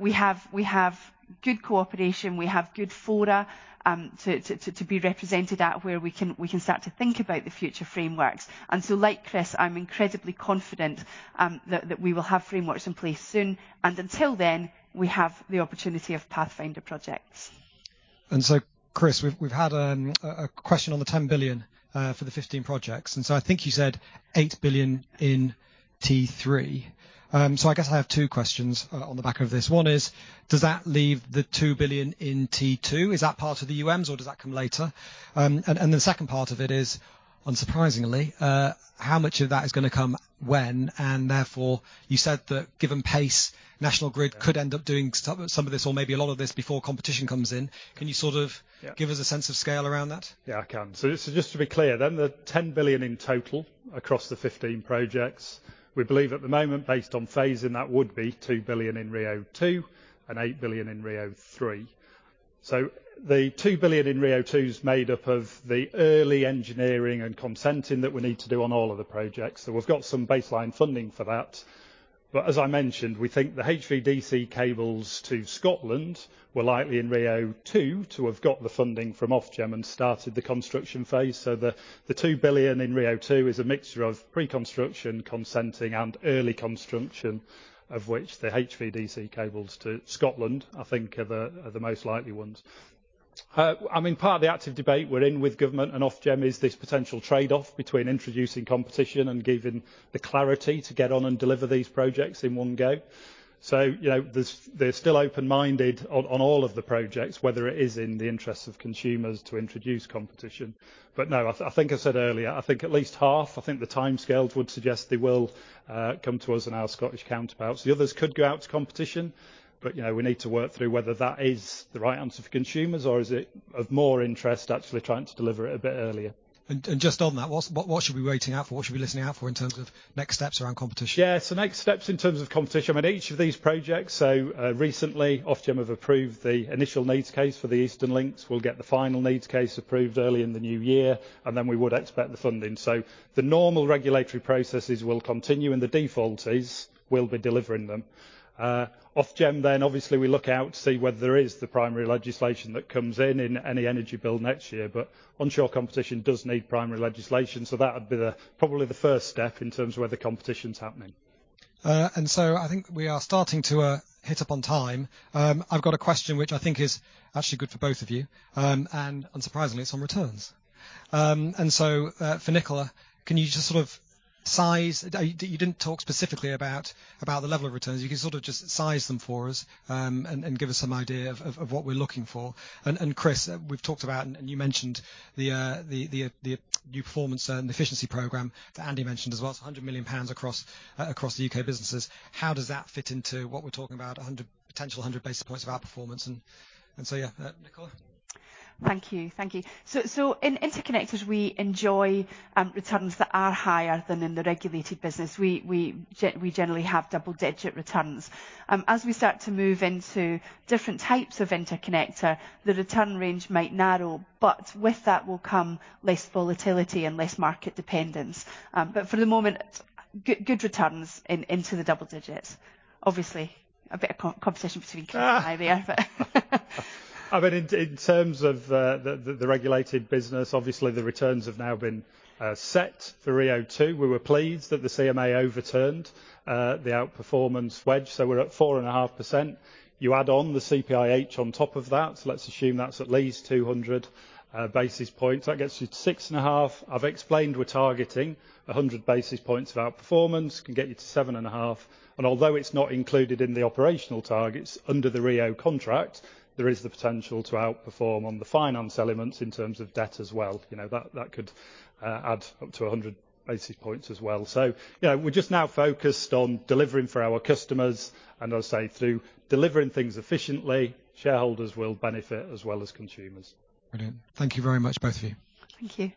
We have good cooperation, we have good fora to be represented at, where we can start to think about the future frameworks. Like Chris, I'm incredibly confident that we will have frameworks in place soon, and until then, we have the opportunity of pathfinder projects. Chris, we've had a question on the 10 billion for the 15 projects, and I think you said 8 billion in T3. So I guess I have two questions on the back of this. One is, does that leave the 2 billion in T2? Is that part of the UMs or does that come later? And the second part of it is, unsurprisingly, how much of that is gonna come when? And therefore, you said that given pace, National Grid could end up doing some of this or maybe a lot of this before competition comes in. Can you sort of- Yeah. Give us a sense of scale around that? Yeah, I can. Just to be clear then, the 10 billion in total across the 15 projects, we believe at the moment based on phasing that would be 2 billion in RIIO-2 and 8 billion in RIIO-3. The 2 billion in RIIO-2 is made up of the early engineering and consenting that we need to do on all of the projects, so we've got some baseline funding for that. As I mentioned, we think the HVDC cables to Scotland were likely in RIIO-2 to have got the funding from Ofgem and started the construction phase. The two billion in RIIO-2 is a mixture of pre-construction, consenting, and early construction, of which the HVDC cables to Scotland, I think, are the most likely ones. I mean, part of the active debate we're in with government and Ofgem is this potential trade-off between introducing competition and giving the clarity to get on and deliver these projects in one go. You know, they're still open-minded on all of the projects, whether it is in the interest of consumers to introduce competition. No, I think I said earlier, I think at least half. I think the timescales would suggest they will come to us and our Scottish counterparts. The others could go out to competition, but you know, we need to work through whether that is the right answer for consumers or is it of more interest actually trying to deliver it a bit earlier. Just on that, what should we be watching out for? What should we be listening out for in terms of next steps around competition? Next steps in terms of competition, I mean, each of these projects. Recently, Ofgem have approved the initial needs case for the Eastern Link. We'll get the final needs case approved early in the new year, and then we would expect the funding. The normal regulatory processes will continue and the default is we'll be delivering them. Ofgem then, obviously we look to see whether there is the primary legislation that comes in in any energy bill next year. Onshore competition does need primary legislation, so that would be probably the first step in terms of whether competition's happening. I think we are starting to hit up on time. I've got a question which I think is actually good for both of you. Unsurprisingly, it's on returns. For Nicola, can you just sort of size. You didn't talk specifically about the level of returns. You can sort of just size them for us, and give us some idea of what we're looking for. Chris, we've talked about and you mentioned the new performance and efficiency program that Andy mentioned as well. It's 100 million pounds across the U.K. businesses. How does that fit into what we're talking about, a potential 100 basis points of outperformance? Yeah. Nicola? Thank you. In interconnectors, we enjoy returns that are higher than in the regulated business. We generally have double-digit returns. As we start to move into different types of interconnector, the return range might narrow, but with that will come less volatility and less market dependence. For the moment, good returns into the double digits. Obviously, a bit of competition between Chris and I there. I mean, in terms of the regulated business, obviously the returns have now been set for RIIO-2. We were pleased that the CMA overturned the outperformance wedge. We're at 4.5%. You add on the CPIH on top of that, let's assume that's at least 200 basis points. That gets you to 6.5. I've explained we're targeting 100 basis points of outperformance, can get you to 7.5. Although it's not included in the operational targets under the RIIO contract, there is the potential to outperform on the finance elements in terms of debt as well. You know, that could add up to 100 basis points as well. You know, we're just now focused on delivering for our customers, and I'll say through delivering things efficiently, shareholders will benefit as well as consumers. Brilliant. Thank you very much, both of you. Thank you.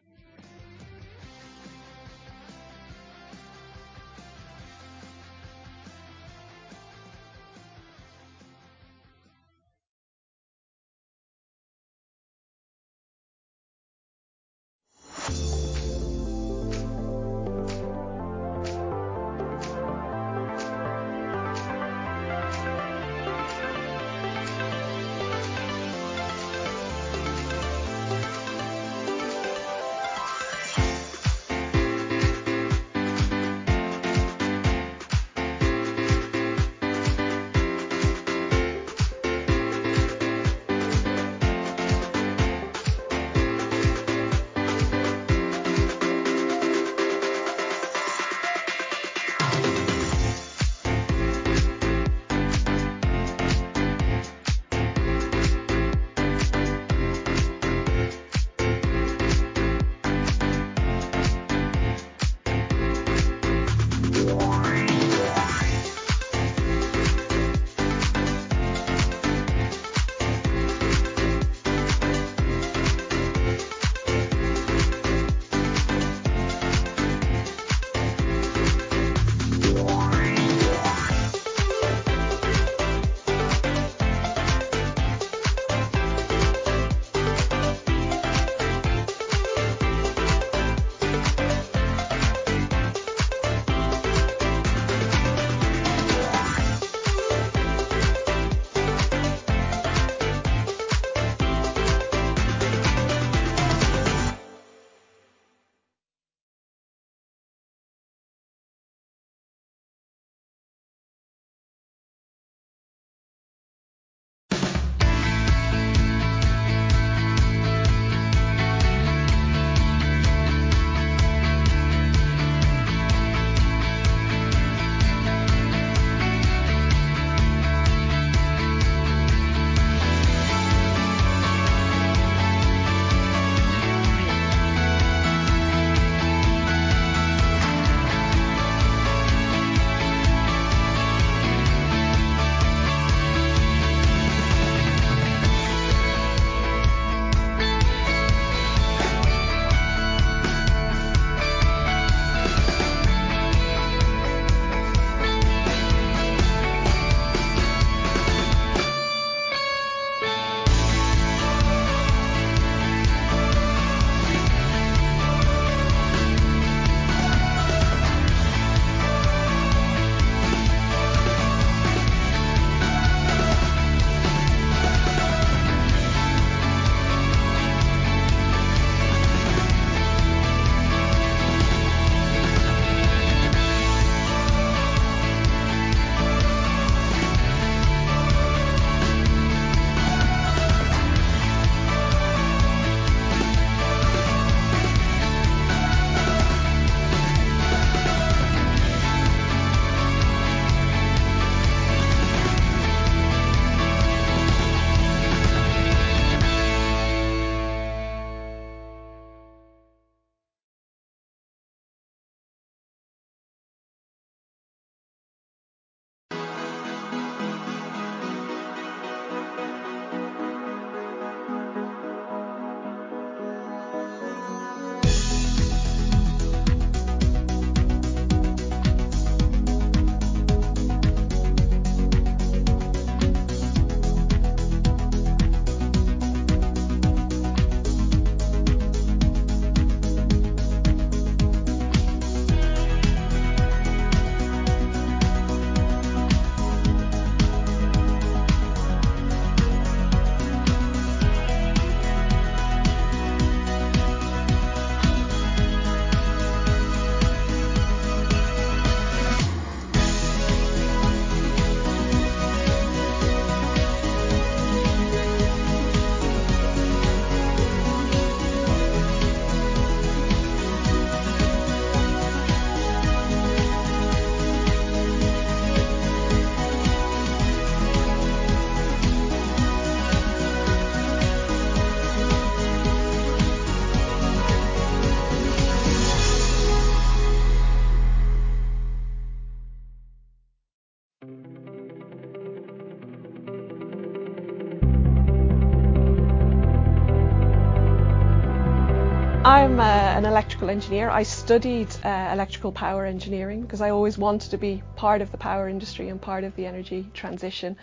I'm an electrical engineer. I studied electrical power engineering because I always wanted to be part of the power industry and part of the energy transition.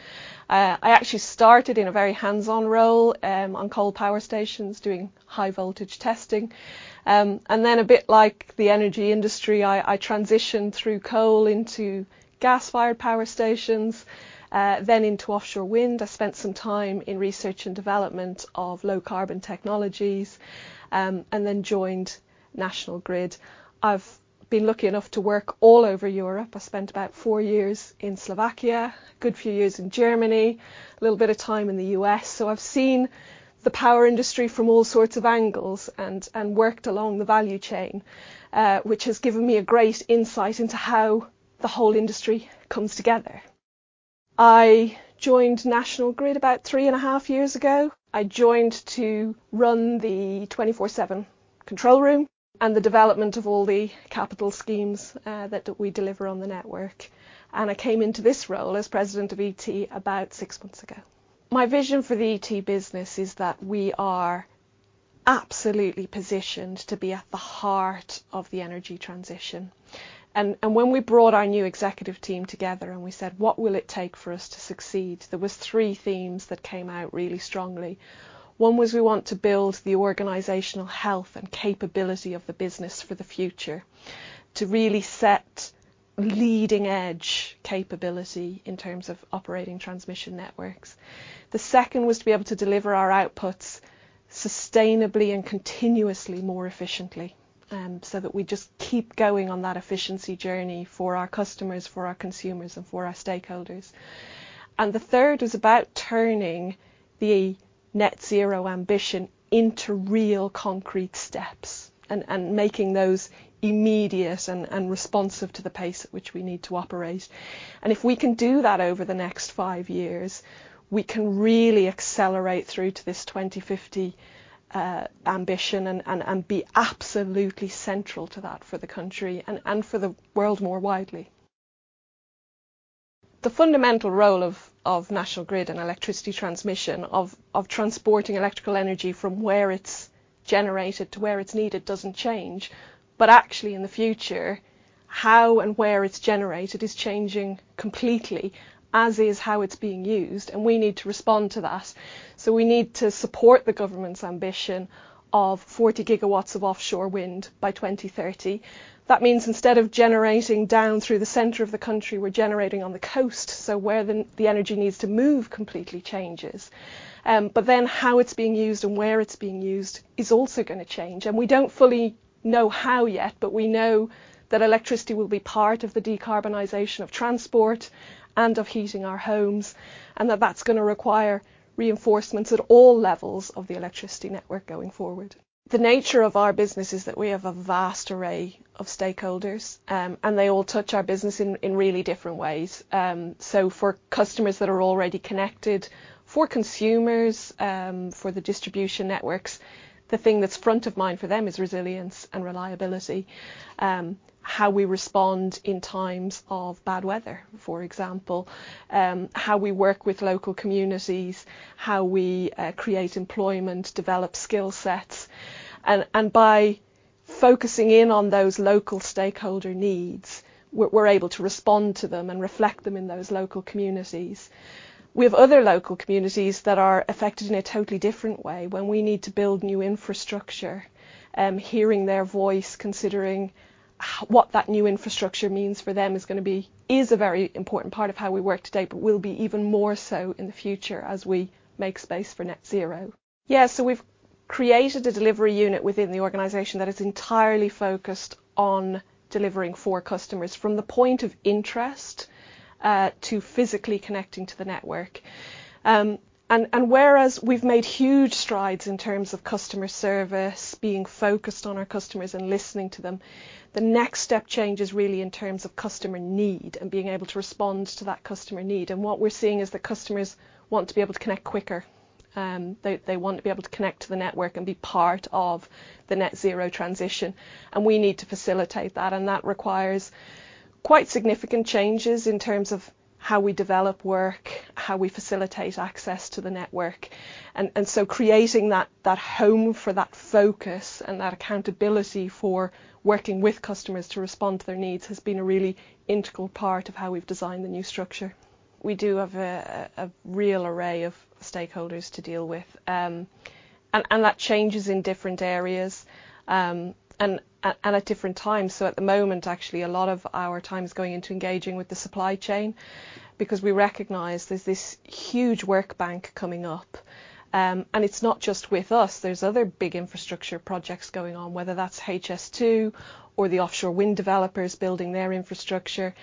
I actually started in a very hands-on role on coal power stations doing high voltage testing. Then a bit like the energy industry, I transitioned through coal into gas-fired power stations, then into offshore wind. I spent some time in research and development of low-carbon technologies, and then joined National Grid. I've been lucky enough to work all over Europe. I spent about four years in Slovakia, good few years in Germany, a little bit of time in the U.S. I've seen the power industry from all sorts of angles and worked along the value chain, which has given me a great insight into how the whole industry comes together. I joined National Grid about three and a half years ago. I joined to run the 24/7 control room and the development of all the capital schemes that we deliver on the network. I came into this role as President of ET about 6 months ago. My vision for the ET business is that we are absolutely positioned to be at the heart of the energy transition. When we brought our new executive team together and we said, "What will it take for us to succeed?" There were three themes that came out really strongly. One was we want to build the organizational health and capability of the business for the future, to really set leading-edge capability in terms of operating transmission networks. The second was to be able to deliver our outputs sustainably and continuously more efficiently, so that we just keep going on that efficiency journey for our customers, for our consumers, and for our stakeholders. The third was about turning the net zero ambition into real concrete steps and making those immediate and responsive to the pace at which we need to operate. If we can do that over the next five years, we can really accelerate through to this 2050 ambition and be absolutely central to that for the country and for the world more widely. The fundamental role of National Grid and electricity transmission of transporting electrical energy from where it's generated to where it's needed doesn't change. Actually, in the future, how and where it's generated is changing completely, as is how it's being used, and we need to respond to that. We need to support the government's ambition of 40 GW of offshore wind by 2030. That means instead of generating down through the center of the country, we're generating on the coast, so where the energy needs to move completely changes. Then how it's being used and where it's being used is also gonna change. We don't fully know how yet, but we know that electricity will be part of the decarbonization of transport and of heating our homes, and that that's gonna require reinforcements at all levels of the electricity network going forward. The nature of our business is that we have a vast array of stakeholders, and they all touch our business in really different ways. For customers that are already connected, for consumers, for the distribution networks, the thing that's front of mind for them is resilience and reliability, how we respond in times of bad weather, for example, how we work with local communities, how we create employment, develop skill sets. By focusing in on those local stakeholder needs, we're able to respond to them and reflect them in those local communities. We have other local communities that are affected in a totally different way when we need to build new infrastructure, hearing their voice, considering what that new infrastructure means for them is gonna be. is a very important part of how we work today, but will be even more so in the future as we make space for net zero. Yeah, we've created a delivery unit within the organization that is entirely focused on delivering for customers from the point of interest to physically connecting to the network. Whereas we've made huge strides in terms of customer service, being focused on our customers and listening to them, the next step change is really in terms of customer need and being able to respond to that customer need. What we're seeing is that customers want to be able to connect quicker. They want to be able to connect to the network and be part of the net zero transition, and we need to facilitate that, and that requires quite significant changes in terms of how we develop work, how we facilitate access to the network. So creating that home for that focus and that accountability for working with customers to respond to their needs has been a really integral part of how we've designed the new structure. We do have a real array of stakeholders to deal with, and that changes in different areas, and at different times. At the moment, actually, a lot of our time is going into engaging with the supply chain because we recognize there's this huge work bank coming up. It's not just with us. There's other big infrastructure projects going on, whether that's HS2 or the offshore wind developers building their infrastructure.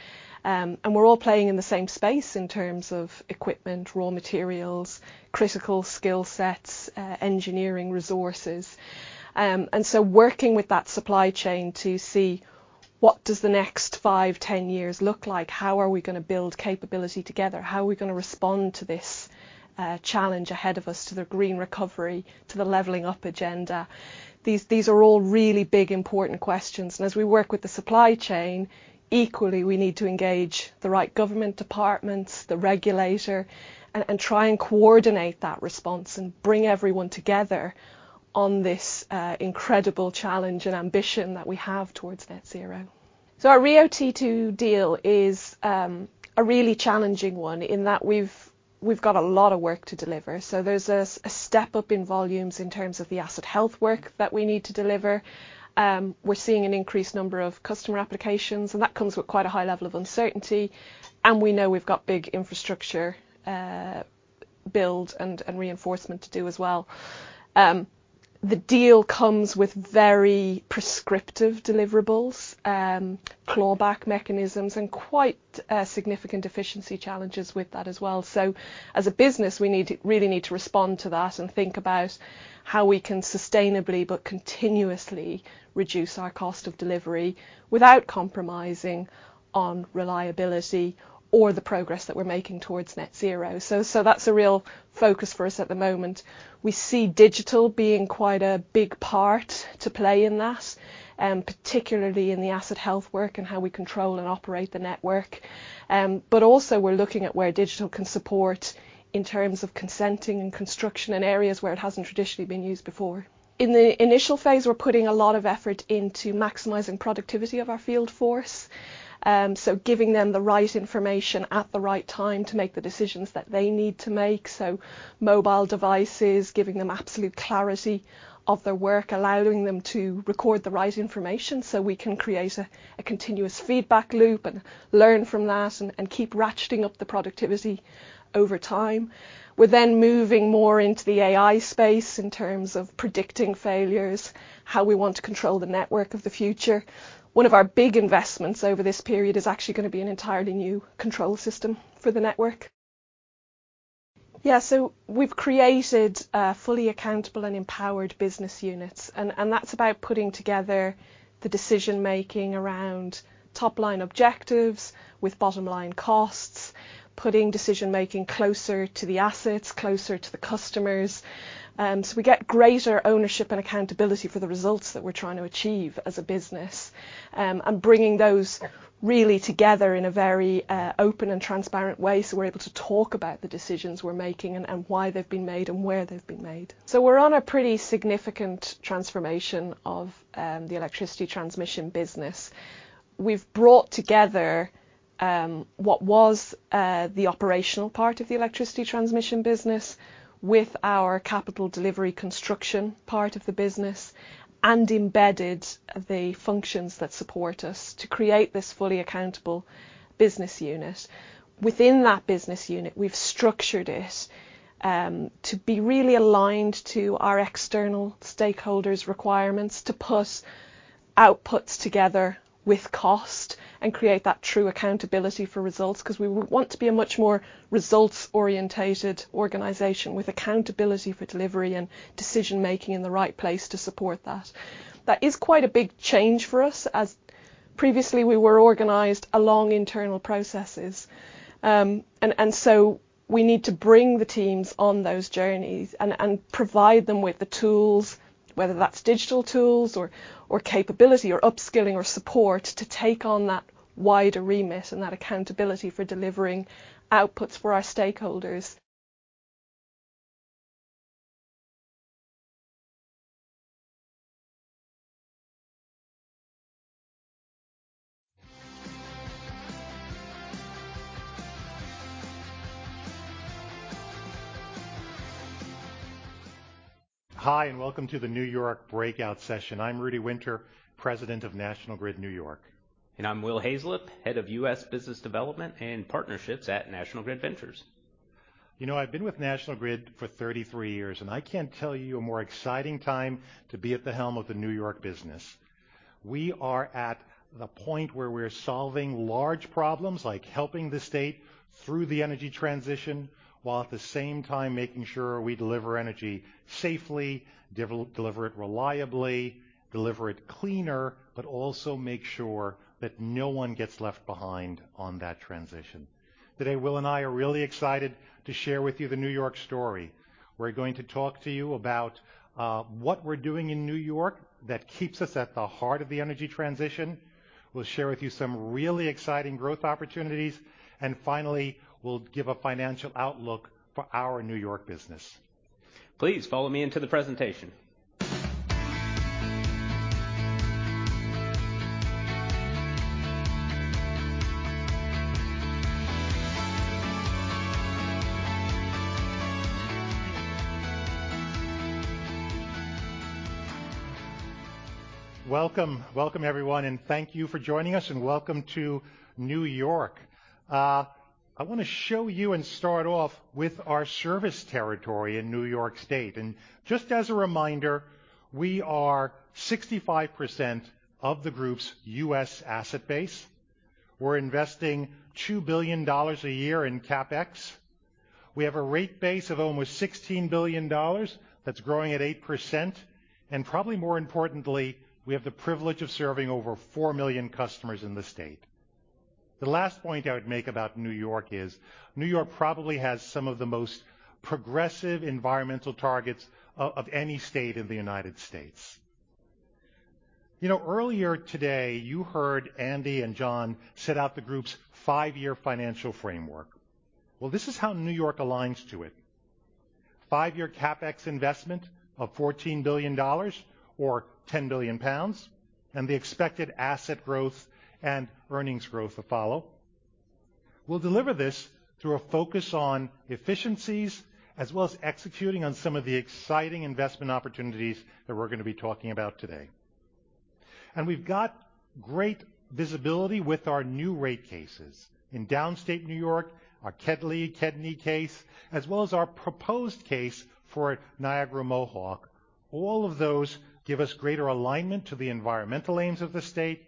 We're all playing in the same space in terms of equipment, raw materials, critical skill sets, engineering resources. Working with that supply chain to see what does the next five, 10 years look like, how are we gonna build capability together, how are we gonna respond to this challenge ahead of us to the green recovery, to the leveling up agenda? These are all really big, important questions. As we work with the supply chain, equally, we need to engage the right government departments, the regulator, and try and coordinate that response and bring everyone together on this incredible challenge and ambition that we have towards net zero. Our RIIO-T2 deal is a really challenging one in that we've got a lot of work to deliver. There's a step up in volumes in terms of the asset health work that we need to deliver. We're seeing an increased number of customer applications, and that comes with quite a high level of uncertainty, and we know we've got big infrastructure build and reinforcement to do as well. The deal comes with very prescriptive deliverables, clawback mechanisms and quite significant efficiency challenges with that as well. As a business, we really need to respond to that and think about how we can sustainably but continuously reduce our cost of delivery without compromising on reliability or the progress that we're making towards net zero. That's a real focus for us at the moment. We see digital being quite a big part to play in that, particularly in the asset health work and how we control and operate the network. We're looking at where digital can support in terms of consenting and construction in areas where it hasn't traditionally been used before. In the initial phase, we're putting a lot of effort into maximizing productivity of our field force, so giving them the right information at the right time to make the decisions that they need to make. Mobile devices, giving them absolute clarity of their work, allowing them to record the right information so we can create a continuous feedback loop and learn from that and keep ratcheting up the productivity over time. We're moving more into the AI space in terms of predicting failures, how we want to control the network of the future. One of our big investments over this period is actually gonna be an entirely new control system for the network. Yeah, so we've created fully accountable and empowered business units, and that's about putting together the decision-making around top-line objectives with bottom-line costs, putting decision-making closer to the assets, closer to the customers, so we get greater ownership and accountability for the results that we're trying to achieve as a business. And bringing those really together in a very open and transparent way so we're able to talk about the decisions we're making and why they've been made and where they've been made. We're on a pretty significant transformation of the electricity transmission business. We've brought together what was the operational part of the electricity transmission business with our capital delivery construction part of the business and embedded the functions that support us to create this fully accountable business unit. Within that business unit, we've structured it to be really aligned to our external stakeholders' requirements to put outputs together with cost and create that true accountability for results, 'cause we want to be a much more results-oriented organization with accountability for delivery and decision-making in the right place to support that. That is quite a big change for us, as previously we were organized along internal processes. We need to bring the teams on those journeys and provide them with the tools, whether that's digital tools or capability or upskilling or support to take on that wider remit and that accountability for delivering outputs for our stakeholders. Hi, and welcome to the New York breakout session. I'm Rudy Wynter, President of National Grid New York. I'm Will Hazelip, Head of U.S. Business Development and Partnerships at National Grid Ventures. You know, I've been with National Grid for 33 years, and I can't tell you a more exciting time to be at the helm of the New York business. We are at the point where we're solving large problems, like helping the state through the energy transition, while at the same time making sure we deliver energy safely, deliver it reliably, deliver it cleaner, but also make sure that no one gets left behind on that transition. Today, Will and I are really excited to share with you the New York story. We're going to talk to you about what we're doing in New York that keeps us at the heart of the energy transition. We'll share with you some really exciting growth opportunities, and finally, we'll give a financial outlook for our New York business. Please follow me into the presentation. Welcome, welcome, everyone, and thank you for joining us and welcome to New York. I wanna show you and start off with our service territory in New York State. Just as a reminder, we are 65% of the group's U.S. asset base. We're investing $2 billion a year in CapEx. We have a rate base of almost $16 billion that's growing at 8%, and probably more importantly, we have the privilege of serving over 4 million customers in the state. The last point I would make about New York is New York probably has some of the most progressive environmental targets of any state in the United States. You know, earlier today, you heard Andy and John set out the group's five-year financial framework. Well, this is how New York aligns to it. Five-year CapEx investment of $14 billion or 10 billion pounds, and the expected asset growth and earnings growth to follow. We'll deliver this through a focus on efficiencies as well as executing on some of the exciting investment opportunities that we're gonna be talking about today. We've got great visibility with our new rate cases in Downstate New York, our KEDLI, KEDNY case, as well as our proposed case for Niagara Mohawk. All of those give us greater alignment to the environmental aims of the state.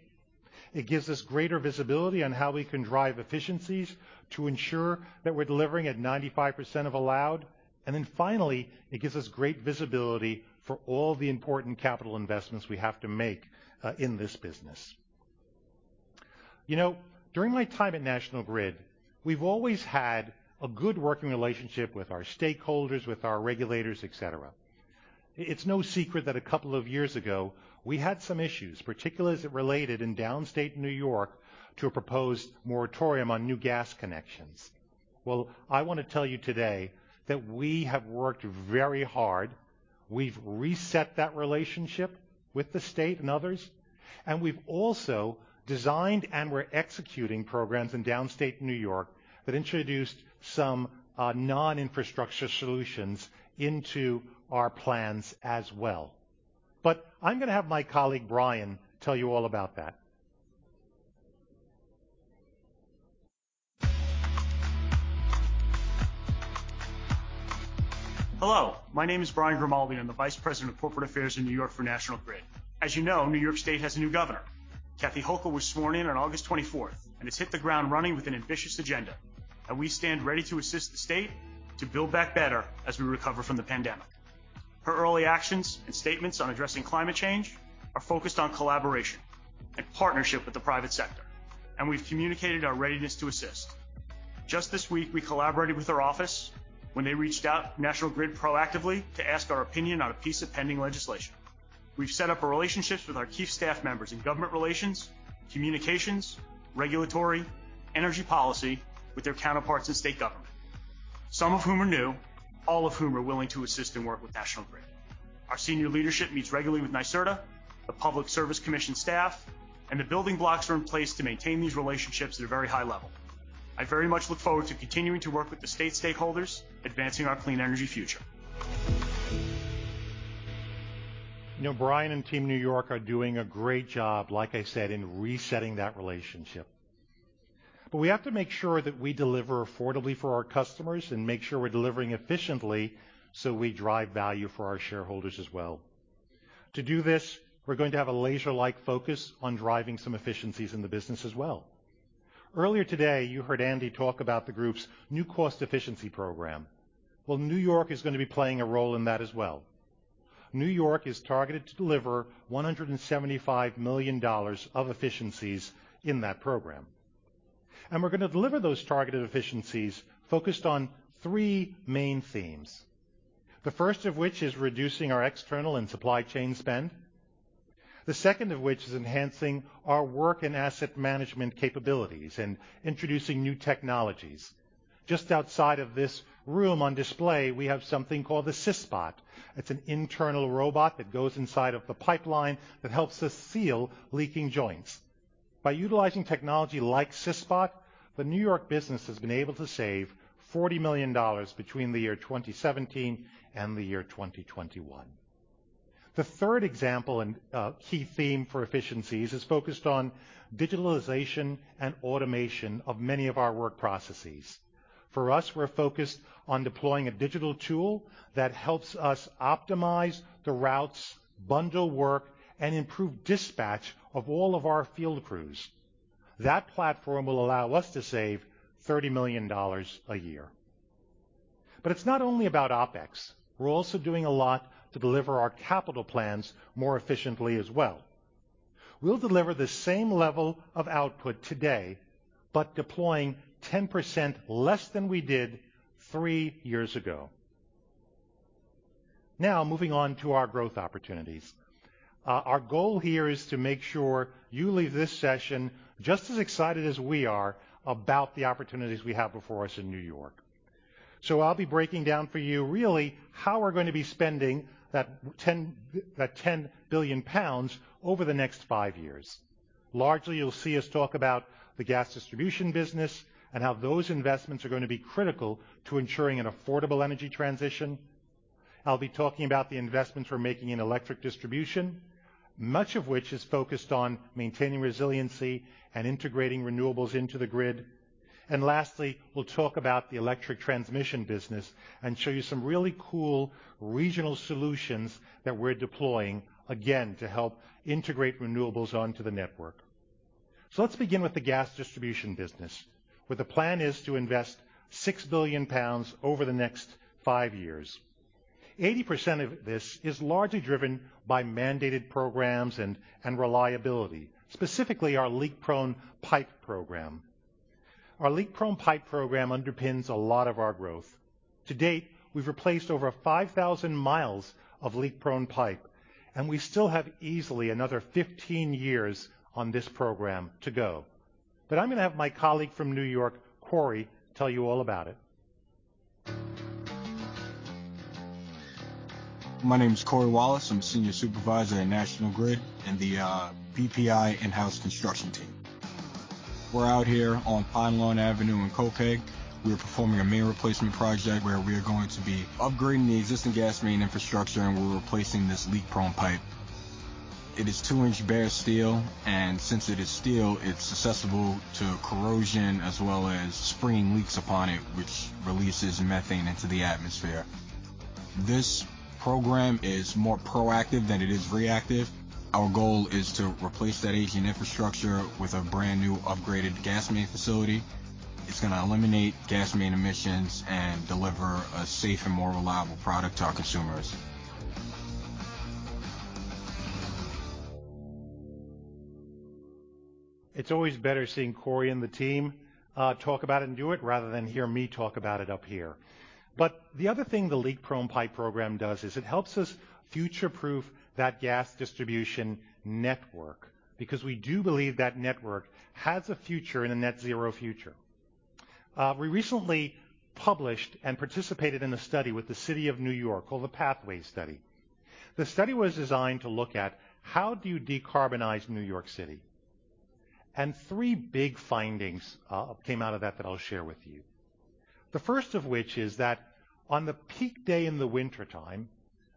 It gives us greater visibility on how we can drive efficiencies to ensure that we're delivering at 95% of allowed. Then finally, it gives us great visibility for all the important capital investments we have to make in this business. You know, during my time at National Grid, we've always had a good working relationship with our stakeholders, with our regulators, etc. It's no secret that a couple of years ago we had some issues, particularly as it related in Downstate New York to a proposed moratorium on new gas connections. Well, I wanna tell you today that we have worked very hard. We've reset that relationship with the state and others, and we've also designed and we're executing programs in Downstate New York that introduced some non-infrastructure solutions into our plans as well. I'm gonna have my colleague, Bryan, tell you all about that. Hello, my name is Bryan Grimaldi. I'm the Vice President of Corporate Affairs in New York for National Grid. As you know, New York State has a new governor. Kathy Hochul was sworn in on August 24th and has hit the ground running with an ambitious agenda, and we stand ready to assist the state to build back better as we recover from the pandemic. Her early actions and statements on addressing climate change are focused on collaboration and partnership with the private sector, and we've communicated our readiness to assist. Just this week, we collaborated with her office when they reached out to National Grid proactively to ask our opinion on a piece of pending legislation. We've set up our relationships with our key staff members in government relations, communications, regulatory, energy policy with their counterparts in state government, some of whom are new, all of whom are willing to assist and work with National Grid. Our senior leadership meets regularly with NYSERDA, the Public Service Commission staff, and the building blocks are in place to maintain these relationships at a very high level. I very much look forward to continuing to work with the state stakeholders, advancing our clean energy future. You know, Bryan and Team New York are doing a great job, like I said, in resetting that relationship. We have to make sure that we deliver affordably for our customers and make sure we're delivering efficiently so we drive value for our shareholders as well. To do this, we're going to have a laser-like focus on driving some efficiencies in the business as well. Earlier today, you heard Andy talk about the group's new cost efficiency program. Well, New York is gonna be playing a role in that as well. New York is targeted to deliver $175 million of efficiencies in that program, and we're gonna deliver those targeted efficiencies focused on three main themes. The first of which is reducing our external and supply chain spend. The second of which is enhancing our work and asset management capabilities and introducing new technologies. Just outside of this room on display, we have something called the CISBOT. It's an internal robot that goes inside of the pipeline that helps us seal leaking joints. By utilizing technology like CISBOT, the New York business has been able to save $40 million between the year 2017 and the year 2021. The third example and key theme for efficiencies is focused on digitalization and automation of many of our work processes. For us, we're focused on deploying a digital tool that helps us optimize the routes, bundle work, and improve dispatch of all of our field crews. That platform will allow us to save $30 million a year. It's not only about OpEx, we're also doing a lot to deliver our capital plans more efficiently as well. We'll deliver the same level of output today, but deploying 10% less than we did three years ago. Now, moving on to our growth opportunities. Our goal here is to make sure you leave this session just as excited as we are about the opportunities we have before us in New York. I'll be breaking down for you really how we're gonna be spending that 10 billion pounds over the next five years. Largely, you'll see us talk about the gas distribution business and how those investments are gonna be critical to ensuring an affordable energy transition. I'll be talking about the investments we're making in electric distribution, much of which is focused on maintaining resiliency and integrating renewables into the grid. Lastly, we'll talk about the electric transmission business and show you some really cool regional solutions that we're deploying, again, to help integrate renewables onto the network. Let's begin with the gas distribution business, where the plan is to invest 6 billion pounds over the next five years. 80% of this is largely driven by mandated programs and reliability, specifically our leak-prone pipe program. Our leak-prone pipe program underpins a lot of our growth. To date, we've replaced over 5,000 mi of leak-prone pipe, and we still have easily another 15 years on this program to go. I'm gonna have my colleague from New York, Corey, tell you all about it. My name is Corey Wallace. I'm Senior Supervisor at National Grid in the BPI in-house construction team. We're out here on Pinelawn Avenue in Copiague. We are performing a main replacement project where we are going to be upgrading the existing gas main infrastructure, and we're replacing this leak-prone pipe. It is 2-in bare steel, and since it is steel, it's susceptible to corrosion as well as springing leaks upon it, which releases methane into the atmosphere. This program is more proactive than it is reactive. Our goal is to replace that aging infrastructure with a brand-new upgraded gas main facility. It's gonna eliminate gas main emissions and deliver a safe and more reliable product to our consumers. It's always better seeing Corey and the team talk about it and do it rather than hear me talk about it up here. The other thing the leak-prone pipe program does is it helps us future-proof that gas distribution network, because we do believe that network has a future in a net zero future. We recently published and participated in a study with the City of New York called the Pathways Study. The study was designed to look at how do you decarbonize New York City? Three big findings came out of that that I'll share with you. The first of which is that on the peak day in the wintertime,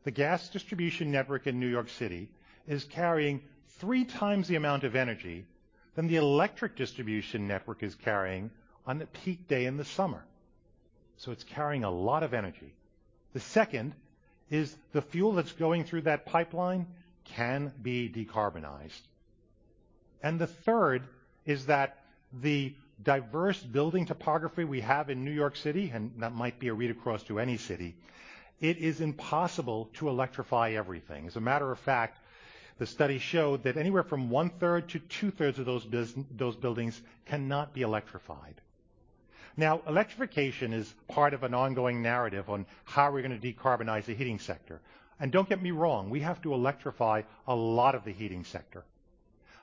the gas distribution network in New York City is carrying 3x the amount of energy than the electric distribution network is carrying on the peak day in the summer. It's carrying a lot of energy. The second is the fuel that's going through that pipeline can be decarbonized. The third is that the diverse building topography we have in New York City, and that might be a read across to any city, it is impossible to electrify everything. As a matter of fact, the study showed that anywhere from 1/3-2/3 of those buildings cannot be electrified. Now, electrification is part of an ongoing narrative on how we're gonna decarbonize the heating sector. Don't get me wrong, we have to electrify a lot of the heating sector,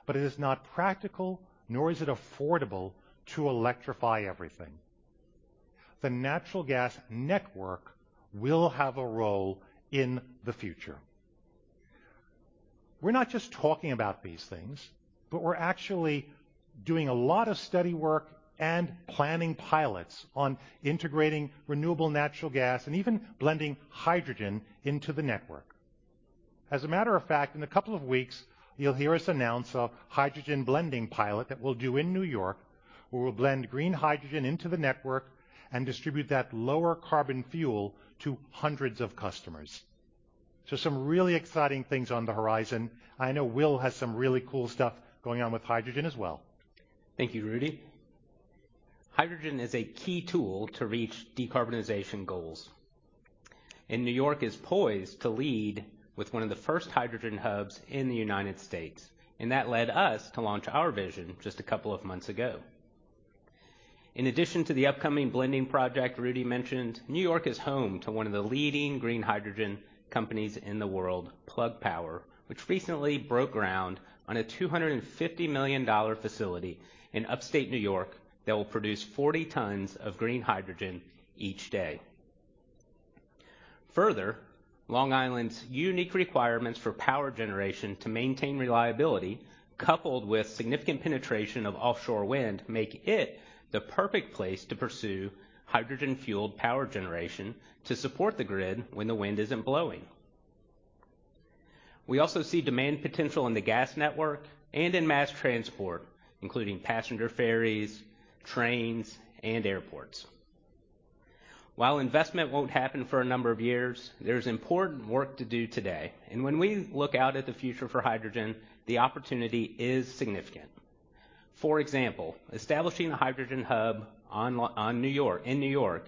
but it is not practical, nor is it affordable to electrify everything. The natural gas network will have a role in the future. We're not just talking about these things, but we're actually doing a lot of study work and planning pilots on integrating renewable natural gas and even blending hydrogen into the network. As a matter of fact, in a couple of weeks, you'll hear us announce a hydrogen blending pilot that we'll do in New York, where we'll blend green hydrogen into the network and distribute that lower carbon fuel to hundreds of customers. Some really exciting things on the horizon. I know Will has some really cool stuff going on with hydrogen as well. Thank you, Rudy. Hydrogen is a key tool to reach decarbonization goals. New York is poised to lead with one of the first hydrogen hubs in the United States, and that led us to launch our vision just a couple of months ago. In addition to the upcoming blending project Rudy mentioned, New York is home to one of the leading green hydrogen companies in the world, Plug Power, which recently broke ground on a $250 million facility in upstate New York that will produce 40 tons of green hydrogen each day. Further, Long Island's unique requirements for power generation to maintain reliability, coupled with significant penetration of offshore wind, make it the perfect place to pursue hydrogen-fueled power generation to support the grid when the wind isn't blowing. We also see demand potential in the gas network and in mass transport, including passenger ferries, trains, and airports. While investment won't happen for a number of years, there's important work to do today, and when we look out at the future for hydrogen, the opportunity is significant. For example, establishing a hydrogen hub in New York,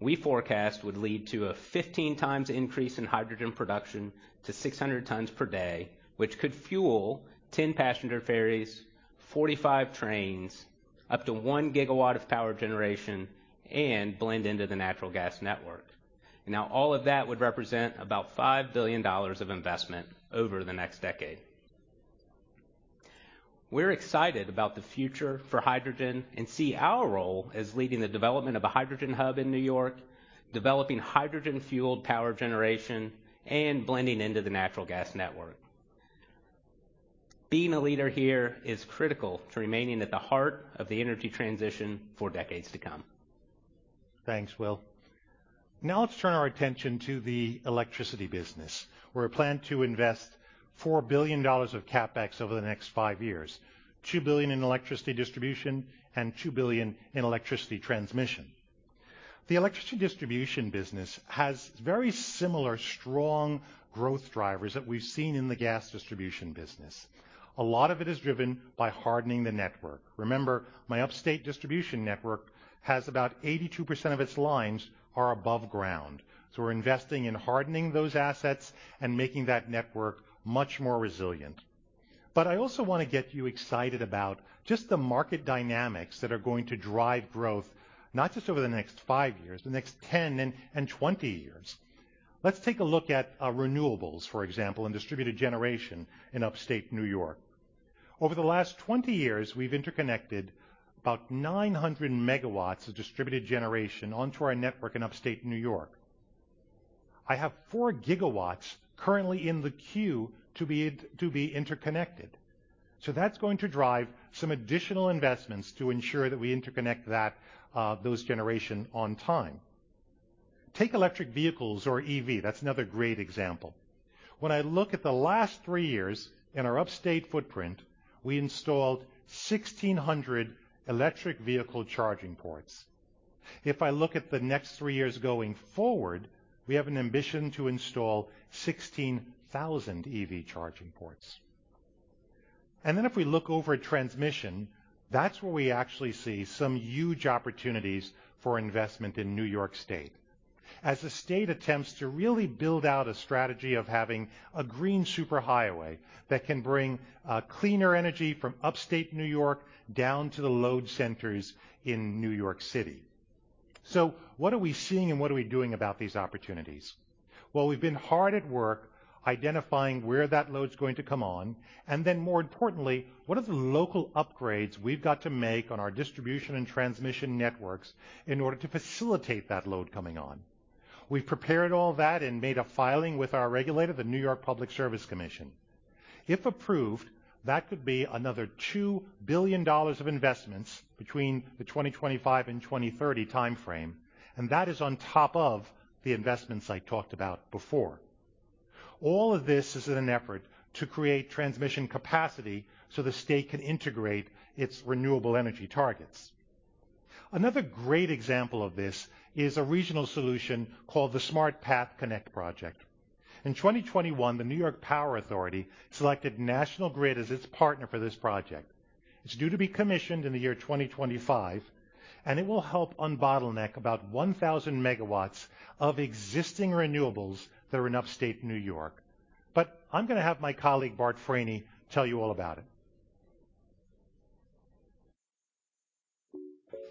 we forecast would lead to a 15x increase in hydrogen production to 600 tons per day, which could fuel 10 passenger ferries, 45 trains, up to 1 GW of power generation, and blend into the natural gas network. Now, all of that would represent about $5 billion of investment over the next decade. We're excited about the future for hydrogen and see our role as leading the development of a hydrogen hub in New York, developing hydrogen-fueled power generation, and blending into the natural gas network. Being a leader here is critical to remaining at the heart of the energy transition for decades to come. Thanks, Will. Now let's turn our attention to the electricity business, where we plan to invest $4 billion of CapEx over the next five years $2 billion in electricity distribution and $2 billion in electricity transmission. The electricity distribution business has very similar strong growth drivers that we've seen in the gas distribution business. A lot of it is driven by hardening the network. Remember, my upstate distribution network has about 82% of its lines are above ground. We're investing in hardening those assets and making that network much more resilient. I also wanna get you excited about just the market dynamics that are going to drive growth, not just over the next five years, the next 10 and 20 years. Let's take a look at renewables, for example, and distributed generation in upstate New York. Over the last 20 years, we've interconnected about 900 MW of distributed generation onto our network in upstate New York. I have 4 GW currently in the queue to be interconnected. That's going to drive some additional investments to ensure that we interconnect that, those generation on time. Take electric vehicles or EV, that's another great example. When I look at the last three years in our upstate footprint, we installed 1,600 electric vehicle charging ports. If I look at the next three years going forward, we have an ambition to install 16,000 EV charging ports. Then if we look over at transmission, that's where we actually see some huge opportunities for investment in New York State. As the state attempts to really build out a strategy of having a green superhighway that can bring cleaner energy from Upstate New York down to the load centers in New York City. What are we seeing and what are we doing about these opportunities? Well, we've been hard at work identifying where that load's going to come on, and then more importantly, what are the local upgrades we've got to make on our distribution and transmission networks in order to facilitate that load coming on. We've prepared all that and made a filing with our regulator, the New York State Public Service Commission. If approved, that could be another $2 billion of investments between the 2025 and 2030 timeframe, and that is on top of the investments I talked about before. All of this is in an effort to create transmission capacity so the state can integrate its renewable energy targets. Another great example of this is a regional solution called the Smart Path Connect project. In 2021, the New York Power Authority selected National Grid as its partner for this project. It's due to be commissioned in the year 2025, and it will help unbottleneck about 1,000 MW of existing renewables that are in Upstate New York. I'm gonna have my colleague, Bart Franey, tell you all about it.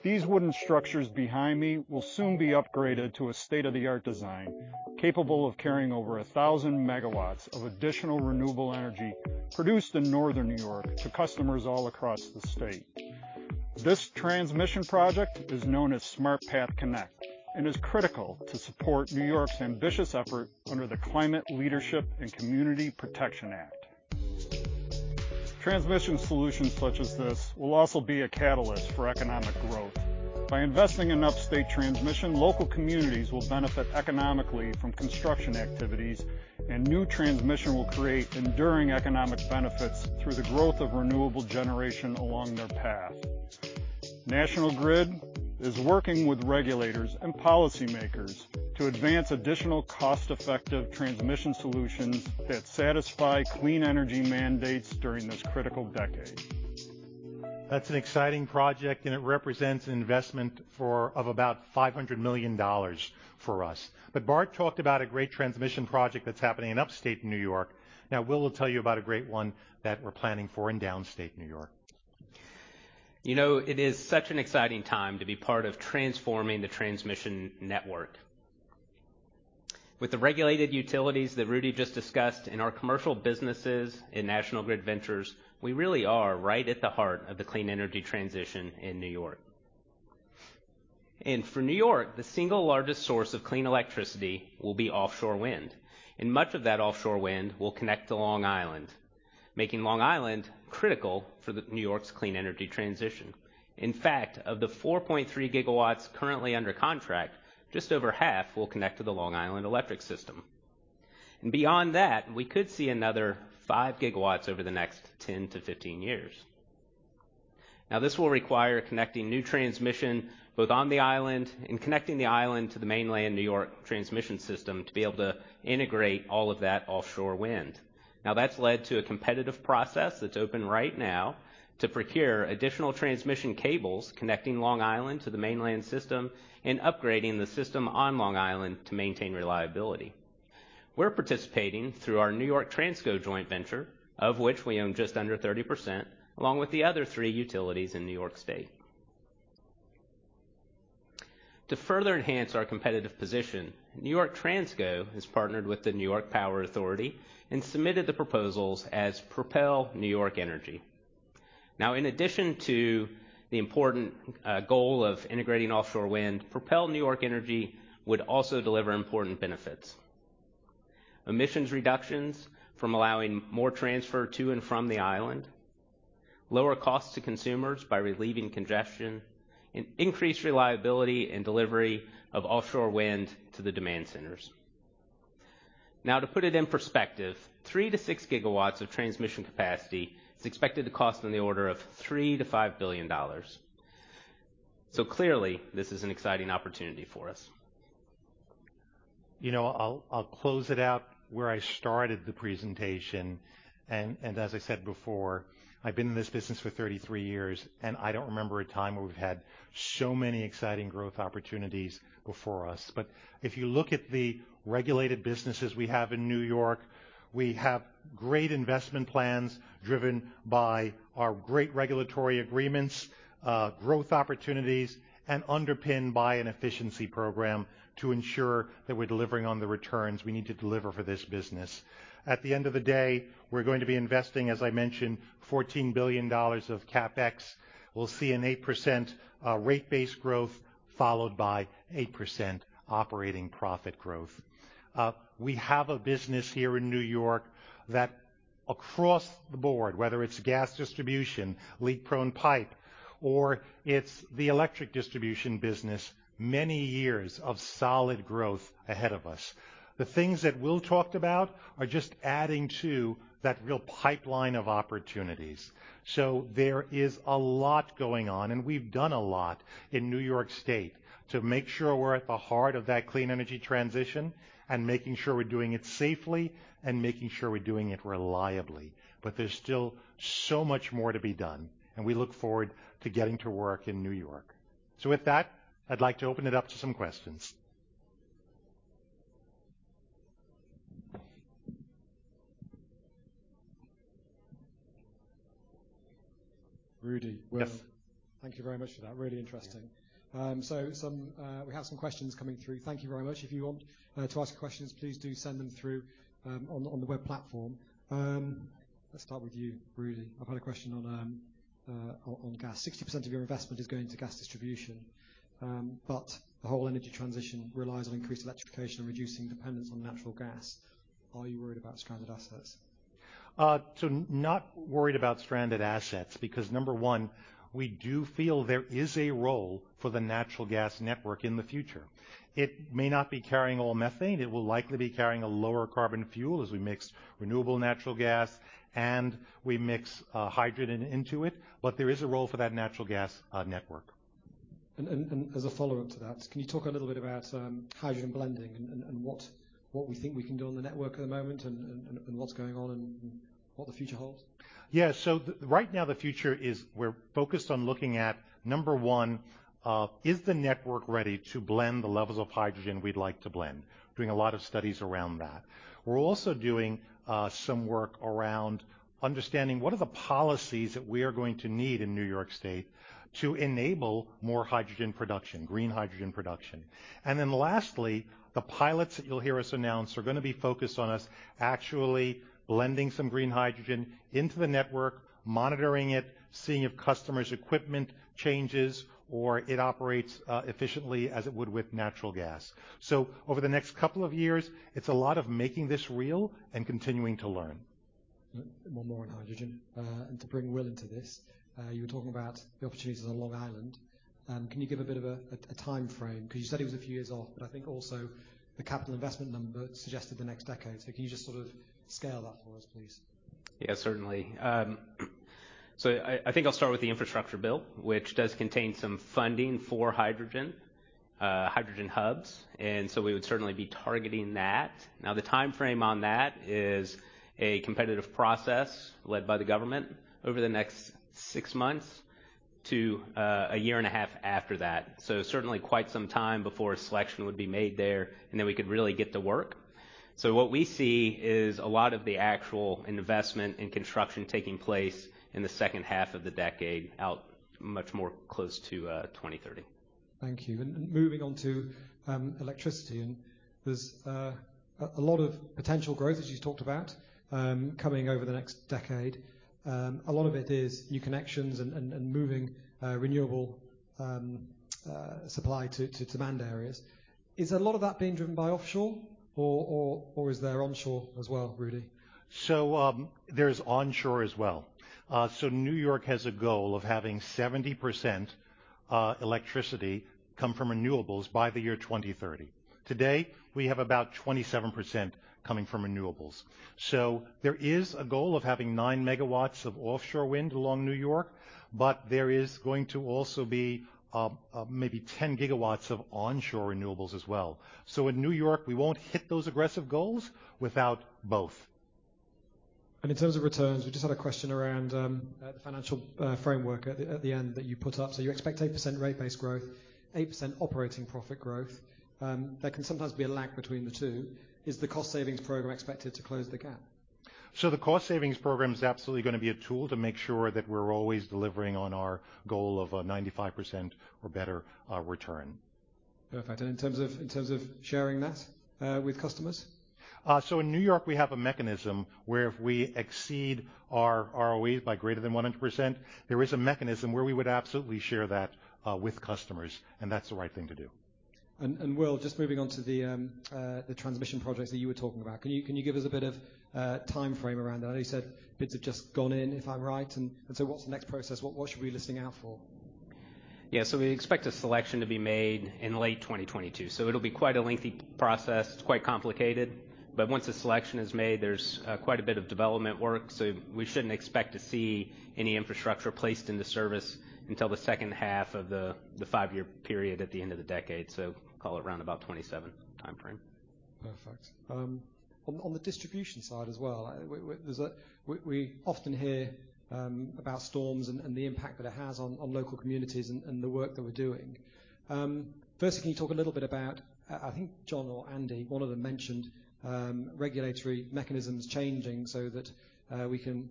These wooden structures behind me will soon be upgraded to a state-of-the-art design, capable of carrying over 1,000 MW of additional renewable energy produced in Northern New York to customers all across the state. This transmission project is known as Smart Path Connect and is critical to support New York's ambitious effort under the Climate Leadership and Community Protection Act. Transmission solutions such as this will also be a catalyst for economic growth. By investing in upstate transmission, local communities will benefit economically from construction activities, and new transmission will create enduring economic benefits through the growth of renewable generation along their path. National Grid is working with regulators and policymakers to advance additional cost-effective transmission solutions that satisfy clean energy mandates during this critical decade. That's an exciting project, and it represents investment of about $500 million for us. Bart talked about a great transmission project that's happening in Upstate New York. Now, Will will tell you about a great one that we're planning for in Downstate New York. You know, it is such an exciting time to be part of transforming the transmission network. With the regulated utilities that Rudy just discussed in our commercial businesses in National Grid Ventures, we really are right at the heart of the clean energy transition in New York. For New York, the single largest source of clean electricity will be offshore wind, and much of that offshore wind will connect to Long Island, making Long Island critical for the New York's clean energy transition. In fact, of the 4.3 GW currently under contract, just over half will connect to the Long Island Electric System. Beyond that, we could see another 5 GW over the next 10-15 years. This will require connecting new transmission, both on the island and connecting the island to the mainland New York transmission system, to be able to integrate all of that offshore wind. That's led to a competitive process that's open right now to procure additional transmission cables connecting Long Island to the mainland system and upgrading the system on Long Island to maintain reliability. We're participating through our New York Transco joint venture, of which we own just under 30%, along with the other three utilities in New York State. To further enhance our competitive position, New York Transco has partnered with the New York Power Authority and submitted the proposals as Propel NY Energy. In addition to the important goal of integrating offshore wind, Propel NY Energy would also deliver important benefits. Emissions reductions from allowing more transfer to and from the island, lower costs to consumers by relieving congestion, and increased reliability and delivery of offshore wind to the demand centers. Now, to put it in perspective, 3 GW-6 GW of transmission capacity is expected to cost in the order of $3 billion-$5 billion. Clearly, this is an exciting opportunity for us. You know, I'll close it out where I started the presentation. As I said before, I've been in this business for 33 years, and I don't remember a time where we've had so many exciting growth opportunities before us. If you look at the regulated businesses we have in New York, we have great investment plans driven by our great regulatory agreements, growth opportunities, and underpinned by an efficiency program to ensure that we're delivering on the returns we need to deliver for this business. At the end of the day, we're going to be investing, as I mentioned, $14 billion of CapEx. We'll see an 8% rate-based growth, followed by 8% operating profit growth. We have a business here in New York that across the board, whether it's gas distribution, leak-prone pipe, or it's the electric distribution business, many years of solid growth ahead of us. The things that we'll talk about are just adding to that real pipeline of opportunities. There is a lot going on, and we've done a lot in New York State to make sure we're at the heart of that clean energy transition and making sure we're doing it safely and making sure we're doing it reliably. There's still so much more to be done, and we look forward to getting to work in New York. With that, I'd like to open it up to some questions. Rudy. Yes. Thank you very much for that. Really interesting. We have some questions coming through. Thank you very much. If you want to ask questions, please do send them through on the web platform. Let's start with you, Rudy. I've had a question on gas. 60% of your investment is going to gas distribution, but the whole energy transition relies on increased electrification and reducing dependence on natural gas. Are you worried about stranded assets? Not worried about stranded assets because number one, we do feel there is a role for the natural gas network in the future. It may not be carrying all methane. It will likely be carrying a lower carbon fuel as we mix renewable natural gas and hydrogen into it, but there is a role for that natural gas network. As a follow-up to that, can you talk a little bit about hydrogen blending and what's going on and what the future holds? Right now the future is we're focused on looking at number one, is the network ready to blend the levels of hydrogen we'd like to blend? Doing a lot of studies around that. We're also doing some work around understanding what are the policies that we are going to need in New York State to enable more hydrogen production, green hydrogen production. And then lastly, the pilots that you'll hear us announce are gonna be focused on us actually blending some green hydrogen into the network, monitoring it, seeing if customers' equipment changes, or it operates efficiently as it would with natural gas. Over the next couple of years, it's a lot of making this real and continuing to learn. One more on hydrogen. To bring Will into this, you were talking about the opportunities on Long Island. Can you give a bit of a timeframe? Because you said it was a few years off, but I think also the capital investment number suggested the next decade. Can you just sort of scale that for us, please? Yeah, certainly. I think I'll start with the infrastructure bill, which does contain some funding for hydrogen hubs, and so we would certainly be targeting that. Now, the timeframe on that is a competitive process led by the government over the next six months to a year and a half after that. Certainly quite some time before a selection would be made there, and then we could really get to work. What we see is a lot of the actual investment and construction taking place in the second half of the decade out much more close to 2030. Thank you. Moving on to electricity. There's a lot of potential growth that you talked about coming over the next decade. A lot of it is new connections and moving renewable supply to demand areas. Is a lot of that being driven by offshore or is there onshore as well, Rudy? There's onshore as well. New York has a goal of having 70% electricity come from renewables by 2030. Today, we have about 27% coming from renewables. There is a goal of having 9 MW of offshore wind along New York, but there is going to also be maybe 10 GW of onshore renewables as well. In New York, we won't hit those aggressive goals without both. In terms of returns, we just had a question around financial framework at the end that you put up. You expect 8% rate-based growth, 8% operating profit growth. There can sometimes be a lag between the two. Is the cost savings program expected to close the gap? The cost savings program is absolutely gonna be a tool to make sure that we're always delivering on our goal of a 95% or better return. Perfect. In terms of sharing that with customers? In New York, we have a mechanism where if we exceed our ROE by greater than 100%, there is a mechanism where we would absolutely share that with customers, and that's the right thing to do. Will, just moving on to the transmission projects that you were talking about. Can you give us a bit of timeframe around that? I know you said bids have just gone in, if I'm right. So what's the next process? What should we be listening out for? Yeah. We expect a selection to be made in late 2022. It'll be quite a lengthy process. It's quite complicated. Once the selection is made, there's quite a bit of development work. We shouldn't expect to see any infrastructure placed into service until the second half of the five-year period at the end of the decade. Call it around about 2027 timeframe. Perfect. On the distribution side as well, we often hear about storms and the impact that it has on local communities and the work that we're doing. Firstly, can you talk a little bit about, I think John or Andy, one of them mentioned, regulatory mechanisms changing so that we can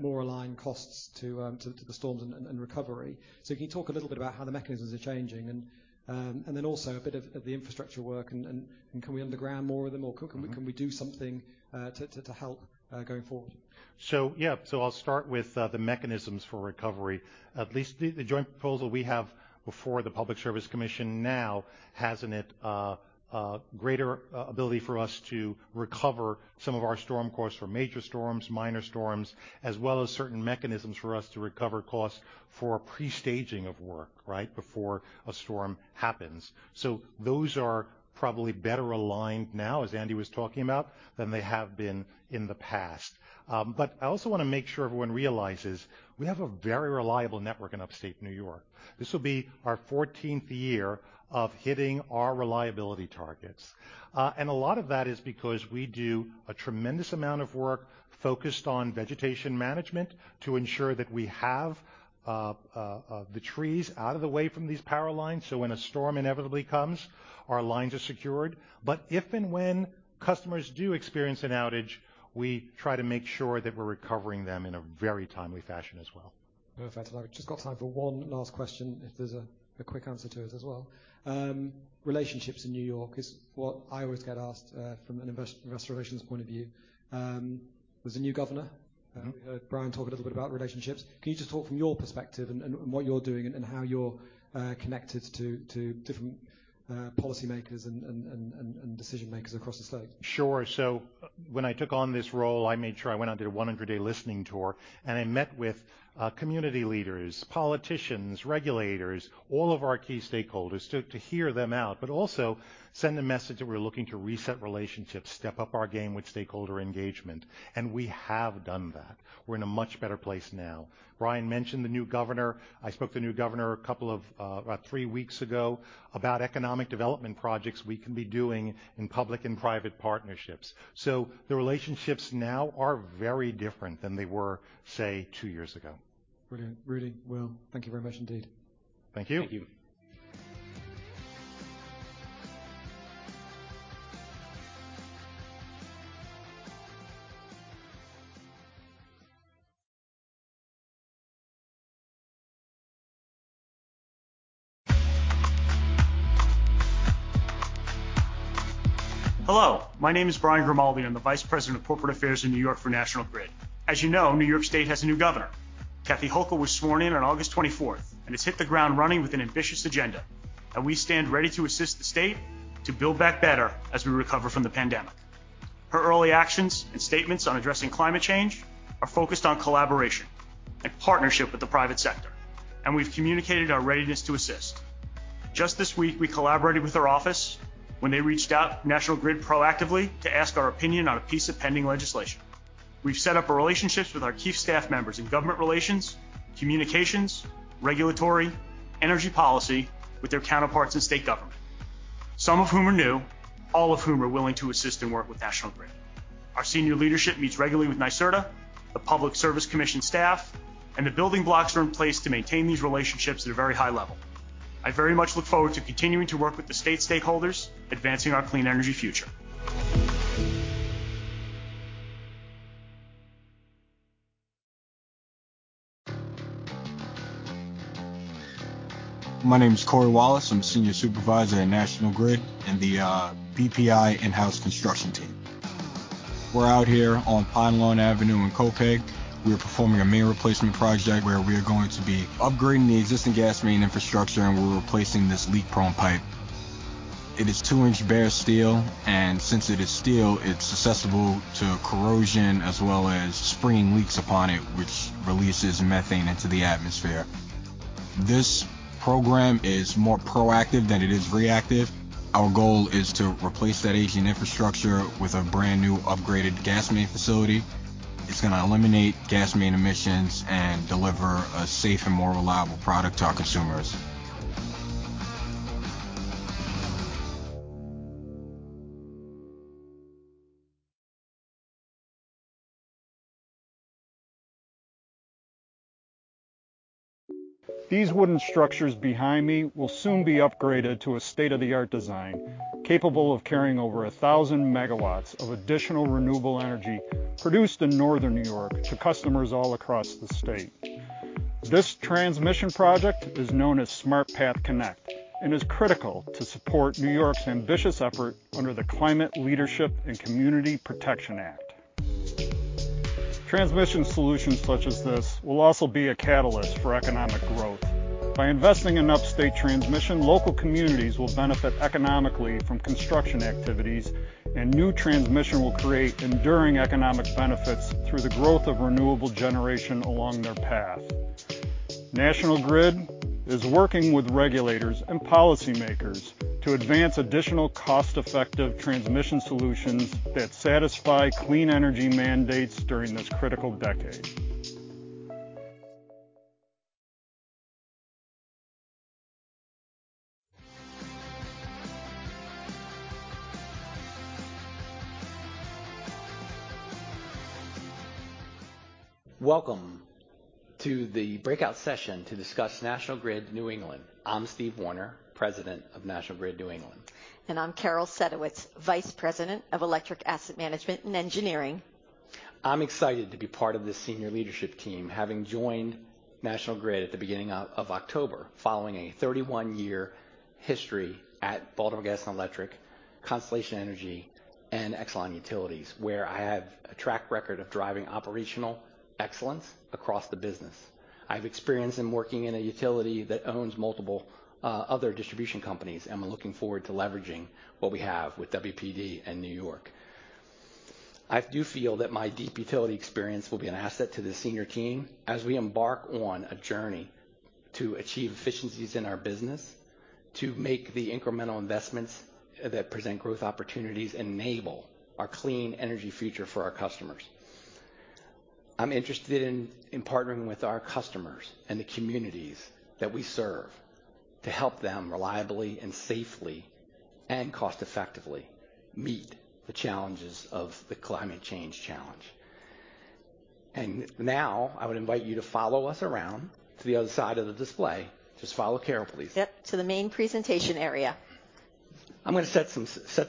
more align costs to the storms and recovery. Can you talk a little bit about how the mechanisms are changing and then also a bit of the infrastructure work and can we underground more of them or can we do something to help going forward? Yeah. I'll start with the mechanisms for recovery. At least the joint proposal we have before the Public Service Commission now has in it greater ability for us to recover some of our storm costs from major storms, minor storms, as well as certain mechanisms for us to recover costs for pre-staging of work, right, before a storm happens. Those are probably better aligned now, as Andy was talking about, than they have been in the past. But I also wanna make sure everyone realizes we have a very reliable network in Upstate New York. This will be our fourteenth year of hitting our reliability targets. A lot of that is because we do a tremendous amount of work focused on vegetation management to ensure that we have the trees out of the way from these power lines, so when a storm inevitably comes, our lines are secured. If and when customers do experience an outage, we try to make sure that we're recovering them in a very timely fashion as well. Perfect. We've just got time for one last question if there's a quick answer to it as well. Relationships in New York is what I always get asked from an investor relations point of view. There's a new governor. We heard Bryan talk a little bit about relationships. Can you just talk from your perspective and what you're doing and how you're connected to different policymakers and decision-makers across the state? Sure. When I took on this role, I made sure I went out and did a 100-day listening tour, and I met with community leaders, politicians, regulators, all of our key stakeholders to hear them out, but also send a message that we're looking to reset relationships, step up our game with stakeholder engagement, and we have done that. We're in a much better place now. Bryan mentioned the new governor. I spoke to the new governor a couple of about three weeks ago about economic development projects we can be doing in public and private partnerships. The relationships now are very different than they were, say, two years ago. Brilliant. Really well. Thank you very much indeed. Thank you. Thank you. Hello, my name is Bryan Grimaldi. I'm the Vice President of Corporate Affairs in New York for National Grid. As you know, New York State has a new governor. Kathy Hochul was sworn in on August 24th, and has hit the ground running with an ambitious agenda. We stand ready to assist the state to build back better as we recover from the pandemic. Her early actions and statements on addressing climate change are focused on collaboration and partnership with the private sector, and we've communicated our readiness to assist. Just this week, we collaborated with her office. When they reached out, National Grid proactively to ask our opinion on a piece of pending legislation. We've set up relationships with our key staff members in government relations, communications, regulatory, energy policy with their counterparts in state government, some of whom are new, all of whom are willing to assist and work with National Grid. Our senior leadership meets regularly with NYSERDA, the Public Service Commission staff, and the building blocks are in place to maintain these relationships at a very high level. I very much look forward to continuing to work with the state stakeholders, advancing our clean energy future. My name is Corey Wallace. I'm Senior Supervisor at National Grid in the BPI in-house construction team. We're out here on Pinelawn Avenue in Copiague. We are performing a main replacement project where we are going to be upgrading the existing gas main infrastructure, and we're replacing this leak-prone pipe. It is two-inch bare steel, and since it is steel, it's susceptible to corrosion as well as springing leaks upon it, which releases methane into the atmosphere. This program is more proactive than it is reactive. Our goal is to replace that aging infrastructure with a brand-new upgraded gas main facility. It's gonna eliminate gas main emissions and deliver a safe and more reliable product to our consumers. These wooden structures behind me will soon be upgraded to a state-of-the-art design, capable of carrying over 1,000 MW of additional renewable energy produced in Northern New York to customers all across the state. This transmission project is known as Smart Path Connect and is critical to support New York's ambitious effort under the Climate Leadership and Community Protection Act. Transmission solutions such as this will also be a catalyst for economic growth. By investing in upstate transmission, local communities will benefit economically from construction activities, and new transmission will create enduring economic benefits through the growth of renewable generation along their path. National Grid is working with regulators and policymakers to advance additional cost-effective transmission solutions that satisfy clean energy mandates during this critical decade. Welcome to the breakout session to discuss National Grid New England. I'm Steve Warner, President of National Grid New England. I'm Carol Sedgwick, Vice President of Electric Asset Management and Engineering. I'm excited to be part of this senior leadership team, having joined National Grid at the beginning of October following a 31-year history at Baltimore Gas and Electric, Constellation Energy, and Exelon Utilities, where I have a track record of driving operational excellence across the business. I have experience in working in a utility that owns multiple other distribution companies, and we're looking forward to leveraging what we have with WPD and New York. I do feel that my deep utility experience will be an asset to the senior team as we embark on a journey to achieve efficiencies in our business to make the incremental investments that present growth opportunities enable our clean energy future for our customers. I'm interested in partnering with our customers and the communities that we serve to help them reliably and safely and cost-effectively meet the challenges of the climate change challenge. Now I would invite you to follow us around to the other side of the display. Just follow Carol, please. Yep, to the main presentation area. I'm gonna set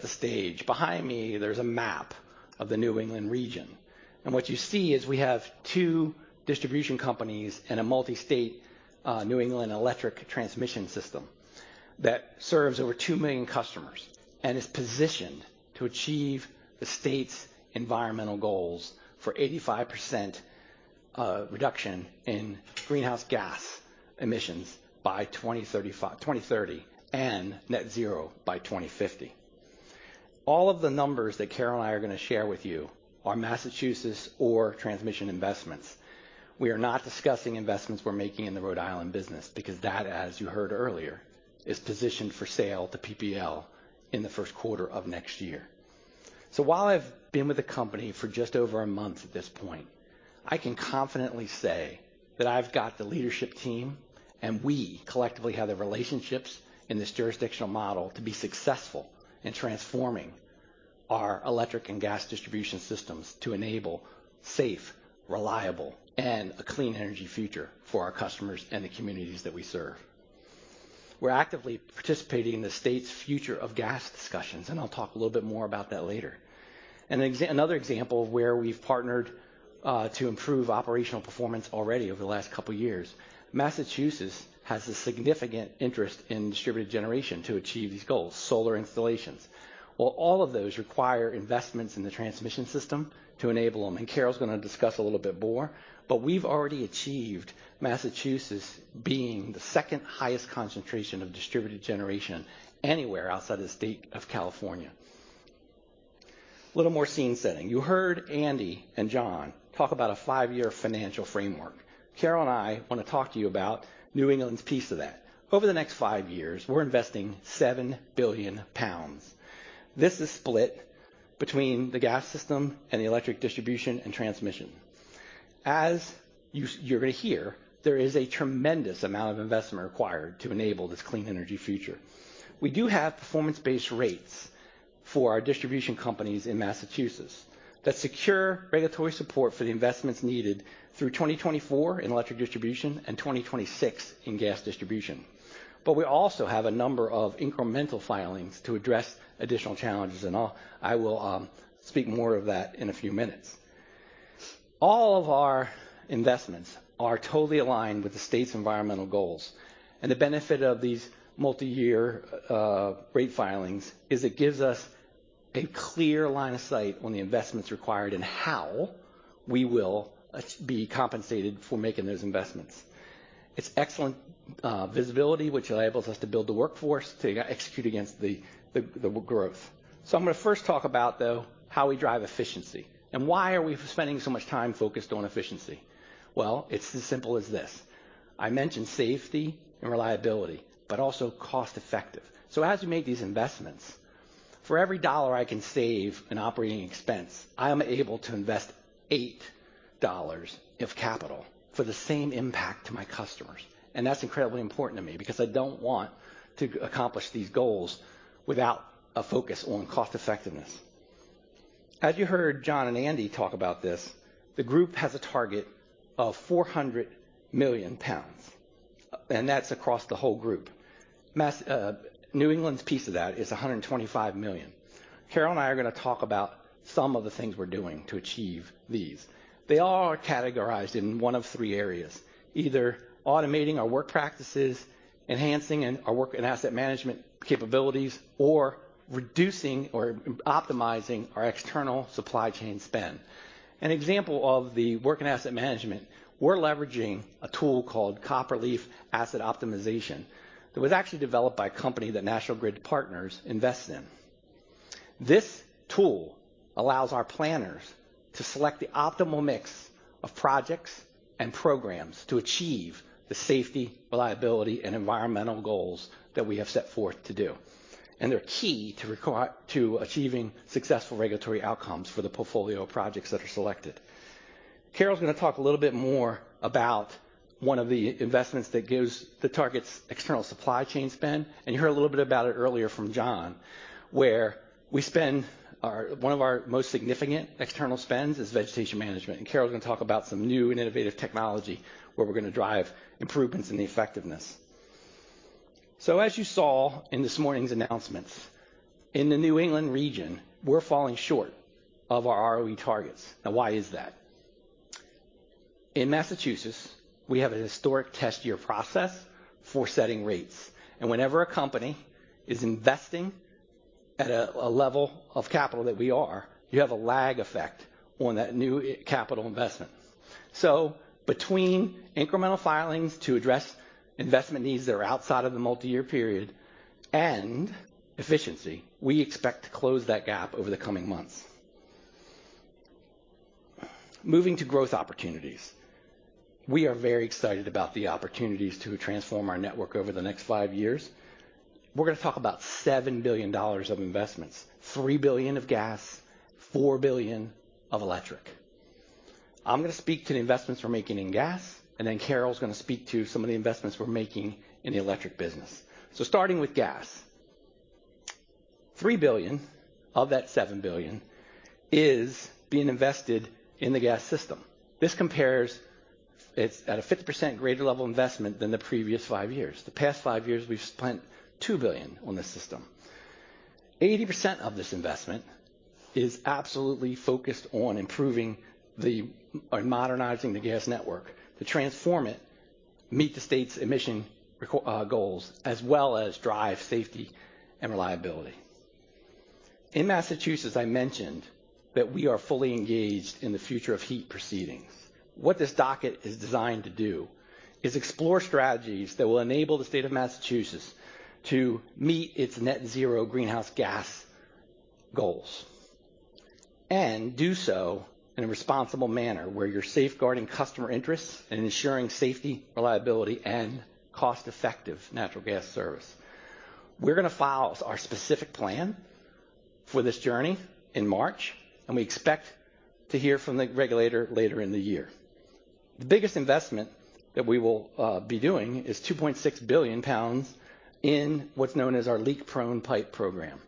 the stage. Behind me, there's a map of the New England region, and what you see is we have two distribution companies in a multi-state New England electric transmission system that serves over 2 million customers and is positioned to achieve the state's environmental goals for 85% reduction in greenhouse gas emissions by 2030 and net zero by 2050. All of the numbers that Carol and I are gonna share with you are Massachusetts or transmission investments. We are not discussing investments we're making in the Rhode Island business because that, as you heard earlier, is positioned for sale to PPL in the first quarter of next year. While I've been with the company for just over a month at this point, I can confidently say that I've got the leadership team, and we collectively have the relationships in this jurisdictional model to be successful in transforming our electric and gas distribution systems to enable safe, reliable, and a clean energy future for our customers and the communities that we serve. We're actively participating in the state's future of gas discussions, and I'll talk a little bit more about that later. Another example of where we've partnered to improve operational performance already over the last couple years, Massachusetts has a significant interest in distributed generation to achieve these goals, solar installations. Well, all of those require investments in the transmission system to enable them, and Carol's gonna discuss a little bit more. We've already achieved Massachusetts being the second-highest concentration of distributed generation anywhere outside the state of California. A little more scene setting. You heard Andy and John talk about a five-year financial framework. Carol and I wanna talk to you about New England's piece of that. Over the next five years, we're investing 7 billion pounds. This is split between the gas system and the electric distribution and transmission. As you're gonna hear, there is a tremendous amount of investment required to enable this clean energy future. We do have performance-based rates for our distribution companies in Massachusetts that secure regulatory support for the investments needed through 2024 in electric distribution and 2026 in gas distribution. We also have a number of incremental filings to address additional challenges, and I'll speak more of that in a few minutes. All of our investments are totally aligned with the state's environmental goals, and the benefit of these multiyear rate filings is it gives us a clear line of sight on the investments required and how we will be compensated for making those investments. It's excellent visibility, which enables us to build the workforce to execute against the growth. I'm gonna first talk about, though, how we drive efficiency and why are we spending so much time focused on efficiency. Well, it's as simple as this. I mentioned safety and reliability, but also cost-effective. As we make these investments, for every $1 I can save in operating expense, I am able to invest $8 of capital for the same impact to my customers. That's incredibly important to me because I don't want to accomplish these goals without a focus on cost effectiveness. As you heard John and Andy talk about this, the group has a target of 400 million pounds, and that's across the whole group. Mass, New England's piece of that is 125 million. Carol and I are gonna talk about some of the things we're doing to achieve these. They all are categorized in one of three areas, either automating our work practices, enhancing our work and asset management capabilities, or reducing or optimizing our external supply chain spend. An example of the work and asset management, we're leveraging a tool called Copperleaf Asset Optimization that was actually developed by a company that National Grid Partners invest in. This tool allows our planners to select the optimal mix of projects and programs to achieve the safety, reliability, and environmental goals that we have set forth to do, and they're key to achieving successful regulatory outcomes for the portfolio of projects that are selected. Carol's gonna talk a little bit more about one of the investments that gives the targets external supply chain spend, and you heard a little bit about it earlier from John, where we spend our... One of our most significant external spends is vegetation management, and Carol's gonna talk about some new and innovative technology where we're gonna drive improvements in the effectiveness. As you saw in this morning's announcements, in the New England region, we're falling short of our ROE targets. Now why is that? In Massachusetts, we have a historic test year process for setting rates, and whenever a company is investing at a level of capital that we are, you have a lag effect on that new capital investment. Between incremental filings to address investment needs that are outside of the multiyear period and efficiency, we expect to close that gap over the coming months. Moving to growth opportunities. We are very excited about the opportunities to transform our network over the next five years. We're gonna talk about $7 billion of investments, $3 billion of gas, $4 billion of electric. I'm gonna speak to the investments we're making in gas, and then Carol's gonna speak to some of the investments we're making in the electric business. Starting with gas. $3 billion of that $7 billion is being invested in the gas system. This compares. It's at a 50% greater level of investment than the previous five years. The past five years, we've spent $2 billion on this system. 80% of this investment is absolutely focused on improving or modernizing the gas network to transform it, meet the state's emission goals, as well as drive safety and reliability. In Massachusetts, I mentioned that we are fully engaged in the future of heat proceedings. What this docket is designed to do is explore strategies that will enable the state of Massachusetts to meet its net zero greenhouse gas goals, and do so in a responsible manner, where you're safeguarding customer interests and ensuring safety, reliability, and cost-effective natural gas service. We're gonna file our specific plan for this journey in March, and we expect to hear from the regulator later in the year. The biggest investment that we will be doing is 2.6 billion pounds in what's known as our leak-prone pipe program.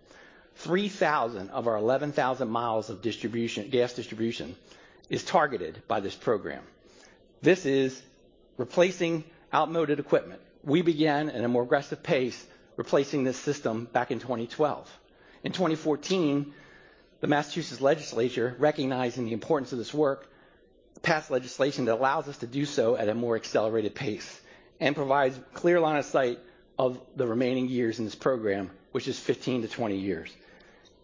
3,000 of our 11,000 mi of gas distribution is targeted by this program. This is replacing outmoded equipment. We began at a more aggressive pace replacing this system back in 2012. In 2014, the Massachusetts legislature, recognizing the importance of this work, passed legislation that allows us to do so at a more accelerated pace and provides clear line of sight of the remaining years in this program, which is 15-20 years.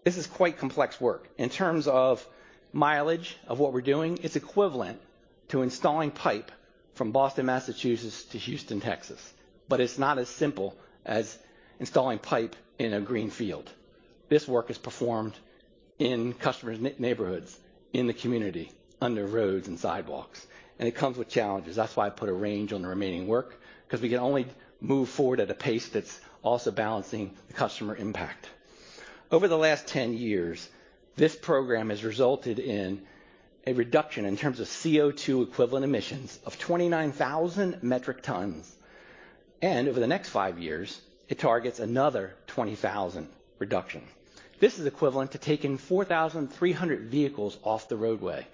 This is quite complex work. In terms of mileage of what we're doing, it's equivalent to installing pipe from Boston, Massachusetts to Houston, Texas. It's not as simple as installing pipe in a green field. This work is performed in customers' neighborhoods, in the community, under roads and sidewalks, and it comes with challenges. That's why I put a range on the remaining work, 'cause we can only move forward at a pace that's also balancing the customer impact. Over the last 10 years, this program has resulted in a reduction in terms of CO2 equivalent emissions of 29,000 metric tons. Over the next five years, it targets another 20,000 reduction. This is equivalent to taking 4,300 vehicles off the roadway,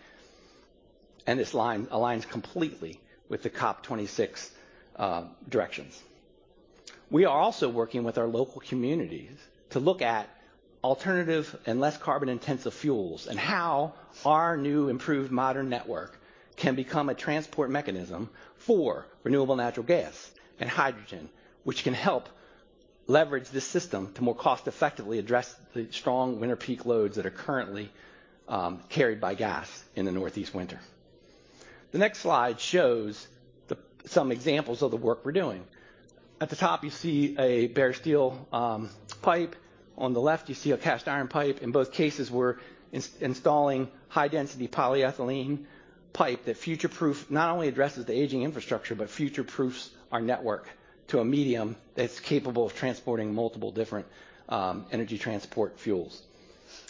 and this line aligns completely with the COP26 directions. We are also working with our local communities to look at alternative and less carbon-intensive fuels, and how our new improved modern network can become a transport mechanism for renewable natural gas and hydrogen, which can help leverage this system to more cost effectively address the strong winter peak loads that are currently carried by gas in the Northeast winter. The next slide shows some examples of the work we're doing. At the top you see a bare steel pipe. On the left you see a cast iron pipe. In both cases, we're installing high-density polyethylene pipe that future-proof not only addresses the aging infrastructure, but future-proofs our network to a medium that's capable of transporting multiple different energy transport fuels.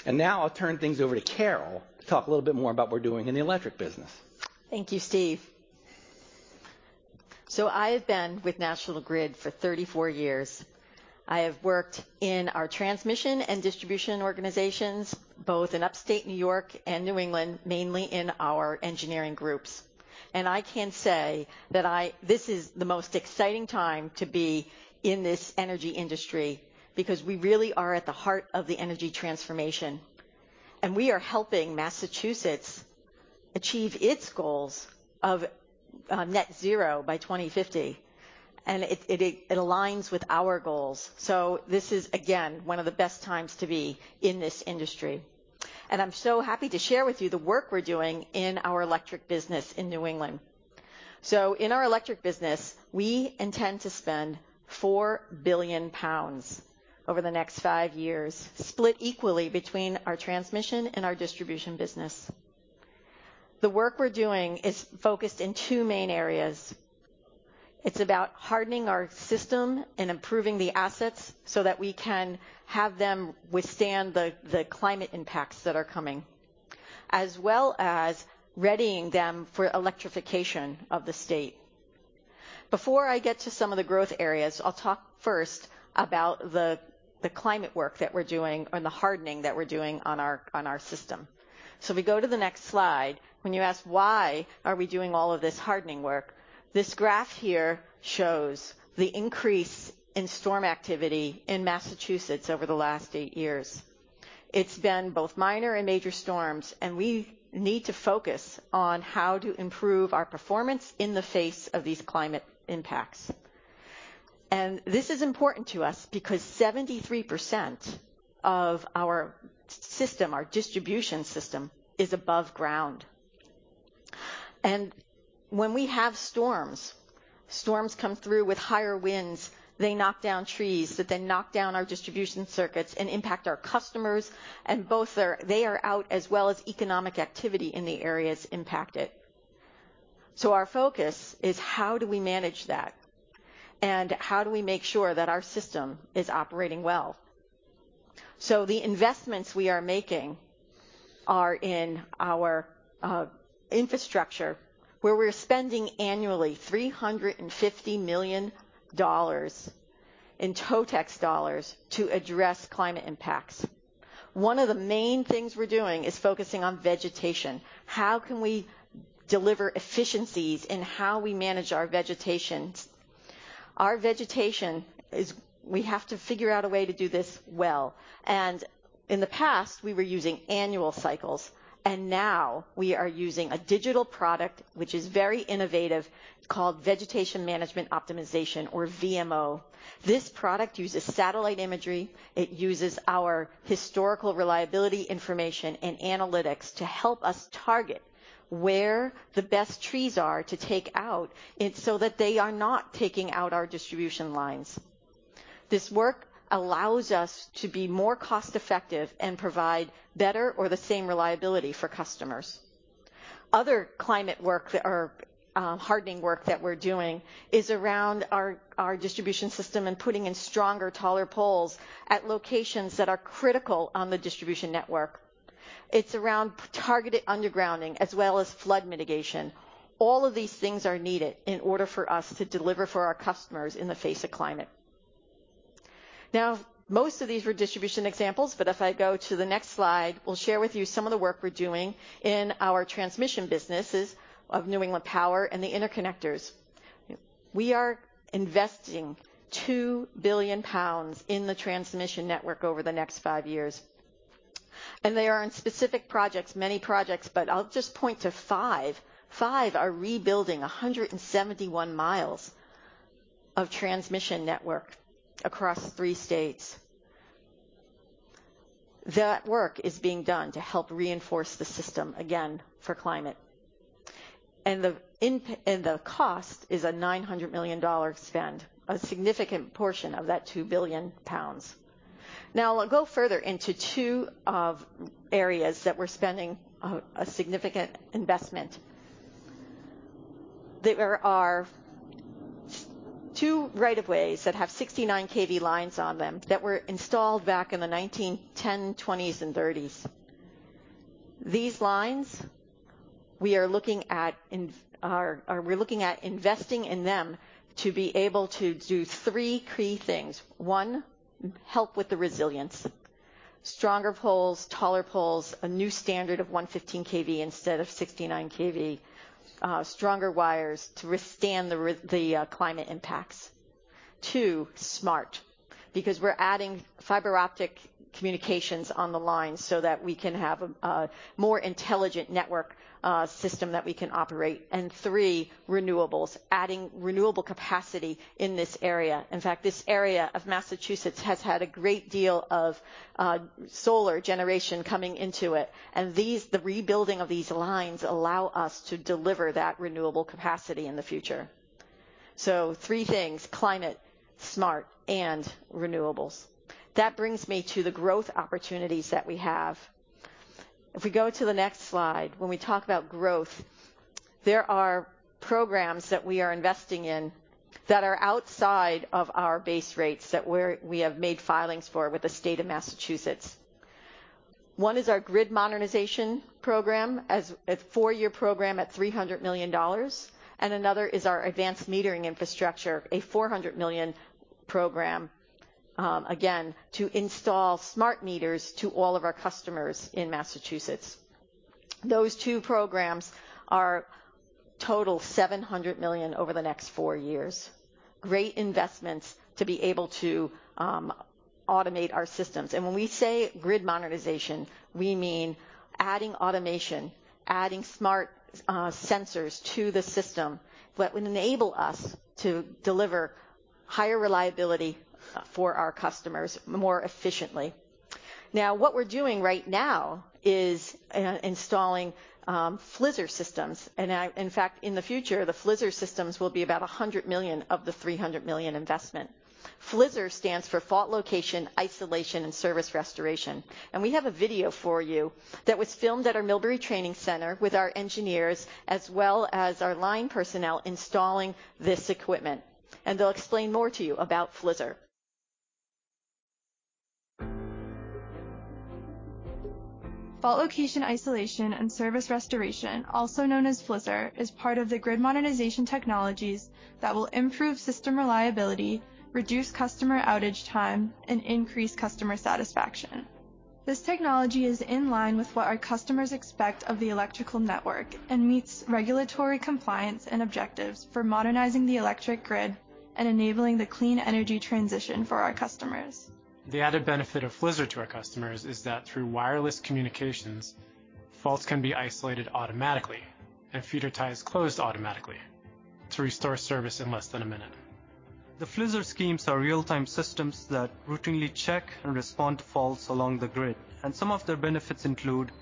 Now I'll turn things over to Carol to talk a little bit more about what we're doing in the electric business. Thank you, Steve. I have been with National Grid for 34 years. I have worked in our transmission and distribution organizations, both in Upstate New York and New England, mainly in our engineering groups. I can say that this is the most exciting time to be in this energy industry, because we really are at the heart of the energy transformation. We are helping Massachusetts achieve its goals of net zero by 2050, and it aligns with our goals. This is, again, one of the best times to be in this industry. I'm so happy to share with you the work we're doing in our electric business in New England. In our electric business, we intend to spend 4 billion pounds over the next five years, split equally between our transmission and our distribution business. The work we're doing is focused in two main areas. It's about hardening our system and improving the assets so that we can have them withstand the climate impacts that are coming, as well as readying them for electrification of the state. Before I get to some of the growth areas, I'll talk first about the climate work that we're doing or the hardening that we're doing on our system. If we go to the next slide, when you ask, "Why are we doing all of this hardening work?" This graph here shows the increase in storm activity in Massachusetts over the last eight years. It's been both minor and major storms, and we need to focus on how to improve our performance in the face of these climate impacts. This is important to us because 73% of our system, our distribution system, is above ground. When we have storms come through with higher winds, they knock down trees that then knock down our distribution circuits and impact our customers, and both are out, as well as economic activity in the areas impacted. Our focus is how do we manage that, and how do we make sure that our system is operating well? The investments we are making are in our infrastructure, where we're spending annually $350 million in TotEx dollars to address climate impacts. One of the main things we're doing is focusing on vegetation. How can we deliver efficiencies in how we manage our vegetation? Our vegetation is, we have to figure out a way to do this well. In the past, we were using annual cycles, and now we are using a digital product, which is very innovative, called Vegetation Management Optimization or VMO. This product uses satellite imagery. It uses our historical reliability information and analytics to help us target where the best trees are to take out, and so that they are not taking out our distribution lines. This work allows us to be more cost-effective and provide better or the same reliability for customers. Other climate work or hardening work that we're doing is around our distribution system and putting in stronger, taller poles at locations that are critical on the distribution network. It's around targeted undergrounding as well as flood mitigation. All of these things are needed in order for us to deliver for our customers in the face of climate. Now, most of these were distribution examples, but if I go to the next slide, we'll share with you some of the work we're doing in our transmission businesses of New England Power and the interconnectors. We are investing 2 billion pounds in the transmission network over the next five years. They are on specific projects, many projects, but I'll just point to five. Five are rebuilding 171 miles of transmission network across three states. That work is being done to help reinforce the system, again, for climate. The cost is a $900 million spend, a significant portion of that 2 billion pounds. Now, I'll go further into two areas that we're spending a significant investment. There are two rights-of-way that have 69 kV lines on them that were installed back in the 1910s, 1920s, and 1930s. These lines, we are looking at investing in them to be able to do three key things. One, help with the resilience. Stronger poles, taller poles, a new standard of 115 kV instead of 69 kV, stronger wires to withstand the climate impacts. Two, smart, because we're adding fiber optic communications on the line so that we can have a more intelligent network system that we can operate. Three, renewables, adding renewable capacity in this area. In fact, this area of Massachusetts has had a great deal of solar generation coming into it. These, the rebuilding of these lines allow us to deliver that renewable capacity in the future. Three things: climate, smart, and renewables. That brings me to the growth opportunities that we have. If we go to the next slide, when we talk about growth, there are programs that we are investing in that are outside of our base rates that we have made filings for with the state of Massachusetts. One is our grid modernization program, a four-year program at $300 million, and another is our advanced metering infrastructure, a $400 million program, again, to install smart meters to all of our customers in Massachusetts. Those two programs are total $700 million over the next four years. Great investments to be able to automate our systems. When we say grid modernization, we mean adding automation, adding smart sensors to the system that would enable us to deliver higher reliability for our customers more efficiently. Now, what we're doing right now is installing FLISR systems. In fact, in the future, the FLISR systems will be about 100 million of the 300 million investment. FLISR stands for Fault Location, Isolation, and Service Restoration. We have a video for you that was filmed at our Millbury Training Center with our engineers as well as our line personnel installing this equipment. They'll explain more to you about FLISR. Fault Location, Isolation, and Service Restoration, also known as FLISR, is part of the grid modernization technologies that will improve system reliability, reduce customer outage time, and increase customer satisfaction. This technology is in line with what our customers expect of the electrical network and meets regulatory compliance and objectives for modernizing the electric grid and enabling the clean energy transition for our customers. The added benefit of FLISR to our customers is that through wireless communications, faults can be isolated automatically and feeder ties closed automatically to restore service in less than a minute. The FLISR schemes are real-time systems that routinely check and respond to faults along the grid, and some of their benefits include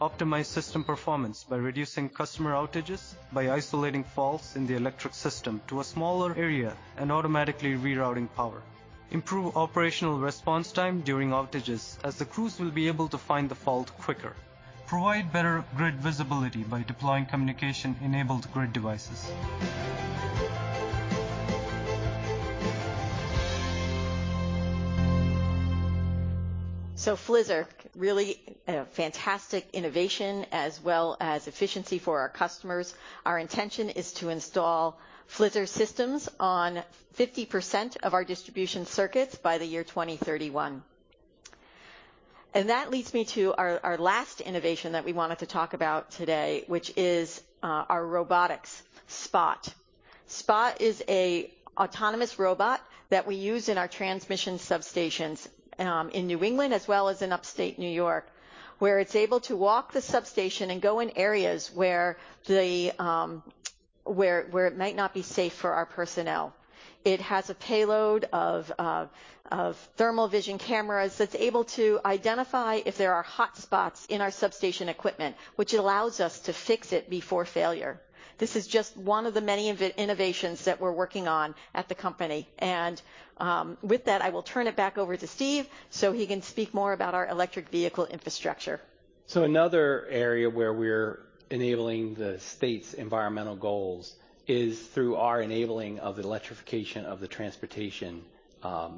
optimized system performance by reducing customer outages, by isolating faults in the electric system to a smaller area, and automatically rerouting power. Improve operational response time during outages, as the crews will be able to find the fault quicker. Provide better grid visibility by deploying communication-enabled grid devices. FLISR, really a fantastic innovation as well as efficiency for our customers. Our intention is to install FLISR systems on 50% of our distribution circuits by the year 2031. That leads me to our last innovation that we wanted to talk about today, which is our robotics, SPOT. SPOT is a autonomous robot that we use in our transmission substations in New England as well as in upstate New York, where it's able to walk the substation and go in areas where it might not be safe for our personnel. It has a payload of thermal vision cameras that's able to identify if there are hotspots in our substation equipment, which allows us to fix it before failure. This is just one of the many innovations that we're working on at the company. With that, I will turn it back over to Steve so he can speak more about our electric vehicle infrastructure. Another area where we're enabling the state's environmental goals is through our enabling of the electrification of the transportation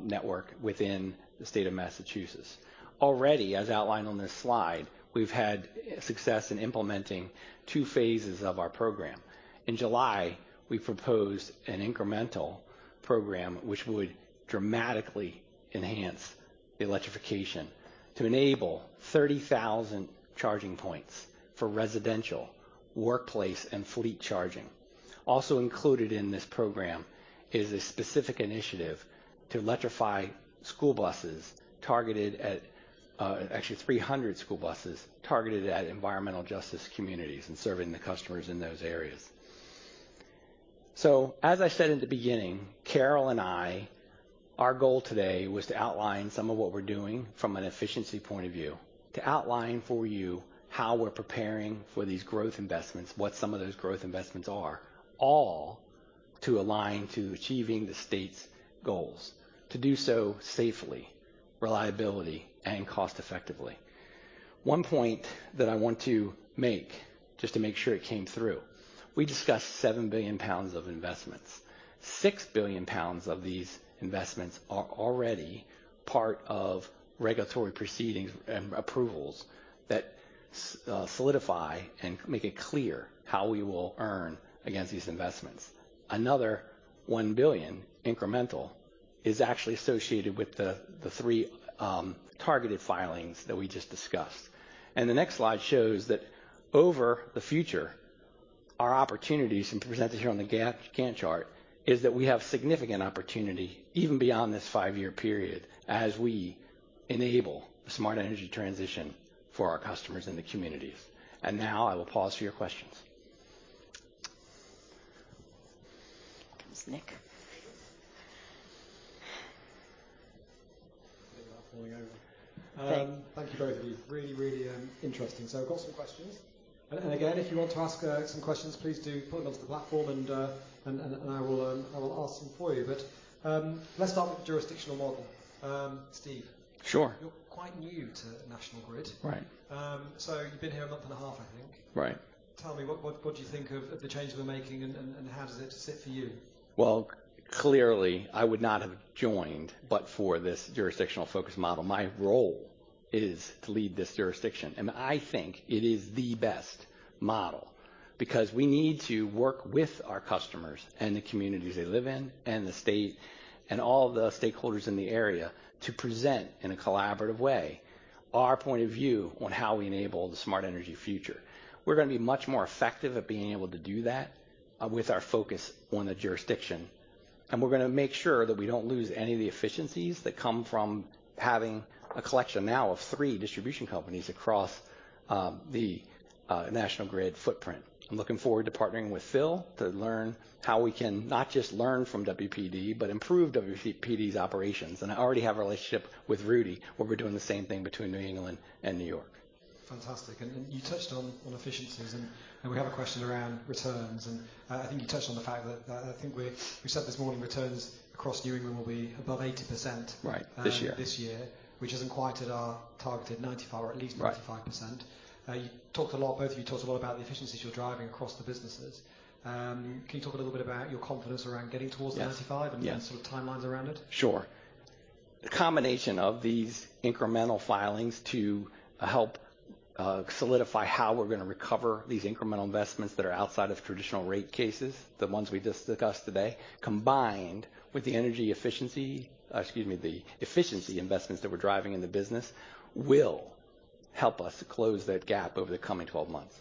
network within the state of Massachusetts. Already, as outlined on this slide, we've had success in implementing two phases of our program. In July, we proposed an incremental program which would dramatically enhance the electrification to enable 30,000 charging points for residential, workplace, and fleet charging. Also included in this program is a specific initiative to electrify school buses targeted at 300 school buses targeted at environmental justice communities and serving the customers in those areas. As I said at the beginning, Carol and I, our goal today was to outline some of what we're doing from an efficiency point of view, to outline for you how we're preparing for these growth investments, what some of those growth investments are, all to align to achieving the state's goals. To do so safely, reliably, and cost-effectively. One point that I want to make, just to make sure it came through, we discussed 7 billion pounds of investments. 6 billion pounds of these investments are already part of regulatory proceedings and approvals that solidify and make it clear how we will earn against these investments. Another 1 billion incremental is actually associated with the three targeted filings that we just discussed. The next slide shows that over the future, our opportunities, and presented here on the Gantt chart, is that we have significant opportunity even beyond this five-year period as we enable smart energy transition for our customers in the communities. Now I will pause for your questions. Thanks. Nick. Thank you both of you. Really interesting. I've got some questions. Again, if you want to ask some questions, please do put them onto the platform and I will ask them for you. Let's start with the jurisdictional model. Steve. Sure. You're quite new to National Grid. Right. You've been here a month and a half, I think. Right. Tell me, what do you think of the change we're making and how does it sit for you? Well, clearly I would not have joined but for this jurisdictional focus model. My role is to lead this jurisdiction, and I think it is the best model because we need to work with our customers and the communities they live in and the state and all the stakeholders in the area to present, in a collaborative way, our point of view on how we enable the smart energy future. We're gonna be much more effective at being able to do that with our focus on the jurisdiction, and we're gonna make sure that we don't lose any of the efficiencies that come from having a collection now of three distribution companies across the National Grid footprint. I'm looking forward to partnering with Phil to learn how we can not just learn from WPD, but improve WPD's operations. I already have a relationship with Rudy, where we're doing the same thing between New England and New York. Fantastic. You touched on efficiencies and we have a question around returns. I think you touched on the fact that I think we said this morning, returns across New England will be above 80%. Right. This year. This year, which isn't quite at our targeted 94% or at least 95%. Right. You talked a lot, both of you talked a lot about the efficiencies you're driving across the businesses. Can you talk a little bit about your confidence around getting towards the 95- Yeah. Yeah. ...the sort of timelines around it? Sure. A combination of these incremental filings to help solidify how we're gonna recover these incremental investments that are outside of traditional rate cases, the ones we just discussed today, combined with the efficiency investments that we're driving in the business, will help us close that gap over the coming 12 months.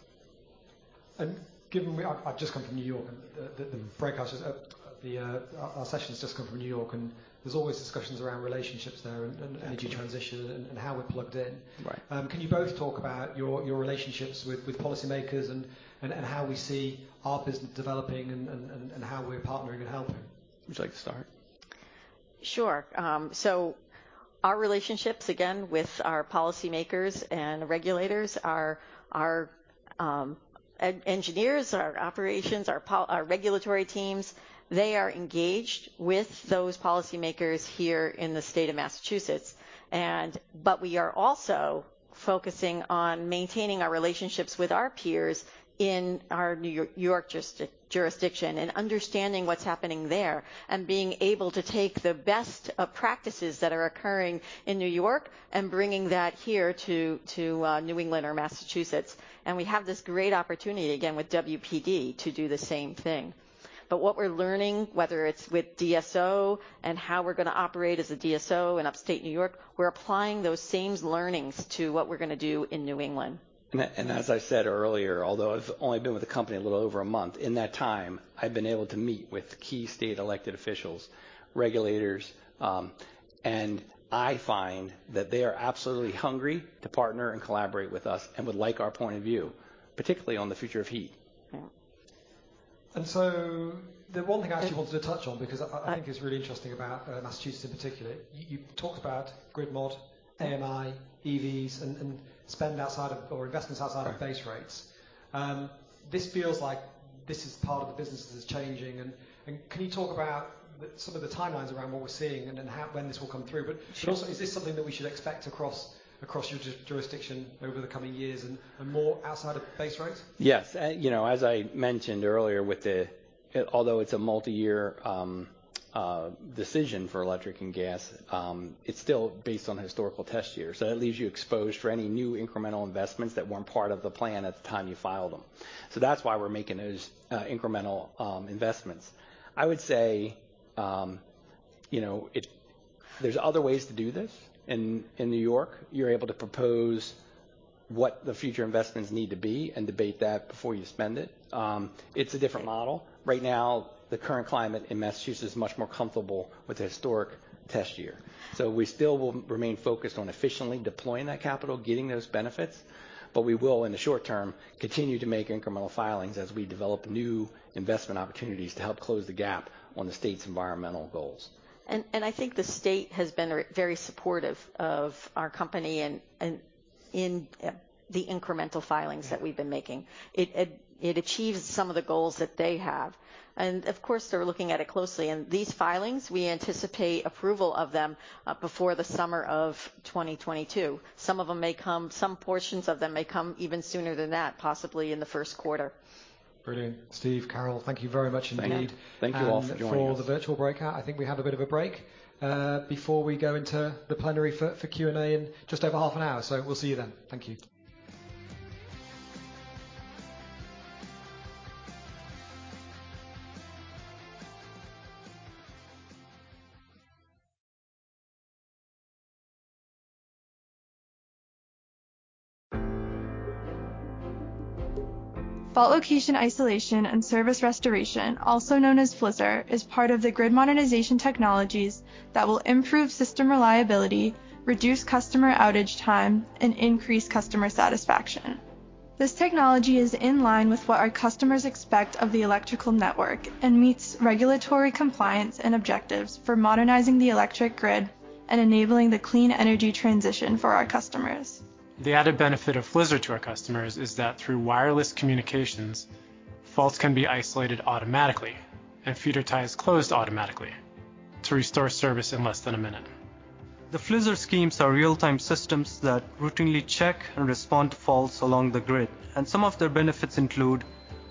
I've just come from New York and the broadcasters at our session's just come from New York, and there's always discussions around relationships there and energy transition and how we're plugged in. Right. Can you both talk about your relationships with policymakers and how we see our business developing and how we're partnering and helping? Would you like to start? Sure. So our relationships, again, with our policymakers and regulators are engineers, our operations, our policy, our regulatory teams. They are engaged with those policymakers here in the state of Massachusetts. But we are also focusing on maintaining our relationships with our peers in our New York jurisdiction and understanding what's happening there, and being able to take the best practices that are occurring in New York and bringing that here to New England or Massachusetts. We have this great opportunity again with WPD to do the same thing. What we're learning, whether it's with DSO and how we're gonna operate as a DSO in upstate New York, we're applying those same learnings to what we're gonna do in New England. As I said earlier, although I've only been with the company a little over a month, in that time, I've been able to meet with key state elected officials, regulators, and I find that they are absolutely hungry to partner and collaborate with us and would like our point of view, particularly on the future of heat. Yeah. The one thing I actually wanted to touch on, because I think it's really interesting about Massachusetts in particular, you've talked about grid mod, AMI, EVs, and spend outside of or investments outside of base rates. This feels like this is part of the business that is changing. Can you talk about some of the timelines around what we're seeing and then how, when this will come through? Sure. Is this something that we should expect across jurisdictions over the coming years and more outside of base rates? Yes. You know, as I mentioned earlier, although it's a multi-year decision for electric and gas, it's still based on historical test years. That leaves you exposed for any new incremental investments that weren't part of the plan at the time you filed them. That's why we're making those incremental investments. I would say, you know, it's, there's other ways to do this. In New York, you're able to propose what the future investments need to be and debate that before you spend it. It's a different model. Right now, the current climate in Massachusetts is much more comfortable with the historic test year. We still will remain focused on efficiently deploying that capital, getting those benefits, but we will, in the short term, continue to make incremental filings as we develop new investment opportunities to help close the gap on the state's environmental goals. I think the state has been very supportive of our company and in the incremental filings that we've been making. It achieves some of the goals that they have. Of course, they're looking at it closely. These filings, we anticipate approval of them before the summer of 2022. Some of them may come, some portions of them may come even sooner than that, possibly in the first quarter. Brilliant. Steve, Carol, thank you very much indeed. Thank you. Thank you all for joining us. For the virtual breakout, I think we have a bit of a break before we go into the plenary for Q&A in just over half an hour. We'll see you then. Thank you. Fault Location, Isolation, and Service Restoration, also known as FLISR, is part of the grid modernization technologies that will improve system reliability, reduce customer outage time, and increase customer satisfaction. This technology is in line with what our customers expect of the electrical network and meets regulatory compliance and objectives for modernizing the electric grid and enabling the clean energy transition for our customers. The added benefit of FLISR to our customers is that through wireless communications, faults can be isolated automatically, and feeder ties closed automatically to restore service in less than a minute. The FLISR schemes are real-time systems that routinely check and respond to faults along the grid, and some of their benefits include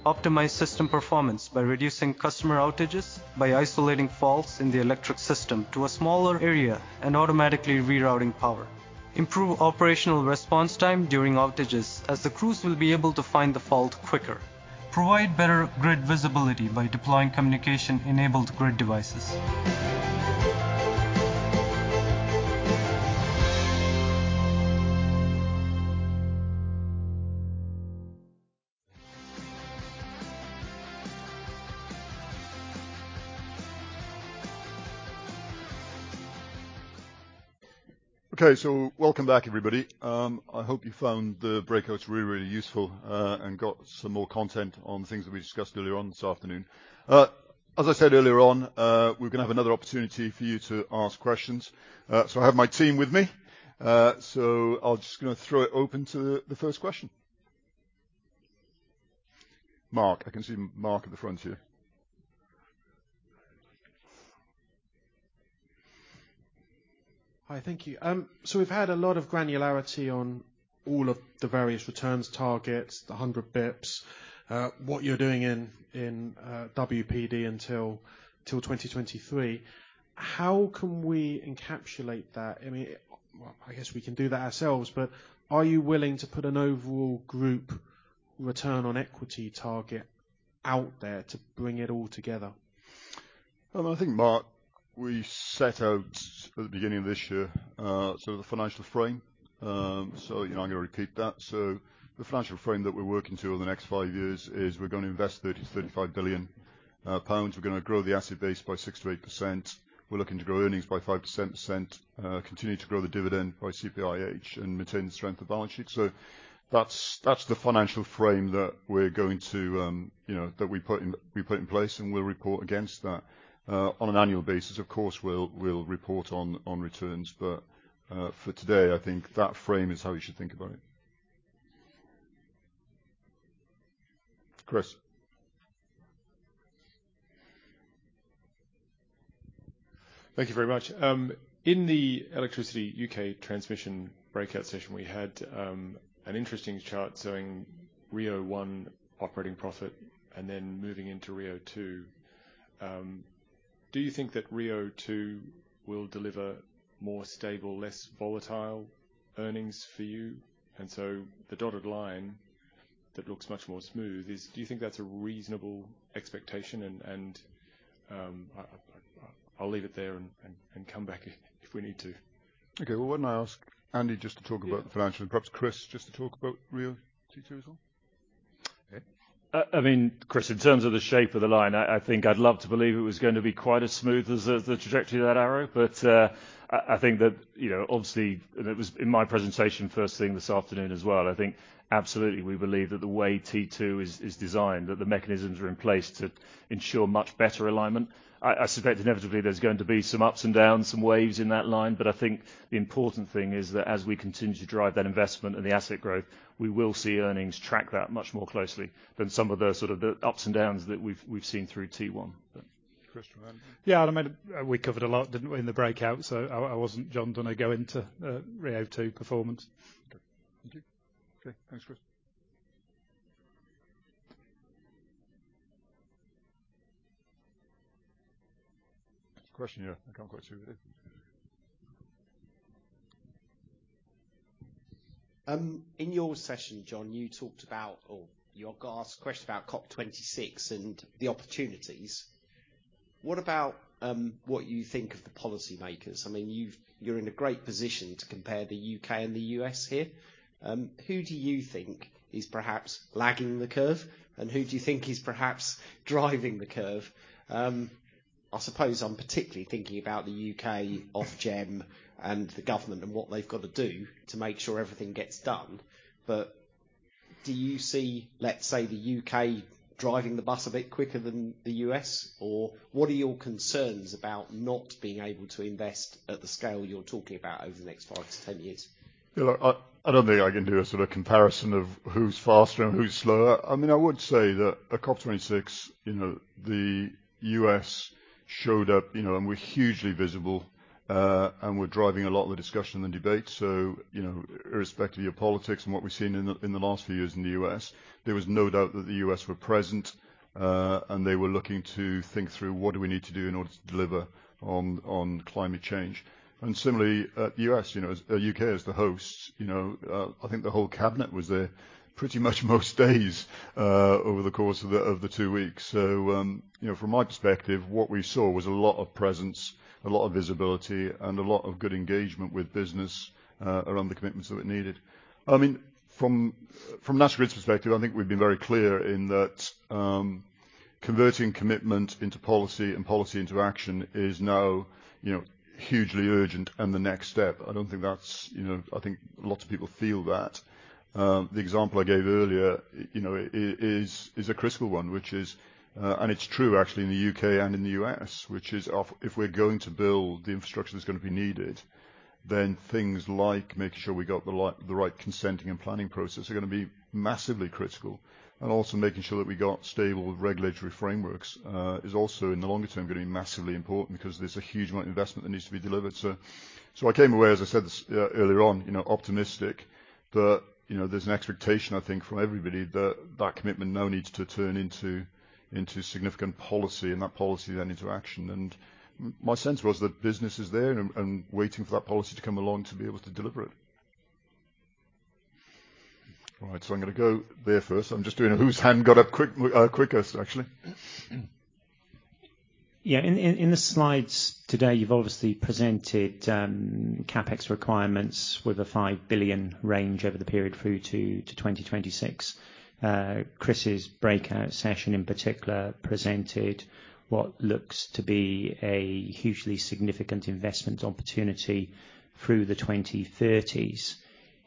optimized system performance by reducing customer outages by isolating faults in the electric system to a smaller area and automatically rerouting power, improve operational response time during outages, as the crews will be able to find the fault quicker, provide better grid visibility by deploying communication-enabled grid devices. Okay, welcome back, everybody. I hope you found the breakouts really, really useful and got some more content on things that we discussed earlier on this afternoon. As I said earlier on, we're gonna have another opportunity for you to ask questions. I have my team with me. I'll just gonna throw it open to the first question. Mark. I can see Mark at the front here. Hi. Thank you. We've had a lot of granularity on all of the various returns targets, the 100 basis points, what you're doing in WPD until 2023. How can we encapsulate that? I mean, well, I guess we can do that ourselves, but are you willing to put an overall group return on equity target out there to bring it all together? I think, Mark, we set out at the beginning of this year, sort of the financial frame. You know, I'm gonna repeat that. The financial frame that we're working to over the next five years is we're gonna invest 30 billion-35 billion pounds. We're gonna grow the asset base by 6%-8%. We're looking to grow earnings by 5%, continue to grow the dividend by CPIH and maintain the strength of the balance sheet. That's the financial frame that we're going to, you know, that we put in place, and we'll report against that. On an annual basis, of course, we'll report on returns. For today, I think that frame is how you should think about it. Chris. Thank you very much. In the Electricity U.K. Transmission breakout session, we had an interesting chart showing RIIO-1 operating profit and then moving into RIIO-2. Do you think that RIIO-2 will deliver more stable, less volatile earnings for you? The dotted line that looks much more smooth is. Do you think that's a reasonable expectation? I'll leave it there and come back if we need to. Okay. Well, why don't I ask Andy just to talk about financials, perhaps Chris just to talk about RIIO-2 as well? I mean, Chris, in terms of the shape of the line, I think I'd love to believe it was gonna be quite as smooth as the trajectory of that arrow. I think that, you know, obviously, it was in my presentation first thing this afternoon as well, I think absolutely we believe that the way T2 is designed, that the mechanisms are in place to ensure much better alignment. I suspect inevitably there's going to be some ups and downs, some waves in that line, but I think the important thing is that as we continue to drive that investment and the asset growth, we will see earnings track that much more closely than some of the ups and downs that we've seen through T1. Chris, do you wanna? Yeah. I mean, we covered a lot, didn't we, in the breakout, so I wasn't stumped when I go into RIIO-2 performance. Okay. Thank you. Okay. Thanks, Chris. Question here. I can't quite see who. In your session, John, you talked about or you got asked a question about COP26 and the opportunities. What about what you think of the policymakers? I mean, you're in a great position to compare the U.K. and the U.S. here. Who do you think is perhaps lagging the curve, and who do you think is perhaps driving the curve? I suppose I'm particularly thinking about the U.K. Ofgem and the government and what they've gotta do to make sure everything gets done. Do you see, let's say, the U.K. driving the bus a bit quicker than the U.S., or what are your concerns about not being able to invest at the scale you're talking about over the next 5-10 years? Yeah. Look, I don't think I can do a sort of comparison of who's faster and who's slower. I mean, I would say that at COP26, you know, the U.S. showed up, you know, and we're hugely visible, and we're driving a lot of the discussion and debate. So, you know, irrespective of your politics and what we've seen in the last few years in the U.S., there was no doubt that the U.S. were present, and they were looking to think through what do we need to do in order to deliver on climate change. Similarly, in the U.K., as the host, you know, I think the whole cabinet was there pretty much most days over the course of the two weeks. From my perspective, what we saw was a lot of presence, a lot of visibility, and a lot of good engagement with business around the commitments that we needed. I mean, from National Grid's perspective, I think we've been very clear in that, converting commitment into policy and policy into action is now, you know, hugely urgent and the next step. I don't think that's, you know. I think lots of people feel that. The example I gave earlier, you know, is a critical one, which is, and it's true actually in the U.K. and in the U.S., if we're going to build the infrastructure that's gonna be needed, then things like making sure we got the right consenting and planning process are gonna be massively critical. Also making sure that we got stable regulatory frameworks is also, in the longer term, gonna be massively important 'cause there's a huge amount of investment that needs to be delivered. I came away, as I said this earlier on, you know, optimistic that, you know, there's an expectation, I think, from everybody that that commitment now needs to turn into into significant policy and that policy then into action. My sense was that business is there and waiting for that policy to come along to be able to deliver it. All right. I'm gonna go there first. I'm just doing whose hand got up quickest actually. Yeah. In the slides today, you've obviously presented CapEx requirements with a 5 billion range over the period through to 2026. Chris's breakout session in particular presented what looks to be a hugely significant investment opportunity through the 2030s.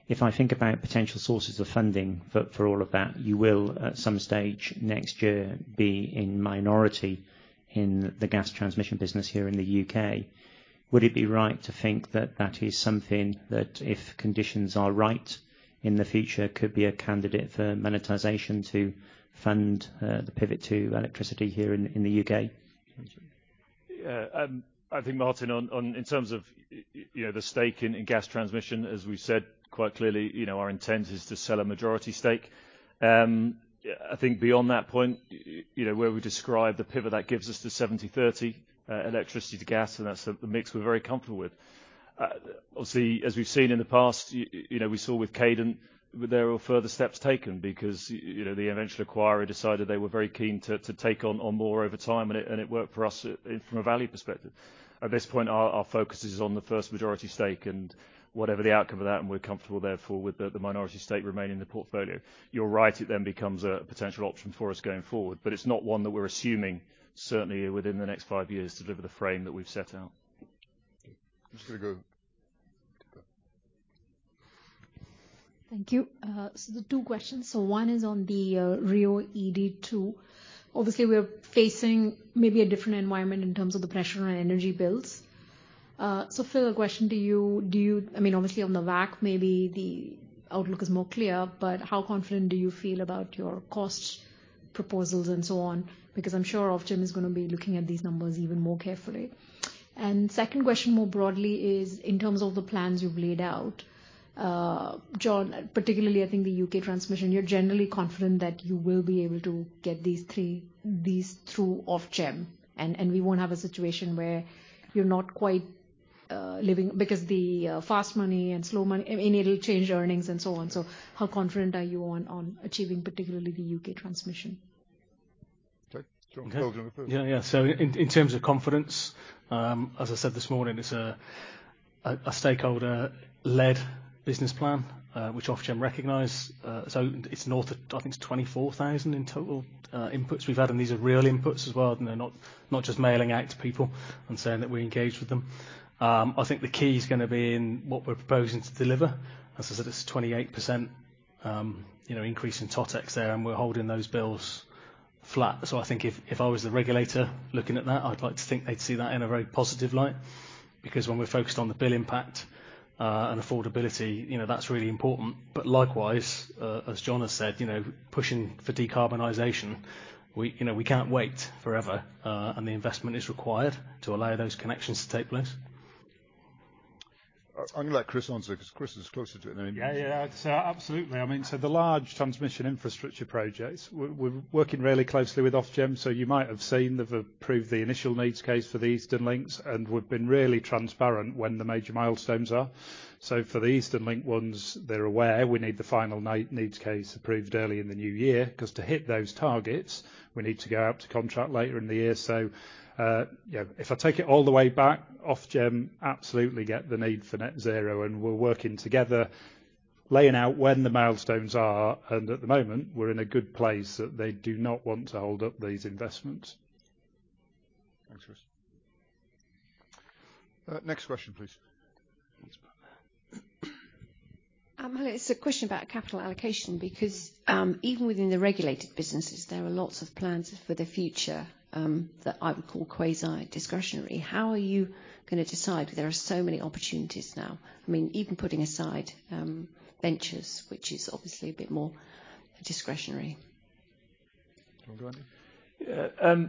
If I think about potential sources of funding for all of that, you will, at some stage next year, be in a minority in the gas transmission business here in the U.K. Would it be right to think that is something that if conditions are right in the future could be a candidate for monetization to fund the pivot to electricity here in the U.K.? Thanks, Martin. Yeah. I think, Martin, in terms of, you know, the stake in gas transmission, as we've said quite clearly, you know, our intent is to sell a majority stake. Yeah, I think beyond that point, you know, where we describe the pivot, that gives us the 70/30 electricity to gas, and that's the mix we're very comfortable with. Obviously, as we've seen in the past, you know, we saw with Cadent, there were further steps taken because, you know, the eventual acquirer decided they were very keen to take on more over time, and it worked for us from a value perspective. At this point, our focus is on the first majority stake and whatever the outcome of that, and we're comfortable therefore with the minority stake remaining in the portfolio. You're right, it then becomes a potential option for us going forward, but it's not one that we're assuming, certainly within the next five years, to deliver the frame that we've set out. I'm just gonna go. Thank you. The two questions, so one is on the RIIO-ED2. Obviously, we're facing maybe a different environment in terms of the pressure on energy bills. Phil, a question to you: do you, I mean, obviously on the WAC, maybe the outlook is more clear, but how confident do you feel about your cost proposals and so on? Because I'm sure Ofgem is gonna be looking at these numbers even more carefully. Second question more broadly is in terms of the plans you've laid out, John, particularly, I think the U.K. transmission, you're generally confident that you will be able to get these through Ofgem, and we won't have a situation where you're not quite living because the fast money and slow money, and it'll change earnings and so on. How confident are you on achieving particularly the U.K. transmission? Okay. You can go through. Yeah, yeah. In terms of confidence, as I said this morning, it's a stakeholder-led business plan, which Ofgem recognize. It's north of, I think it's 24,000 in total, inputs we've had, and these are real inputs as well. They're not just mailing out to people and saying that we engaged with them. I think the key is gonna be in what we're proposing to deliver. As I said, it's a 28%, you know, increase in TotEx there, and we're holding those bills flat. I think if I was the regulator looking at that, I'd like to think they'd see that in a very positive light. Because when we're focused on the bill impact, and affordability, you know, that's really important. Likewise, as John has said, you know, pushing for decarbonization, we, you know, we can't wait forever, and the investment is required to allow those connections to take place. I'm gonna let Chris answer 'cause Chris is closer to it than any of us. Yeah, yeah. Absolutely. I mean, the large transmission infrastructure projects, we're working really closely with Ofgem. You might have seen they've approved the initial needs case for the Eastern Link, and we've been really transparent when the major milestones are. For the Eastern Link ones, they're aware we need the final needs case approved early in the new year, 'cause to hit those targets, we need to go out to contract later in the year. Yeah, if I take it all the way back, Ofgem absolutely get the need for net zero, and we're working together, laying out when the milestones are, and at the moment, we're in a good place that they do not want to hold up these investments. Thanks, Chris. Next question, please. It's a question about capital allocation, because even within the regulated businesses, there are lots of plans for the future that I would call quasi-discretionary. How are you gonna decide there are so many opportunities now? I mean, even putting aside ventures, which is obviously a bit more discretionary. You wanna go on? Yeah.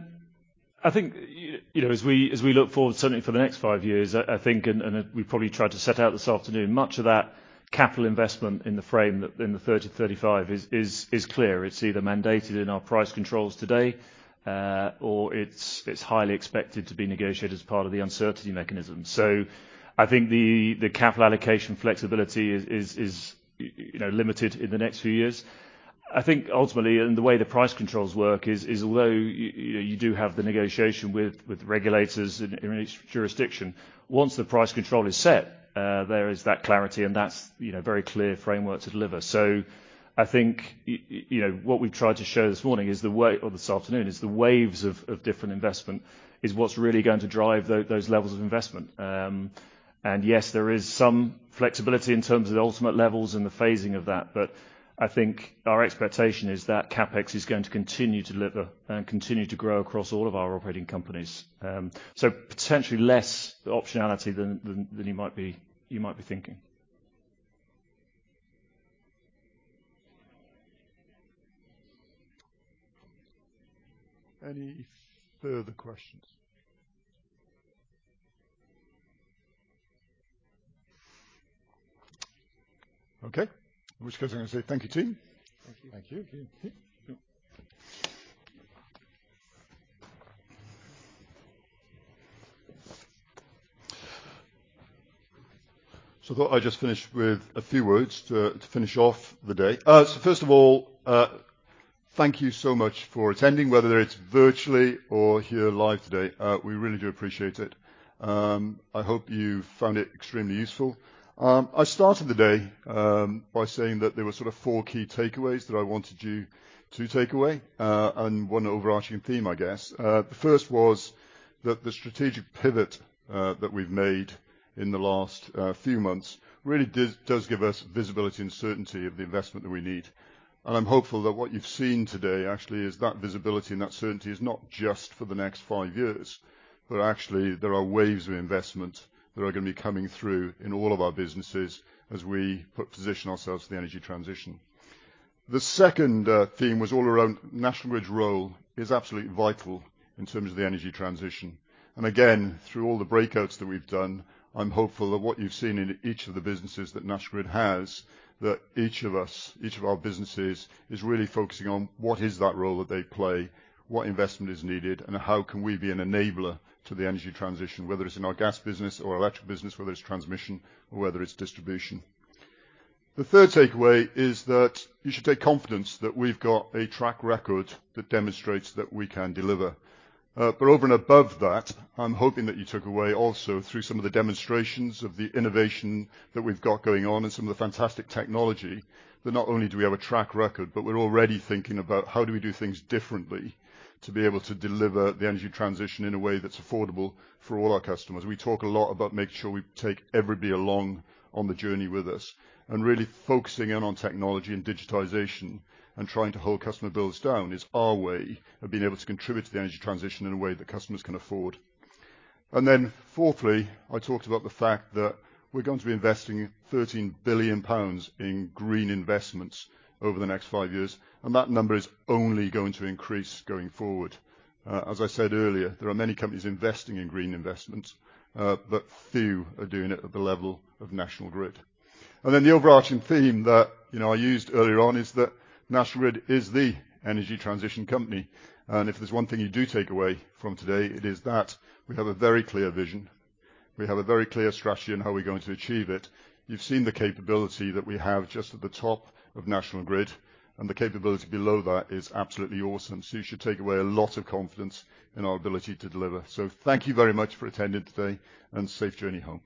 I think you know, as we look forward, certainly for the next five years, I think and we probably tried to set out this afternoon, much of that capital investment in the frame that in the 30-35 is clear. It's either mandated in our price controls today, or it's highly expected to be negotiated as part of the uncertainty mechanism. I think the capital allocation flexibility is you know, limited in the next few years. I think ultimately, the way the price controls work is although you know, you do have the negotiation with regulators in each jurisdiction, once the price control is set, there is that clarity, and that's you know, very clear framework to deliver. I think you know what we've tried to show this morning is the way, or this afternoon, is the waves of different investment is what's really going to drive those levels of investment. Yes, there is some flexibility in terms of the ultimate levels and the phasing of that, but I think our expectation is that CapEx is going to continue to deliver and continue to grow across all of our operating companies. Potentially less optionality than you might be thinking. Any further questions? Okay. In which case I'm gonna say thank you, team. Thank you. Thank you. I thought I'd just finish with a few words to finish off the day. First of all, thank you so much for attending, whether it's virtually or here live today. We really do appreciate it. I hope you found it extremely useful. I started the day by saying that there were sort of four key takeaways that I wanted you to take away, and one overarching theme, I guess. The first was that the strategic pivot that we've made in the last few months really does give us visibility and certainty of the investment that we need. I'm hopeful that what you've seen today actually is that visibility and that certainty is not just for the next five years, but actually there are waves of investment that are gonna be coming through in all of our businesses as we position ourselves for the energy transition. The second theme was all around National Grid's role is absolutely vital in terms of the energy transition. Again, through all the breakouts that we've done, I'm hopeful that what you've seen in each of the businesses that National Grid has, that each of us, each of our businesses, is really focusing on what is that role that they play, what investment is needed, and how can we be an enabler to the energy transition, whether it's in our gas business or our electric business, whether it's transmission or whether it's distribution. The third takeaway is that you should take confidence that we've got a track record that demonstrates that we can deliver. Over and above that, I'm hoping that you took away also through some of the demonstrations of the innovation that we've got going on and some of the fantastic technology, that not only do we have a track record, but we're already thinking about how do we do things differently to be able to deliver the energy transition in a way that's affordable for all our customers. We talk a lot about making sure we take everybody along on the journey with us and really focusing in on technology and digitization and trying to hold customer bills down is our way of being able to contribute to the energy transition in a way that customers can afford. Fourthly, I talked about the fact that we're going to be investing 13 billion pounds in green investments over the next five years, and that number is only going to increase going forward. As I said earlier, there are many companies investing in green investments, but few are doing it at the level of National Grid. The overarching theme that, you know, I used earlier on is that National Grid is the energy transition company. If there's one thing you do take away from today, it is that we have a very clear vision. We have a very clear strategy on how we're going to achieve it. You've seen the capability that we have just at the top of National Grid, and the capability below that is absolutely awesome. You should take away a lot of confidence in our ability to deliver. Thank you very much for attending today, and safe journey home.